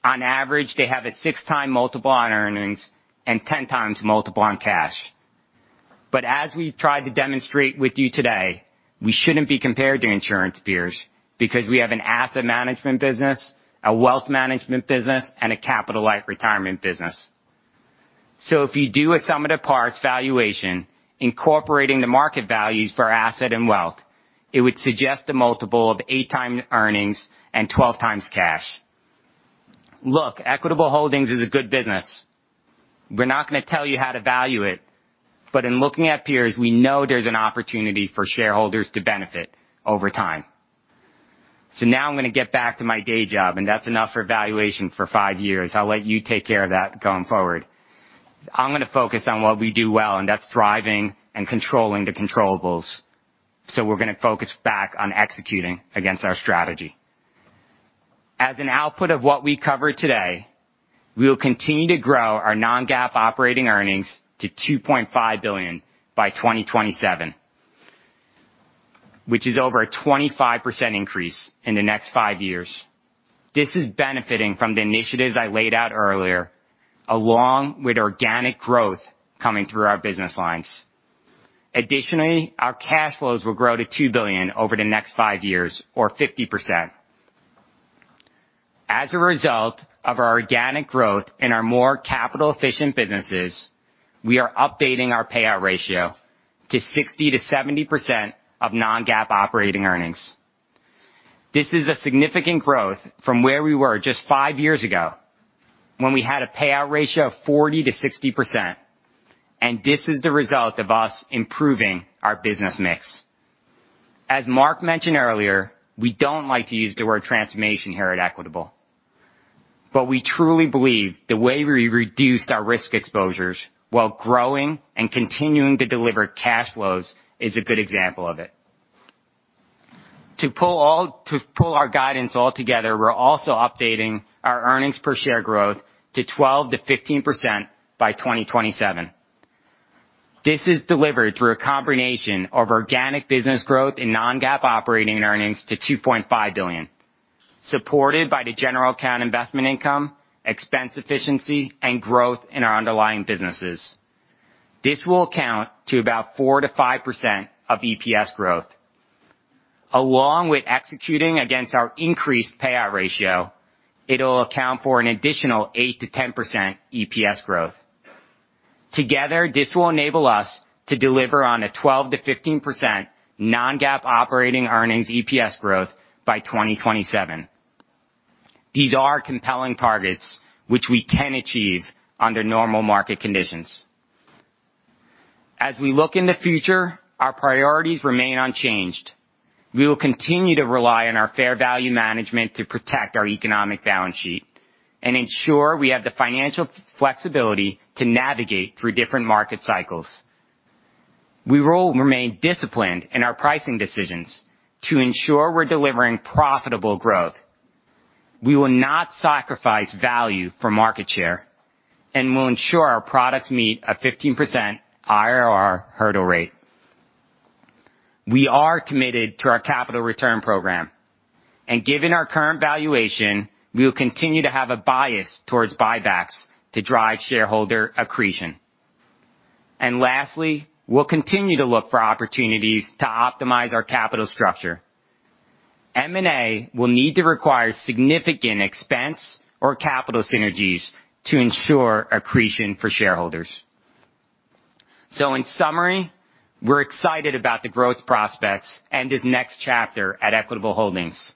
on average, they have a 6x multiple on earnings and 10x multiple on cash. As we tried to demonstrate with you today, we shouldn't be compared to insurance peers because we have an asset management business, a wealth management business, and a capital-light retirement business. If you do a sum of the parts valuation incorporating the market values for our asset and wealth, it would suggest a multiple of 8x earnings and 12x cash. Look, Equitable Holdings is a good business. We're not going to tell you how to value it. In looking at peers, we know there's an opportunity for shareholders to benefit over time. Now I'm going to get back to my day job, and that's enough for valuation for five years. I'll let you take care of that going forward. I'm going to focus on what we do well, and that's thriving and controlling the controllables. We're going to focus back on executing against our strategy. As an output of what we covered today, we will continue to grow our non-GAAP operating earnings to $2.5 billion by 2027, which is over a 25% increase in the next five years. This is benefiting from the initiatives I laid out earlier, along with organic growth coming through our business lines. Additionally, our cash flows will grow to $2 billion over the next five years or 50%. As a result of our organic growth and our more capital-efficient businesses, we are updating our payout ratio to 60%-70% of non-GAAP operating earnings. This is a significant growth from where we were just five years ago when we had a payout ratio of 40%-60%. This is the result of us improving our business mix. As Mark mentioned earlier, we don't like to use the word transformation here at Equitable, we truly believe the way we reduced our risk exposures while growing and continuing to deliver cash flows is a good example of it. To pull our guidance all together, we're also updating our earnings per share growth to 12%-15% by 2027. This is delivered through a combination of organic business growth in non-GAAP operating earnings to $2.5 billion, supported by the general account investment income, expense efficiency, and growth in our underlying businesses. This will account to about 4%-5% of EPS growth. Along with executing against our increased payout ratio, it'll account for an additional 8%-10% EPS growth. Together, this will enable us to deliver on a 12%-15% non-GAAP operating earnings EPS growth by 2027. These are compelling targets which we can achieve under normal market conditions. As we look in the future, our priorities remain unchanged. We will continue to rely on our fair value management to protect our economic balance sheet and ensure we have the financial flexibility to navigate through different market cycles. We will remain disciplined in our pricing decisions to ensure we're delivering profitable growth. We will not sacrifice value for market share, and we'll ensure our products meet a 15% IRR hurdle rate. We are committed to our capital return program, and given our current valuation, we will continue to have a bias towards buybacks to drive shareholder accretion. Lastly, we'll continue to look for opportunities to optimize our capital structure. M&A will need to require significant expense or capital synergies to ensure accretion for shareholders. In summary, we're excited about the growth prospects and this next chapter at Equitable Holdings.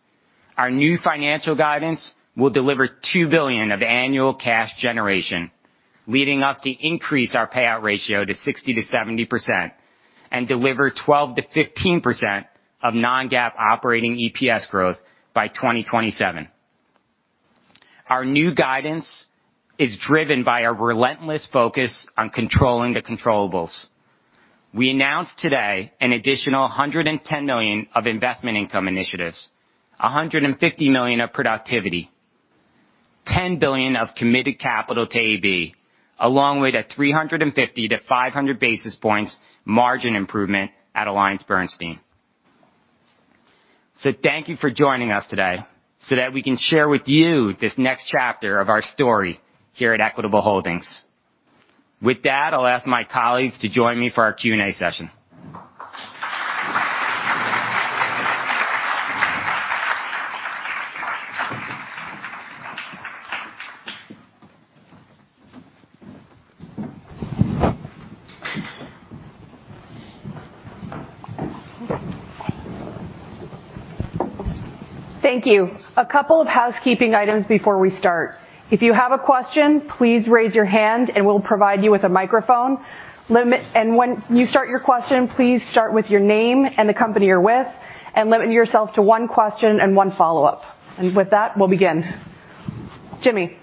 Our new financial guidance will deliver $2 billion of annual cash generation, leading us to increase our payout ratio to 60%-70% and deliver 12%-15% of non-GAAP operating EPS growth by 2027. Our new guidance is driven by a relentless focus on controlling the controllables. We announced today an additional $110 million of investment income initiatives, $150 million of productivity, $10 billion of committed capital to AB, along with a 350-500 basis points margin improvement at AllianceBernstein. Thank you for joining us today so that we can share with you this next chapter of our story here at Equitable Holdings. With that, I'll ask my colleagues to join me for our Q&A session. Thank you. A couple of housekeeping items before we start. If you have a question, please raise your hand, and we'll provide you with a microphone. When you start your question, please start with your name and the company you're with, and limit yourself to one question and one follow-up. With that, we'll begin. Jimmy?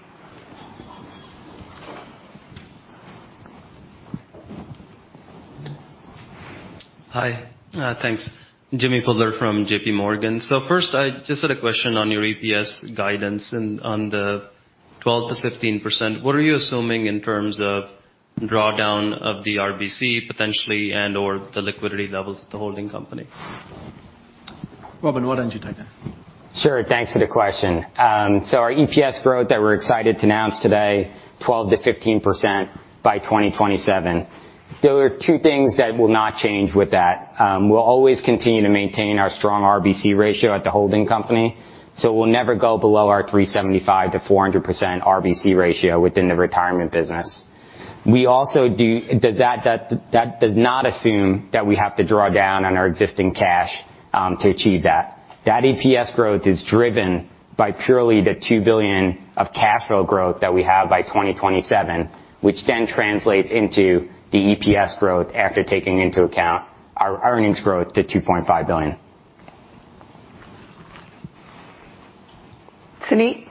Hi, thanks. Jimmy Bhullar from J.P. Morgan. First, I just had a question on your EPS guidance and on the 12%-15%. What are you assuming in terms of drawdown of the RBC, potentially and/or the liquidity levels at the holding company? Robin, why don't you take that? Sure, thanks for the question. Our EPS growth that we're excited to announce today, 12%-15% by 2027. There are two things that will not change with that. We'll always continue to maintain our strong RBC ratio at the holding company. We'll never go below our 375%-400% RBC ratio within the retirement business. We also do. That does not assume that we have to draw down on our existing cash to achieve that. That EPS growth is driven by purely the $2 billion of cash flow growth that we have by 2027, which then translates into the EPS growth after taking into account our earnings growth to $2.5 billion. Suneet?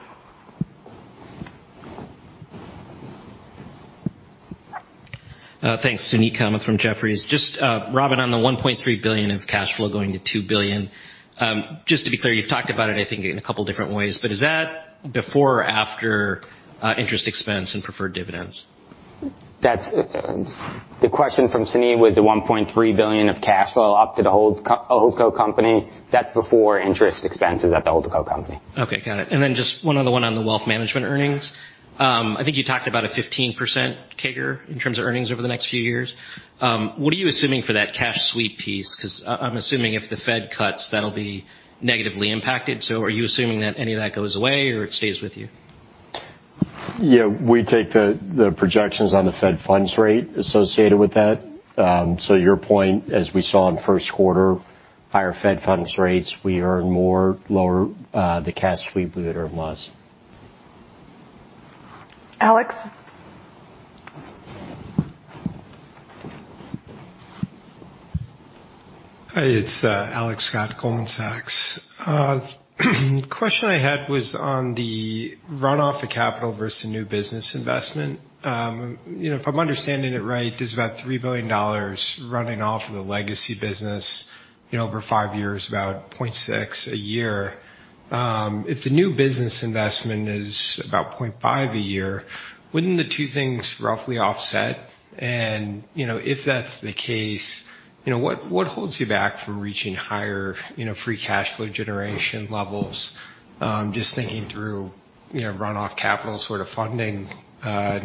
Thanks. Suneet Kamath from Jefferies. Just, Robin, on the $1.3 billion of cash flow going to $2 billion, just to be clear, you've talked about it, I think, in a couple different ways, but is that before or after, interest expense and preferred dividends? The question from Suneet was the $1.3 billion of cash flow up to the holdco company. That's before interest expenses at the holdco company. Okay, got it. just one other one on the wealth management earnings. I think you talked about a 15% CAGR in terms of earnings over the next few years. What are you assuming for that cash sweep piece? Because I'm assuming if the Fed cuts, that'll be negatively impacted. Are you assuming that any of that goes away, or it stays with you? Yeah. We take the projections on the Fed funds rate associated with that. Your point, as we saw in first quarter, higher Fed funds rates, we earn more, lower, the cash sweep we would earn less. Alex? Hi, it's Alex Scott, Goldman Sachs. Question I had was on the run off of capital versus new business investment. You know, if I'm understanding it right, there's about $3 billion running off of the legacy business, you know, over five years, about $0.6 billion a year. If the new business investment is about $0.5 billion a year, wouldn't the two things roughly offset? You know, if that's the case, you know, what holds you back from reaching higher, you know, free cash flow generation levels? Just thinking through, you know, run off capital sort of funding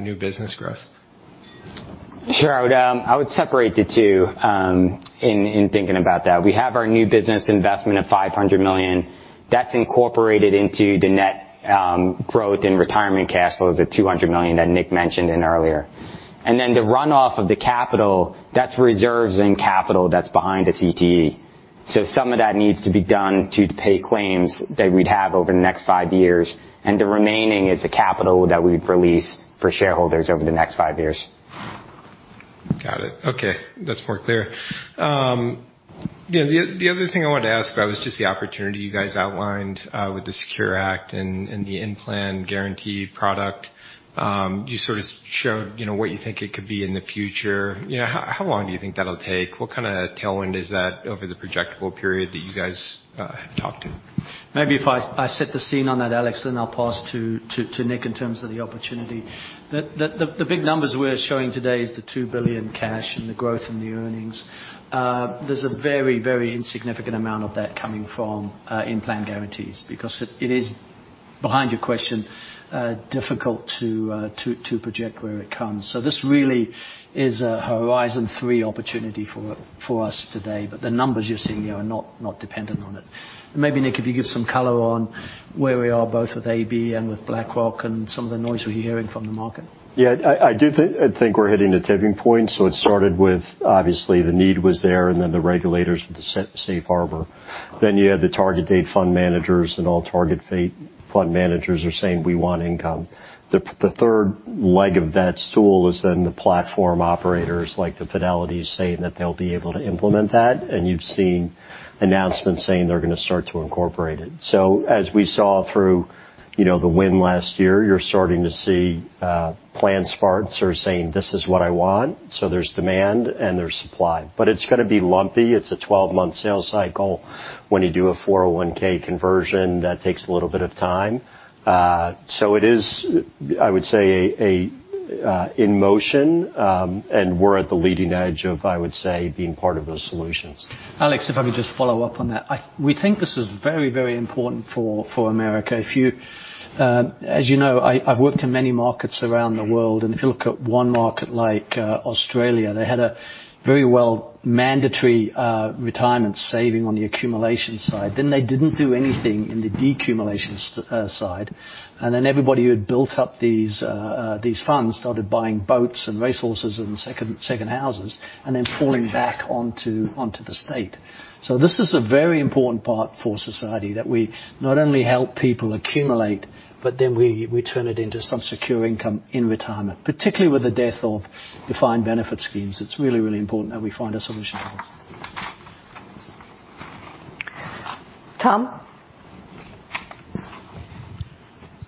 new business growth. Sure. I would separate the two in thinking about that. We have our new business investment of $500 million. That's incorporated into the net growth in retirement cash flows at $200 million that Nick mentioned earlier. The run off of the capital, that's reserves and capital that's behind the CTE. Some of that needs to be done to pay claims that we'd have over the next five years, and the remaining is the capital that we've released for shareholders over the next five years. Got it. Okay. That's more clear. Yeah, the other thing I wanted to ask about was just the opportunity you guys outlined with the SECURE Act and the in-plan guaranteed product. You sort of showed, you know, what you think it could be in the future. You know, how long do you think that'll take? What kind of tailwind is that over the projectable period that you guys have talked to? Maybe if I set the scene on that, Alex, then I'll pass to Nick in terms of the opportunity. The big numbers we're showing today is the $2 billion cash and the growth in the earnings. There's a very, very insignificant amount of that coming from in-plan guarantees because it is, behind your question, difficult to project where it comes. This really is a horizon three opportunity for us today, but the numbers you're seeing here are not dependent on it. Maybe Nick, if you give some color on where we are both with AB and with BlackRock and some of the noise we're hearing from the market. Yeah. I do think we're hitting a tipping point. It started with, obviously, the need was there, and then the regulators with the safe harbor. You had the target date fund managers, and all target date fund managers are saying, "We want income." The, the third leg of that stool is then the platform operators like the Fidelity's saying that they'll be able to implement that, and you've seen announcements saying they're gonna start to incorporate it. As we saw through, you know, the win last year, you're starting to see plan sponsors saying, "This is what I want." There's demand and there's supply. It's gonna be lumpy. It's a 12-month sales cycle. When you do a 401(k) conversion, that takes a little bit of time. It is, I would say a, in motion, and we're at the leading edge of, I would say, being part of those solutions. Alex, if I could just follow up on that. We think this is very important for America. If you, as you know, I've worked in many markets around the world. If you look at one market like Australia, they had a very well mandatory retirement saving on the accumulation side. They didn't do anything in the decumulation side. Everybody who had built up these funds started buying boats and racehorses and second houses and then falling back onto the state. This is a very important part for society that we not only help people accumulate, but then we turn it into some secure income in retirement. Particularly with the death of defined benefit schemes, it's really important that we find a solution for this. Tom?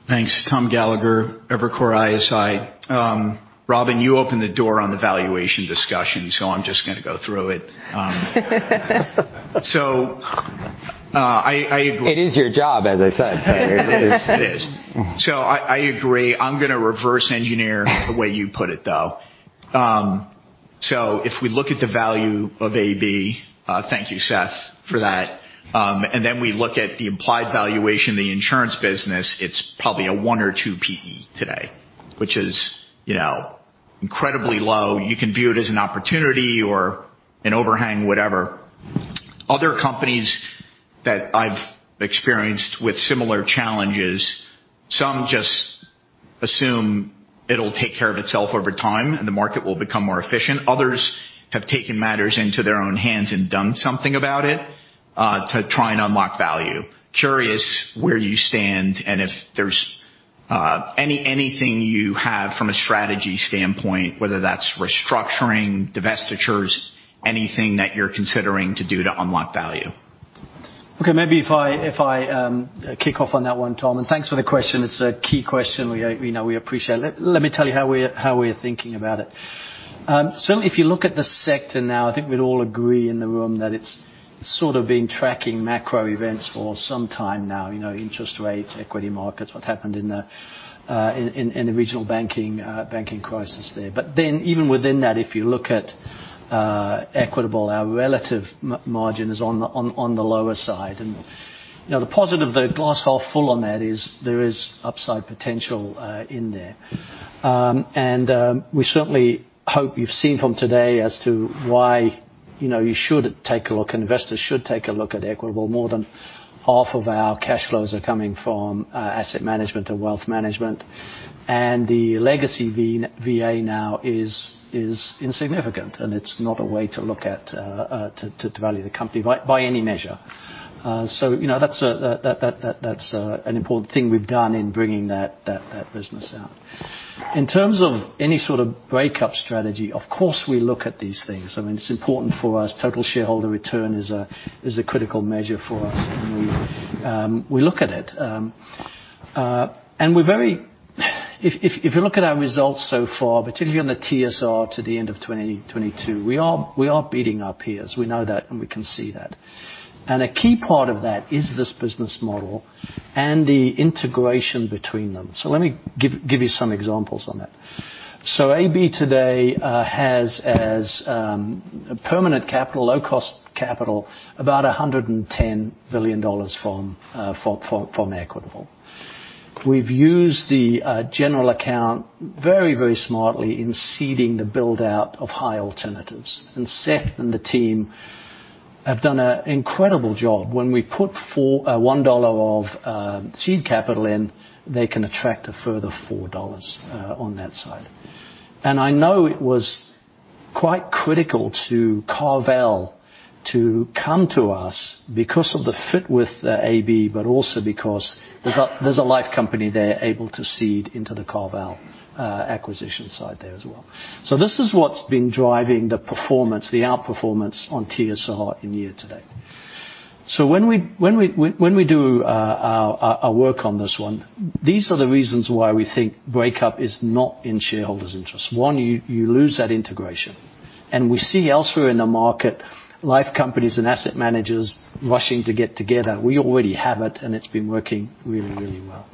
Thanks. Tom Gallagher, Evercore ISI. Robin, you opened the door on the valuation discussion, so I'm just gonna go through it. It is your job, as I said. It is. I agree. I'm gonna reverse engineer the way you put it, though. If we look at the value of AB, thank you, Seth, for that, and then we look at the implied valuation of the insurance business, it's probably a 1 or 2 PE today, which is, you know, incredibly low. You can view it as an opportunity or an overhang, whatever. Other companies that I've experienced with similar challenges, some just assume it'll take care of itself over time, and the market will become more efficient. Others have taken matters into their own hands and done something about it to try and unlock value. Curious where you stand and if there's anything you have from a strategy standpoint, whether that's restructuring, divestitures, anything that you're considering to do to unlock value. Okay. Maybe if I kick off on that one, Tom. Thanks for the question. It's a key question. We know we appreciate it. Let me tell you how we're thinking about it. Certainly, if you look at the sector now, I think we'd all agree in the room that it's sort of been tracking macro events for some time now. You know, interest rates, equity markets, what happened in the regional banking crisis there. Even within that, if you look at Equitable, our relative margin is on the lower side. You know, the positive, the glass half full on that is there is upside potential in there. We certainly hope you've seen from today as to why, you know, you should take a look, investors should take a look at Equitable. More than half of our cash flows are coming from asset management and wealth management. The legacy VA now is insignificant, and it's not a way to look at to value the company by any measure. You know, that's an important thing we've done in bringing that business out. In terms of any sort of breakup strategy, of course, we look at these things. I mean, it's important for us. Total shareholder return is a critical measure for us, and we look at it. We're very-- If you look at our results so far, particularly on the TSR to the end of 2022, we are beating our peers. We know that, and we can see that. A key part of that is this business model and the integration between them. Let me give you some examples on that. AB today has as a permanent capital, low cost capital, about $110 billion from Equitable. We've used the general account very, very smartly in seeding the build-out of high alternatives. Seth and the team have done an incredible job. When we put four-- $1 of seed capital in, they can attract a further $4 on that side. I know it was quite critical to CarVal to come to us because of the fit with AB, but also because there's a life company they're able to cede into the CarVal acquisition side there as well. This is what's been driving the performance, the outperformance on TSR in year-to-date. When we do our work on this one, these are the reasons why we think breakup is not in shareholders' interest. One, you lose that integration. We see elsewhere in the market, life companies and asset managers rushing to get together. We already have it, and it's been working really, really well.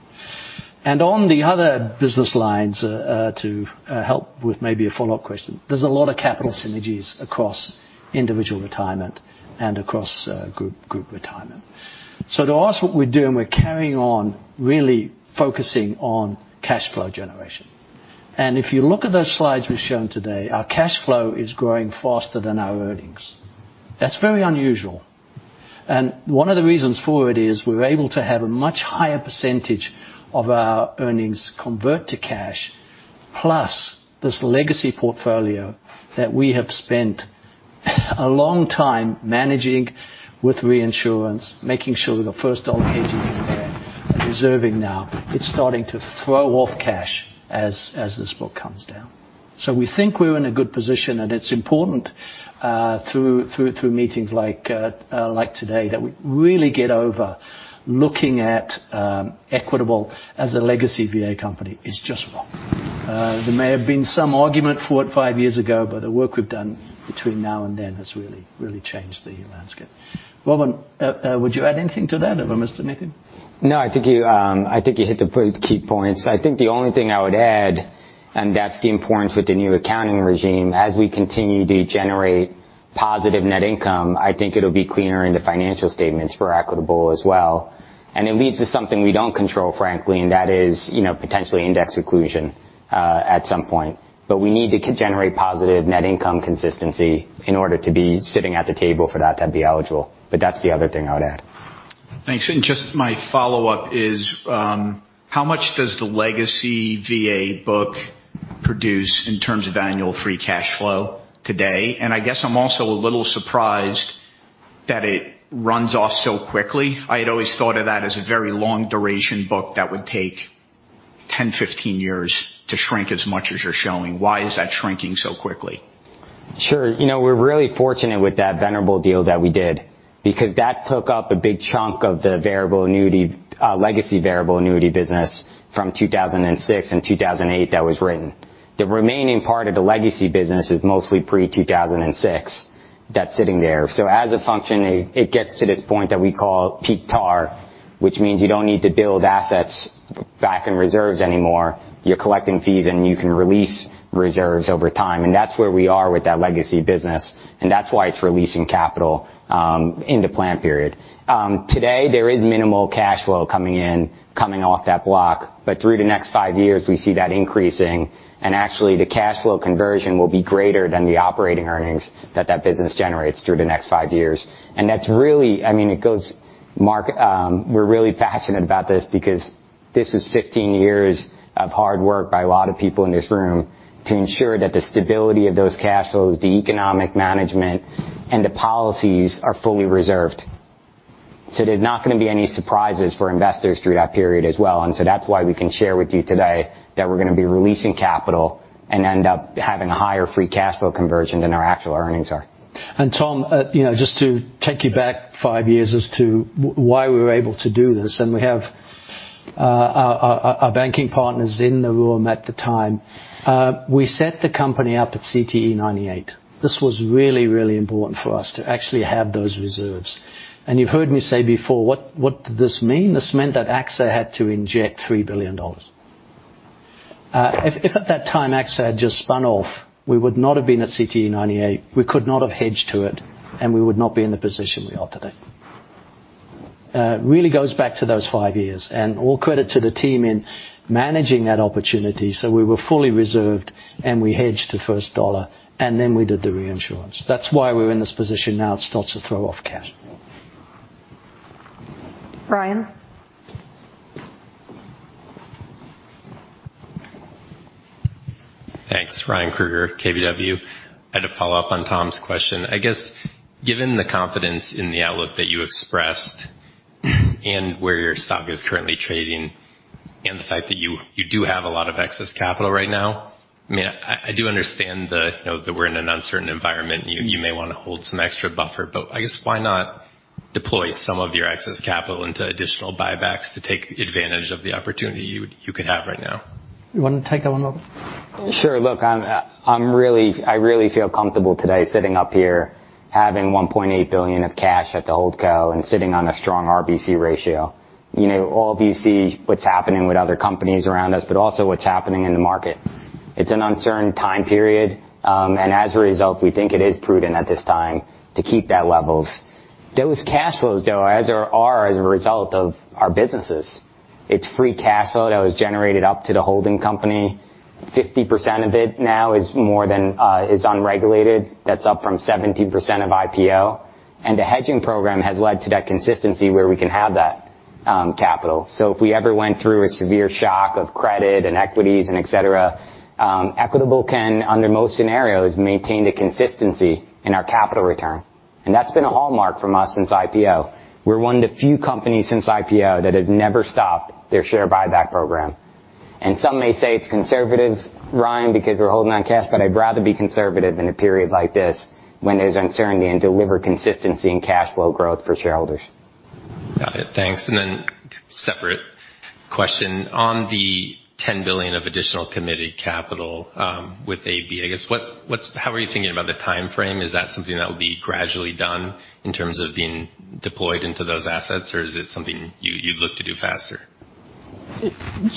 On the other business lines, to help with maybe a follow-up question, there's a lot of capital synergies across individual retirement and across group retirement. To ask what we're doing, we're carrying on really focusing on cash flow generation. If you look at those slides we've shown today, our cash flow is growing faster than our earnings. That's very unusual. One of the reasons for it is we're able to have a much higher percentage of our earnings convert to cash, plus this legacy portfolio that we have spent a long time managing with reinsurance, making sure the first dollar hedging in there and reserving now, it's starting to throw off cash as this book comes down. We think we're in a good position, and it's important, through meetings like today that we really get over looking at Equitable as a legacy VA company is just wrong. There may have been some argument for it five years ago, but the work we've done between now and then has really changed the landscape. Robin, would you add anything to that, or have I missed anything? No, I think you, I think you hit the pretty key points. I think the only thing I would add, that's the importance with the new accounting regime. As we continue to generate positive net income, I think it'll be cleaner in the financial statements for Equitable as well. It leads to something we don't control, frankly, and that is, you know, potentially index inclusion at some point. We need to generate positive net income consistency in order to be sitting at the table for that to be eligible. That's the other thing I would add. Thanks. Just my follow-up is, how much does the legacy VA book produce in terms of annual free cash flow today? I guess I'm also a little surprised that it runs off so quickly. I had always thought of that as a very long duration book that would take 10, 15 years to shrink as much as you're showing. Why is that shrinking so quickly? Sure. You know, we're really fortunate with that Venerable deal that we did because that took up a big chunk of the variable annuity, legacy variable annuity business from 2006 and 2008 that was written. The remaining part of the legacy business is mostly pre-2006 that's sitting there. As a function, it gets to this point that we call peak TAR, which means you don't need to build assets back in reserves anymore. You're collecting fees, and you can release reserves over time. That's where we are with that legacy business, and that's why it's releasing capital in the plan period. Today there is minimal cash flow coming in, coming off that block. Through the next five years, we see that increasing, and actually the cash flow conversion will be greater than the operating earnings that that business generates through the next five years. That's really, I mean, it goes, Mark, we're really passionate about this because this is 15 years of hard work by a lot of people in this room to ensure that the stability of those cash flows, the economic management, and the policies are fully reserved. There's not gonna be any surprises for investors through that period as well. That's why we can share with you today that we're gonna be releasing capital and end up having a higher free cash flow conversion than our actual earnings are. Tom, you know, just to take you back five years as to why we were able to do this, and we have our banking partners in the room at the time. We set the company up at CTE98. This was really, really important for us to actually have those reserves. You've heard me say before, what did this mean? This meant that AXA had to inject $3 billion. If at that time AXA had just spun off, we would not have been at CTE98. We could not have hedged to it, and we would not be in the position we are today. It really goes back to those five years. All credit to the team in managing that opportunity so we were fully reserved. We hedged the first dollar. We did the reinsurance. We're in this position now to start to throw off cash. Ryan? Thanks. Ryan Krueger, KBW. I had a follow-up on Tom's question. I guess, given the confidence in the outlook that you expressed and where your stock is currently trading and the fact that you do have a lot of excess capital right now, I mean, I do understand the, you know, that we're in an uncertain environment and you may wanna hold some extra buffer. I guess why not deploy some of your excess capital into additional buybacks to take advantage of the opportunity you could have right now? You wanna take that one, Robin? Sure. Look, I really feel comfortable today sitting up here having $1.8 billion of cash at the HoldCo and sitting on a strong RBC ratio. You know, all of you see what's happening with other companies around us, but also what's happening in the market. It's an uncertain time period. As a result, we think it is prudent at this time to keep that levels. Those cash flows, though, as there are as a result of our businesses, it's free cash flow that was generated up to the holding company. 50% of it now is more than is unregulated. That's up from 17% of IPO. The hedging program has led to that consistency where we can have that capital. If we ever went through a severe shock of credit and equities and et cetera, Equitable can, under most scenarios, maintain the consistency in our capital return. That's been a hallmark from us since IPO. We're one of the few companies since IPO that has never stopped their share buyback program. Some may say it's conservative, Ryan, because we're holding on cash, but I'd rather be conservative in a period like this when there's uncertainty and deliver consistency in cash flow growth for shareholders. Got it. Thanks. Separate question. On the $10 billion of additional committed capital with AB, I guess, how are you thinking about the time frame? Is that something that will be gradually done in terms of being deployed into those assets, or is it something you'd look to do faster?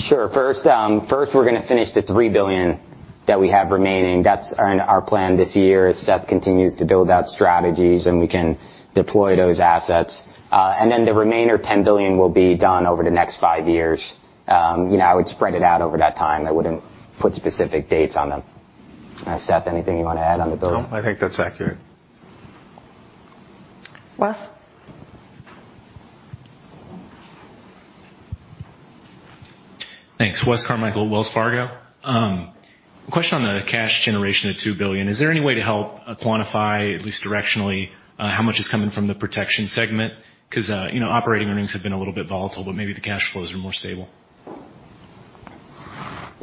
Sure. First, we're gonna finish the $3 billion that we have remaining. That's our plan this year, as Seth continues to build out strategies, and we can deploy those assets. The remainder $10 billion will be done over the next five years. You know, I would spread it out over that time. I wouldn't put specific dates on them. Seth, anything you wanna add on the build? No, I think that's accurate. Wes? Thanks. Wes Carmichael, Wells Fargo. Question on the cash generation of $2 billion. Is there any way to help quantify, at least directionally, how much is coming from the protection segment? 'Cause, you know, operating earnings have been a little bit volatile, but maybe the cash flows are more stable.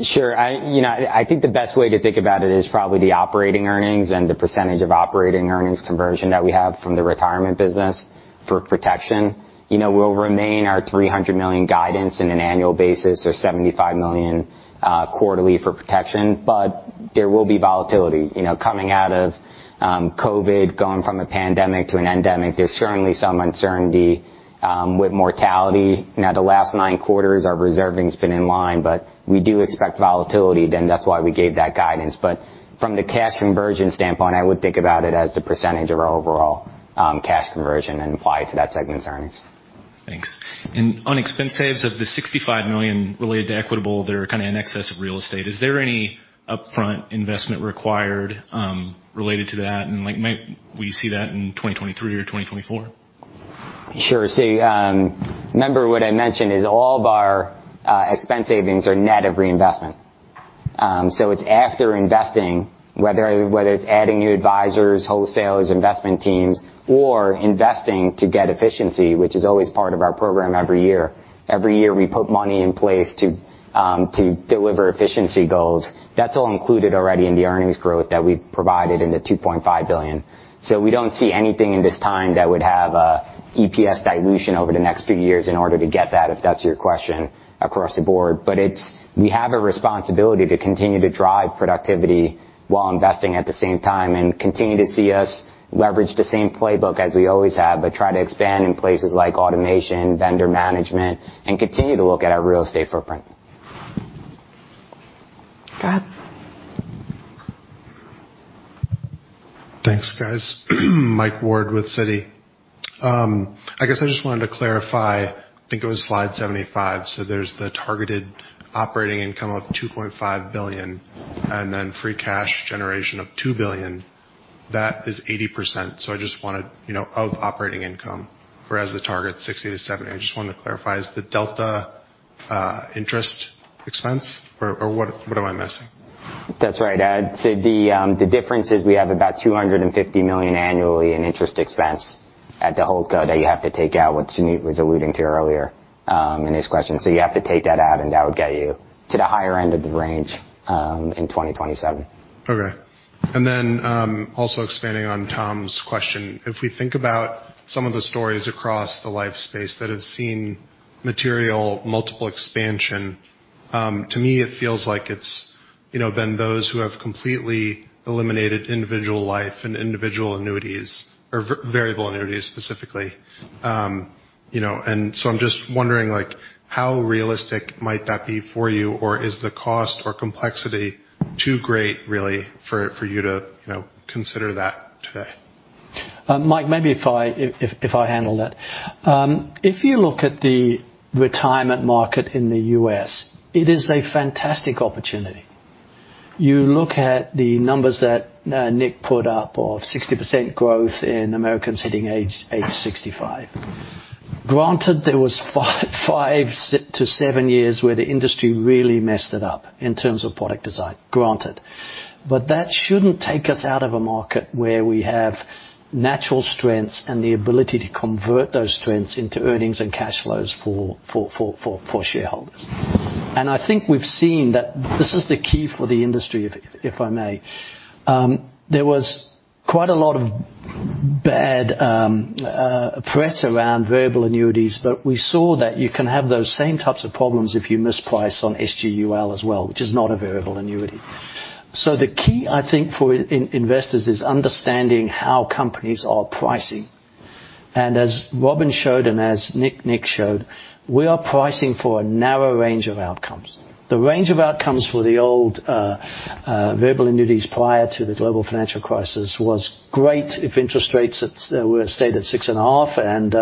Sure. I, you know, I think the best way to think about it is probably the operating earnings and the percentage of operating earnings conversion that we have from the retirement business for protection. You know, we'll remain our $300 million guidance in an annual basis or $75 million quarterly for protection. There will be volatility. You know, coming out of COVID, going from a pandemic to an endemic, there's certainly some uncertainty with mortality. Now, the last nine quarters, our reserving's been in line, we do expect volatility, that's why we gave that guidance. From the cash conversion standpoint, I would think about it as the percentage of our overall cash conversion and apply it to that segment's earnings. Thanks. On expense saves of the $65 million related to Equitable that are kinda in excess of real estate, is there any upfront investment required related to that? Like, might we see that in 2023 or 2024? Sure. See, remember what I mentioned is all of our expense savings are net of reinvestment. So it's after investing, whether it's adding new advisors, wholesalers, investment teams, or investing to get efficiency, which is always part of our program every year. Every year, we put money in place to deliver efficiency goals. That's all included already in the earnings growth that we've provided in the $2.5 billion. We don't see anything in this time that would have a EPS dilution over the next few years in order to get that, if that's your question, across the board. We have a responsibility to continue to drive productivity while investing at the same time and continue to see us leverage the same playbook as we always have, but try to expand in places like automation, vendor management, and continue to look at our real estate footprint. Go ahead. Thanks, guys. Mike Ward with Citi. I guess I just wanted to clarify, I think it was slide 75. There's the targeted operating income of $2.5 billion, and then free cash generation of $2 billion. That is 80%, I just wanted, you know, of operating income, whereas the target 60%-70%. I just wanted to clarify, is the delta interest expense or what am I missing? That's right. I'd say the difference is we have about $250 million annually in interest expense at the whole co that you have to take out, what Suneet was alluding to earlier in his question. You have to take that out, and that would get you to the higher end of the range in 2027. Okay. Also expanding on Tom's question. If we think about some of the stories across the life space that have seen material multiple expansion, to me, it feels like it's, you know, been those who have completely eliminated individual life and individual annuities or variable annuities specifically. You know, and so I'm just wondering, like, how realistic might that be for you? Or is the cost or complexity too great really for you to, you know, consider that today? Mike, maybe if I handle that. If you look at the retirement market in the U.S., it is a fantastic opportunity. You look at the numbers that Nick put up of 60% growth in Americans hitting age 65. Granted, there was five-seven years where the industry really messed it up in terms of product design. Granted. That shouldn't take us out of a market where we have natural strengths and the ability to convert those strengths into earnings and cash flows for shareholders. I think we've seen that this is the key for the industry, if I may. There was quite a lot of bad press around variable annuities. We saw that you can have those same types of problems if you misprice on SGUL as well, which is not a variable annuity. The key I think for in-investors is understanding how companies are pricing. As Robin showed and as Nick showed, we are pricing for a narrow range of outcomes. The range of outcomes for the old variable annuities prior to the global financial crisis was great if interest rates were stayed at 6.5% and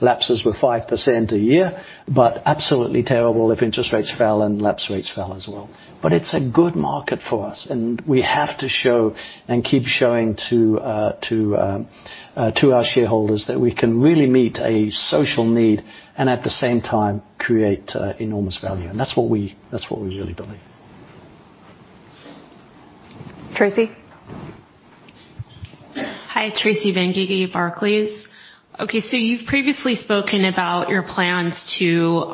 lapses were 5% a year, but absolutely terrible if interest rates fell and lapse rates fell as well. It's a good market for us, and we have to show and keep showing to our shareholders that we can really meet a social need and at the same time create enormous value. That's what we really believe. Tracy? Hi, Tracy Benguigui, Barclays. Okay, you've previously spoken about your plans to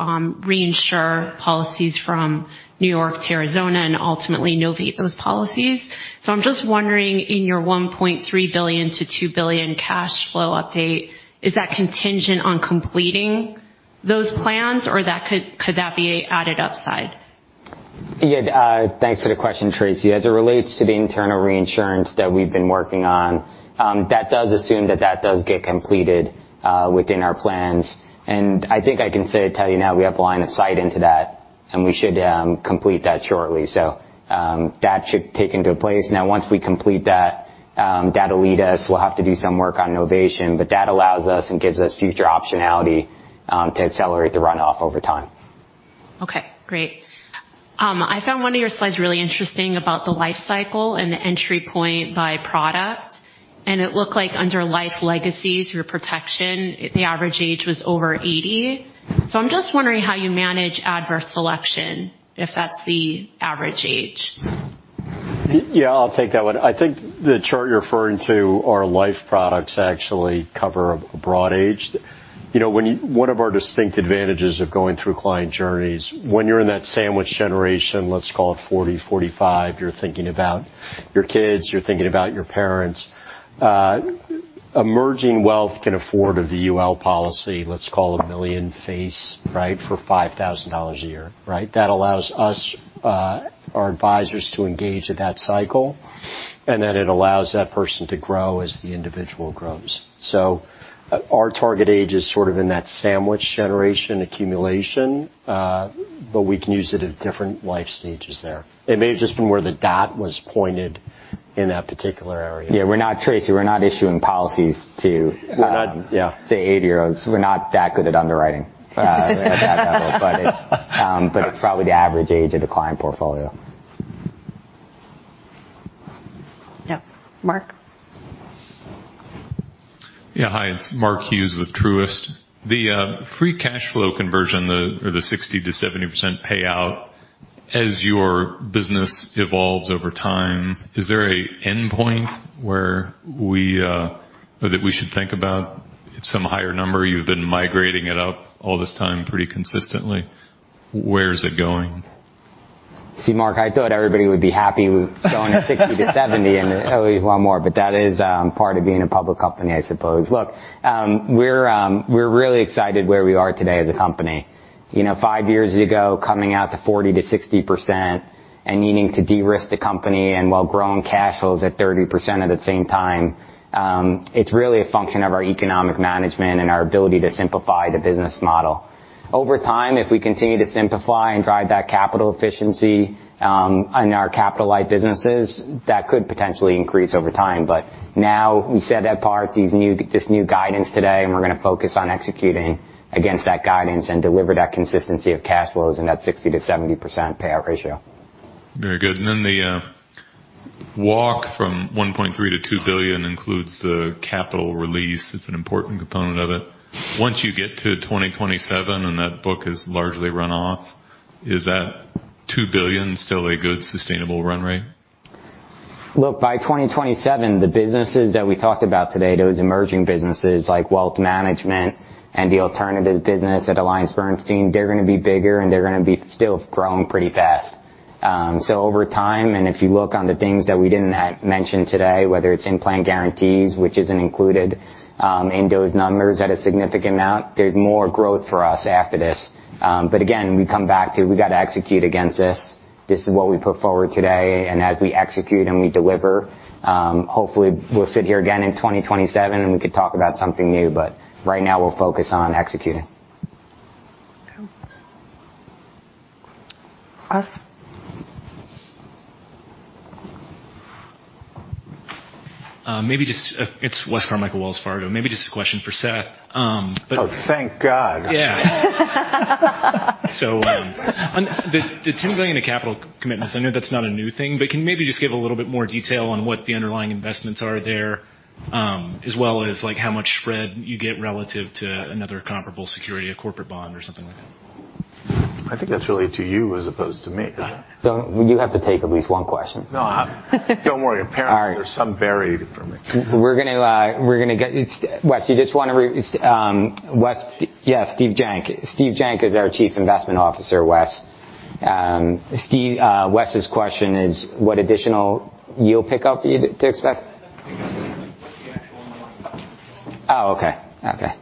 reinsure policies from New York to Arizona and ultimately novate those policies. I'm just wondering, in your $1.3 billion-$2 billion cash flow update, is that contingent on completing those plans, or could that be a added upside? Yeah, thanks for the question, Tracy. As it relates to the internal reinsurance that we've been working on, that does assume that that does get completed within our plans. I think I can tell you now we have line of sight into that, and we should complete that shortly. That should take into place. Now, once we complete that'll lead us. We'll have to do some work on novation, but that allows us and gives us future optionality to accelerate the run off over time. Okay, great. I found one of your slides really interesting about the life cycle and the entry point by product. It looked like under life legacies, your protection, the average age was over 80. I'm just wondering how you manage adverse selection, if that's the average age. Yeah, I'll take that one. I think the chart you're referring to, our life products actually cover a broad age. You know, one of our distinct advantages of going through client journeys, when you're in that sandwich generation, let's call it 40-45, you're thinking about your kids, you're thinking about your parents. Emerging wealth can afford a VUL policy, let's call a $1 million face, right, for $5,000 a year, right? That allows us, our advisors to engage at that cycle, and then it allows that person to grow as the individual grows. Our target age is sort of in that sandwich generation accumulation, but we can use it at different life stages there. It may have just been where the dot was pointed in that particular area. Yeah, Tracy, we're not issuing policies to-- We're not, yeah. To 80-year-olds. We're not that good at underwriting. At that level, but it's, but it's probably the average age of the client portfolio. Yeah. Mark? Yeah. Hi, it's Mark Hughes with Truist. The free cash flow conversion, the 60%-70% payout, as your business evolves over time, is there a endpoint where we or that we should think about some higher number? You've been migrating it up all this time pretty consistently. Where is it going? Mark, I thought everybody would be happy with going at 60%-70%. Oh, you want more. That is part of being a public company, I suppose. We're really excited where we are today as a company. You know, five years ago, coming out to 40%-60% and needing to de-risk the company and while growing cash flows at 30% at the same time, it's really a function of our economic management and our ability to simplify the business model. Over time, if we continue to simplify and drive that capital efficiency in our capital-light businesses, that could potentially increase over time. Now we set that part, this new guidance today, and we're gonna focus on executing against that guidance and deliver that consistency of cash flows and that 60%-70% payout ratio. Very good. The walk from $1.3 billion-$2 billion includes the capital release. It's an important component of it. Once you get to 2027 and that book is largely run off, is that $2 billion still a good sustainable run rate? By 2027, the businesses that we talked about today, those emerging businesses like wealth management and the alternatives business at AllianceBernstein, they're gonna be bigger, and they're gonna be still growing pretty fast. Over time, if you look on the things that we didn't mention today, whether it's in-plan guarantees, which isn't included in those numbers at a significant amount, there's more growth for us after this. Again, we come back to we gotta execute against this. This is what we put forward today. As we execute and we deliver, hopefully we'll sit here again in 2027, we can talk about something new, right now we'll focus on executing. Go. Wes. It's Wes Carmichael, Wells Fargo. Maybe just a question for Seth. Oh, thank God. On the $10 billion in capital commitments, I know that's not a new thing, but can you maybe just give a little bit more detail on what the underlying investments are there, as well as, like, how much spread you get relative to another comparable security, a corporate bond or something like that? I think that's really to you as opposed to me. Is that-- Well, you have to take at least one question. No, Don't worry. All right. There's some buried for me. Steve Joenk. Steve Joenk is our Chief Investment Officer, Wes. Steve, Wes' question is what additional yield pickup you'd expect? Oh, okay. Okay.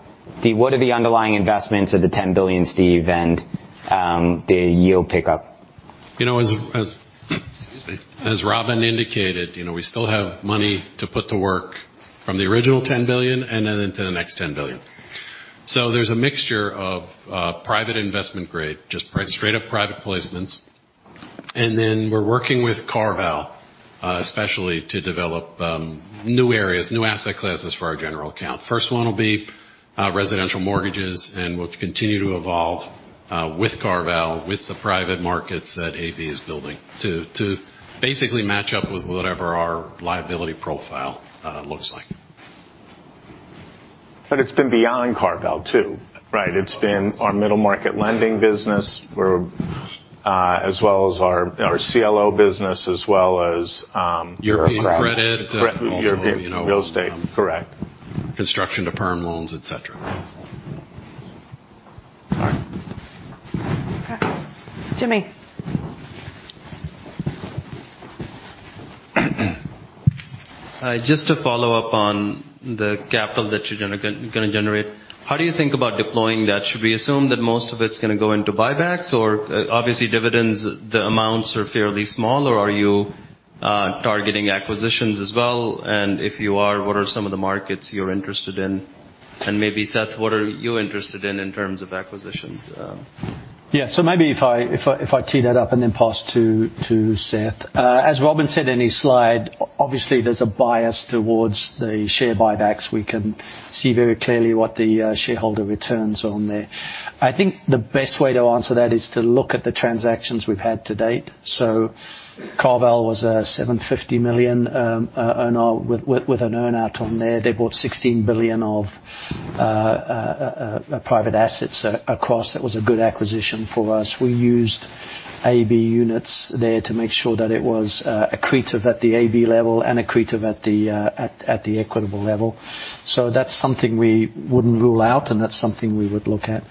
Steve, what are the underlying investments of the $10 billion, Steve, and the yield pickup? You know, excuse me, as Robin indicated, you know, we still have money to put to work from the original $10 billion and then into the next $10 billion. There's a mixture of private investment grade, just straight up private placements. And then we're working with CarVal, especially to develop new areas, new asset classes for our general account. First one will be residential mortgages, and we'll continue to evolve with CarVal, with the private markets that AB is building to basically match up with whatever our liability profile looks like. It's been beyond CarVal too, right? It's been our middle-market lending business, where, as well as our CLO business as well as. European credit, also, you know. European real estate. Correct. Construction to perm loans, et cetera. All right. Okay. Jimmy? Hi. Just to follow up on the capital that you're gonna generate. How do you think about deploying that? Should we assume that most of it's gonna go into buybacks? Obviously dividends, the amounts are fairly small, or are you targeting acquisitions as well? If you are, what are some of the markets you're interested in? Maybe, Seth, what are you interested in in terms of acquisitions? Maybe if I tee that up and then pass to Seth. As Robin said in his slide, obviously there's a bias towards the share buybacks. We can see very clearly what the shareholder returns on there. I think the best way to answer that is to look at the transactions we've had to date. CarVal was a $750 million earn-out, with an earn-out on there. They bought $16 billion of private assets. Of course, that was a good acquisition for us. We used AB units there to make sure that it was accretive at the AB level and accretive at the Equitable level. That's something we wouldn't rule out, and that's something we would look at.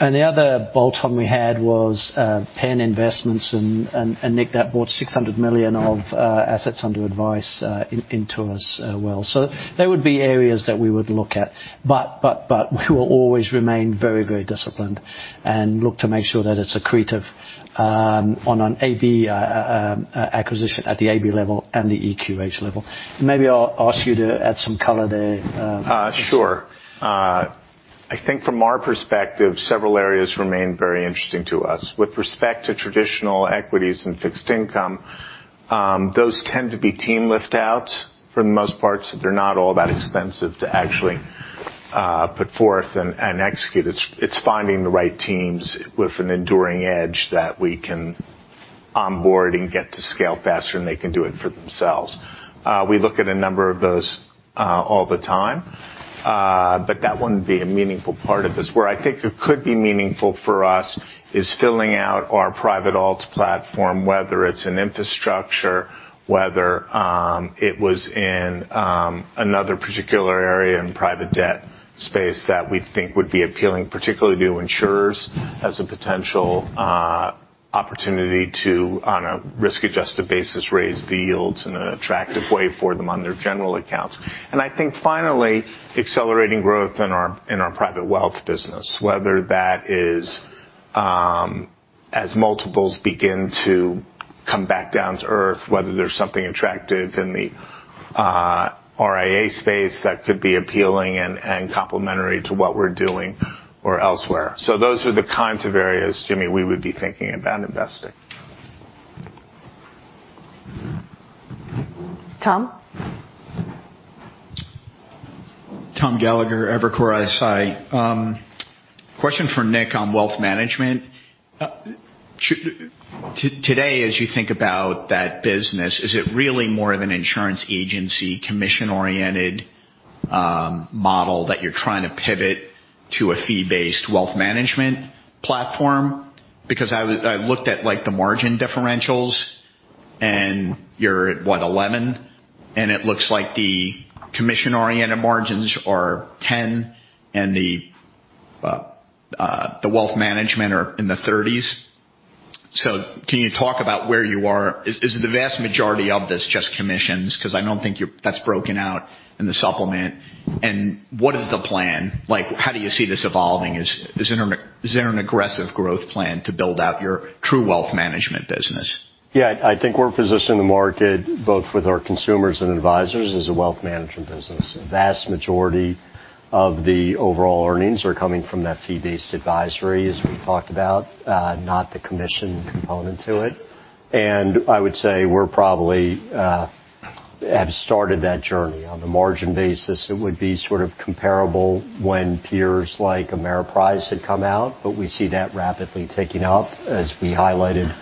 The other bolt-on we had was Penn Investments, and Nick, that brought $600 million of assets under advice into us, well. They would be areas that we would look at, but we will always remain very, very disciplined and look to make sure that it's accretive on an AB acquisition at the AB level and the EQH level. Maybe I'll ask you to add some color there. Sure. I think from our perspective, several areas remain very interesting to us. With respect to traditional equities and fixed income, those tend to be team lift outs for the most part, so they're not all that expensive to actually put forth and execute. It's finding the right teams with an enduring edge that we can onboard and get to scale faster, and they can do it for themselves. We look at a number of those all the time, that wouldn't be a meaningful part of this. Where I think it could be meaningful for us is filling out our private alts platform, whether it's in infrastructure, whether it was in another particular area in private debt space that we think would be appealing, particularly to insurers as a potential opportunity to, on a risk-adjusted basis, raise the yields in an attractive way for them on their general accounts. I think finally, accelerating growth in our, in our private wealth business, whether that is as multiples begin to come back down to earth, whether there's something attractive in the RIA space that could be appealing and complementary to what we're doing or elsewhere. Those are the kinds of areas, Jimmy, we would be thinking about investing. Tom? Tom Gallagher, Evercore ISI. question for Nick on wealth management. Today, as you think about that business, is it really more of an insurance agency, commission-oriented, model that you're trying to pivot to a fee-based wealth management platform? Because I looked at, like, the margin differentials, and you're at, what, 11%? It looks like the commission-oriented margins are 10% and the wealth management are in the 30s. Can you talk about where you are? Is the vast majority of this just commissions? 'Cause I don't think that's broken out in the supplement. What is the plan? Like, how do you see this evolving? Is there an aggressive growth plan to build out your true wealth management business? I think we're positioned in the market both with our consumers and advisors as a wealth management business. The vast majority of the overall earnings are coming from that fee-based advisory, as we talked about, not the commission component to it. I would say we're probably have started that journey. On the margin basis, it would be sort of comparable when peers like Ameriprise had come out, but we see that rapidly ticking up. As we highlighted,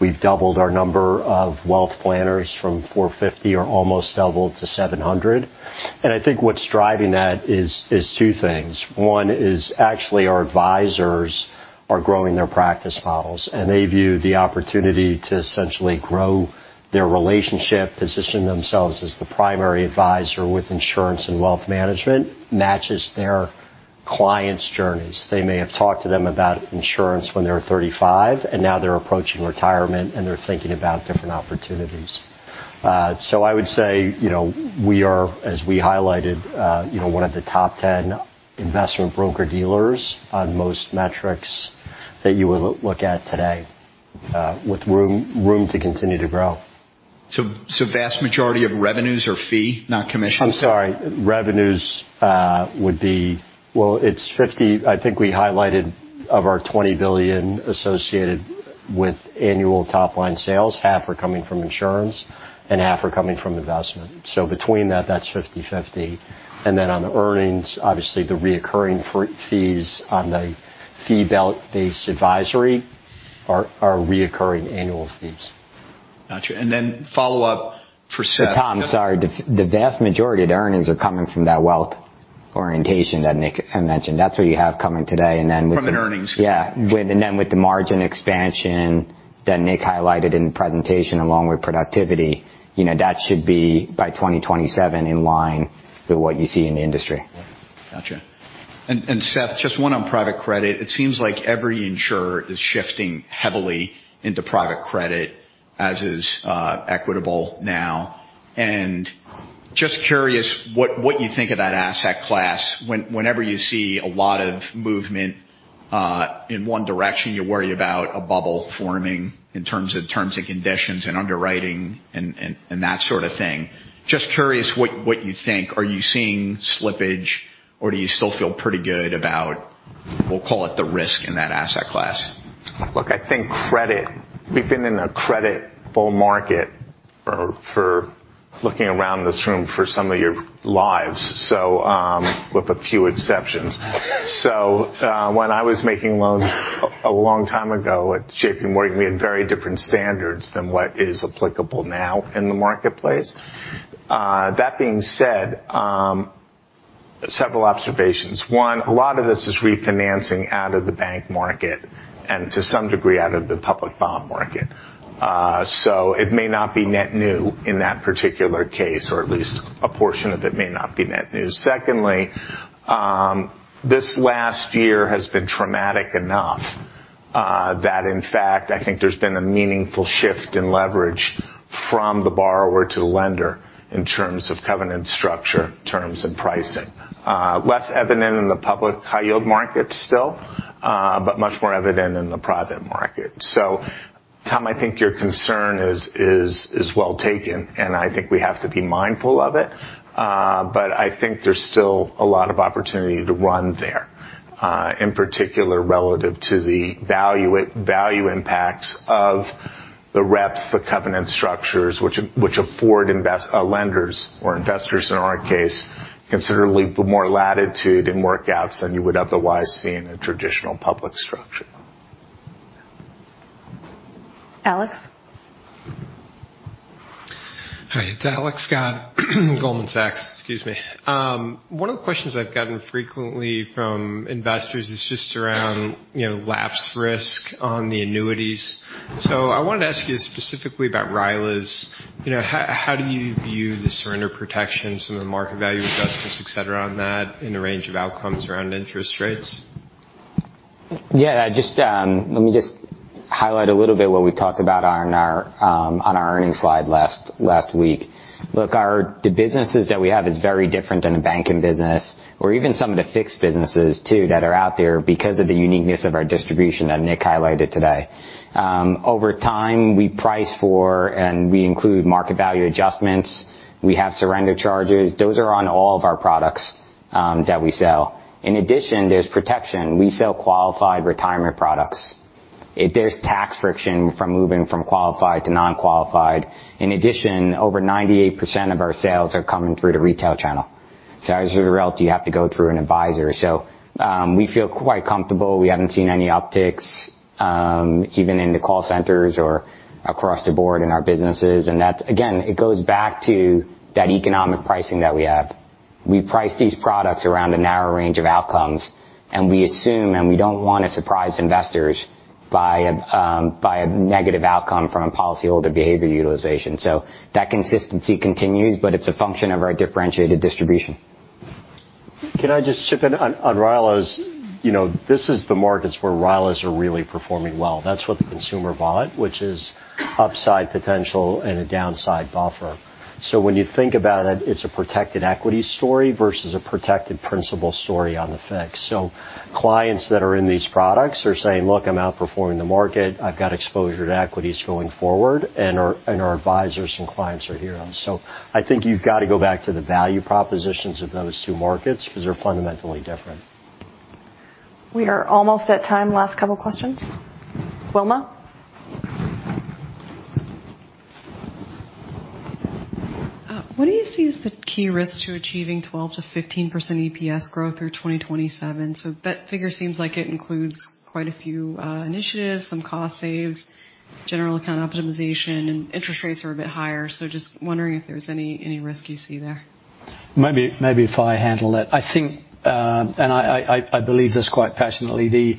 we've doubled our number of wealth planners from 450 or almost doubled to 700. I think what's driving that is two things. One is actually our advisors are growing their practice models, and they view the opportunity to essentially grow their relationship, position themselves as the primary advisor with insurance and wealth management matches their clients' journeys. They may have talked to them about insurance when they were 35, and now they're approaching retirement, and they're thinking about different opportunities. I would say, you know, we are, as we highlighted, you know, one of the top 10 investment broker-dealers on most metrics that you will look at today, with room to continue to grow. So vast majority of revenues are fee, not commission? I'm sorry. Revenues would be-- Well, it's 50%, I think we highlighted, of our $20 billion associated with annual top-line sales. Half are coming from insurance, and half are coming from investment. Between that's 50/50. On the earnings, obviously the recurring fees on the fee-based advisory are recurring annual fees. Gotcha. Follow-up for Seth. Tom, sorry. The vast majority of the earnings are coming from that wealth orientation that Nick had mentioned. That's what you have coming today. From an earnings. Yeah. With the margin expansion that Nick highlighted in the presentation along with productivity, you know, that should be by 2027 in line with what you see in the industry. Gotcha. Seth, just one on private credit. It seems like every insurer is shifting heavily into private credit as is Equitable now. Just curious what you think of that asset class. Whenever you see a lot of movement in one direction, you worry about a bubble forming in terms of terms and conditions and underwriting and that sort of thing. Just curious what you think. Are you seeing slippage, or do you still feel pretty good about, we'll call it the risk in that asset class? We've been in a credit bull market for looking around this room for some of your lives, with a few exceptions. When I was making loans a long time ago at J.P. Morgan, we had very different standards than what is applicable now in the marketplace. That being said, several observations. One, a lot of this is refinancing out of the bank market and to some degree out of the public bond market. It may not be net new in that particular case, or at least a portion of it may not be net new. Secondly, this last year has been traumatic enough that in fact, I think there's been a meaningful shift in leverage from the borrower to the lender in terms of covenant structure, terms, and pricing. Less evident in the public high yield market still, but much more evident in the private market. Tom, I think your concern is well taken, and I think we have to be mindful of it. I think there's still a lot of opportunity to run there, in particular relative to the value impacts of the reps, the covenant structures, which afford lenders or investors in our case, considerably more latitude in workouts than you would otherwise see in a traditional public structure. Alex? Hi, it's Alex Scott, Goldman Sachs. Excuse me. One of the questions I've gotten frequently from investors is just around, you know, lapse risk on the annuities. I wanted to ask you specifically about RILAs. You know, how do you view the surrender protection, some of the market value adjustments, et cetera, on that in the range of outcomes around interest rates? Just, let me just highlight a little bit what we talked about on our earnings slide last week. Look, the businesses that we have is very different than a banking business or even some of the fixed businesses too that are out there because of the uniqueness of our distribution that Nick highlighted today. Over time, we price for and we include market value adjustments. We have surrender charges. Those are on all of our products that we sell. In addition, there's protection. We sell qualified retirement products. There's tax friction from moving from qualified to non-qualified. In addition, over 98% of our sales are coming through the retail channel. As with retail, you have to go through an advisor. We feel quite comfortable. We haven't seen any upticks, even in the call centers or across the board in our businesses. That's again, it goes back to that economic pricing that we have. We price these products around a narrow range of outcomes, and we assume, and we don't wanna surprise investors by a negative outcome from a policyholder behavior utilization. That consistency continues, but it's a function of our differentiated distribution. Can I just chip in on RILAs? You know, this is the markets where RILAs are really performing well. That's what the consumer bought, which is upside potential and a downside buffer. When you think about it's a protected equity story versus a protected principal story on the fix. Clients that are in these products are saying, "Look, I'm outperforming the market. I've got exposure to equities going forward," and our advisors and clients are here. I think you've got to go back to the value propositions of those two markets 'cause they're fundamentally different. We are almost at time. Last couple questions. Wilma? What do you see as the key risks to achieving 12%-15% EPS growth through 2027? That figure seems like it includes quite a few initiatives, some cost saves, general account optimization, and interest rates are a bit higher. Just wondering if there's any risk you see there. Maybe if I handle it. I think, and I believe this quite passionately, the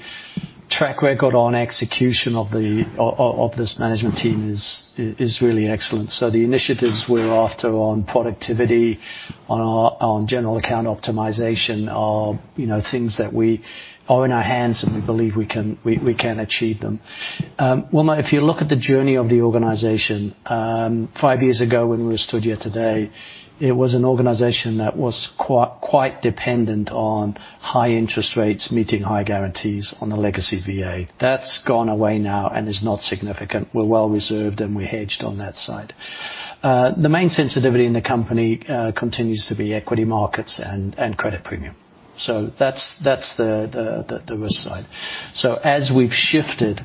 track record on execution of this management team is really excellent. The initiatives we're after on productivity, on general account optimization are, you know, things that we are in our hands and we believe we can achieve them. Wilma, if you look at the journey of the organization, five years ago when we stood here today, it was an organization that was quite dependent on high interest rates, meeting high guarantees on the legacy VA. That's gone away now and is not significant. We're well reserved, and we're hedged on that side. The main sensitivity in the company continues to be equity markets and credit premium. That's the risk side. As we've shifted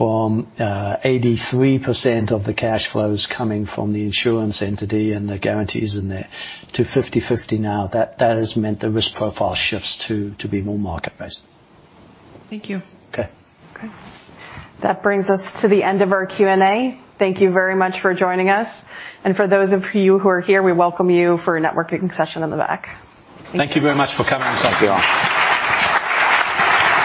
from, 83% of the cash flows coming from the insurance entity and the guarantees in there to 50/50 now, that has meant the risk profile shifts to be more market-based. Thank you. Okay. Okay. That brings us to the end of our Q&A. Thank you very much for joining us. For those of you who are here, we welcome you for a networking session in the back. Thank you very much for coming this afternoon.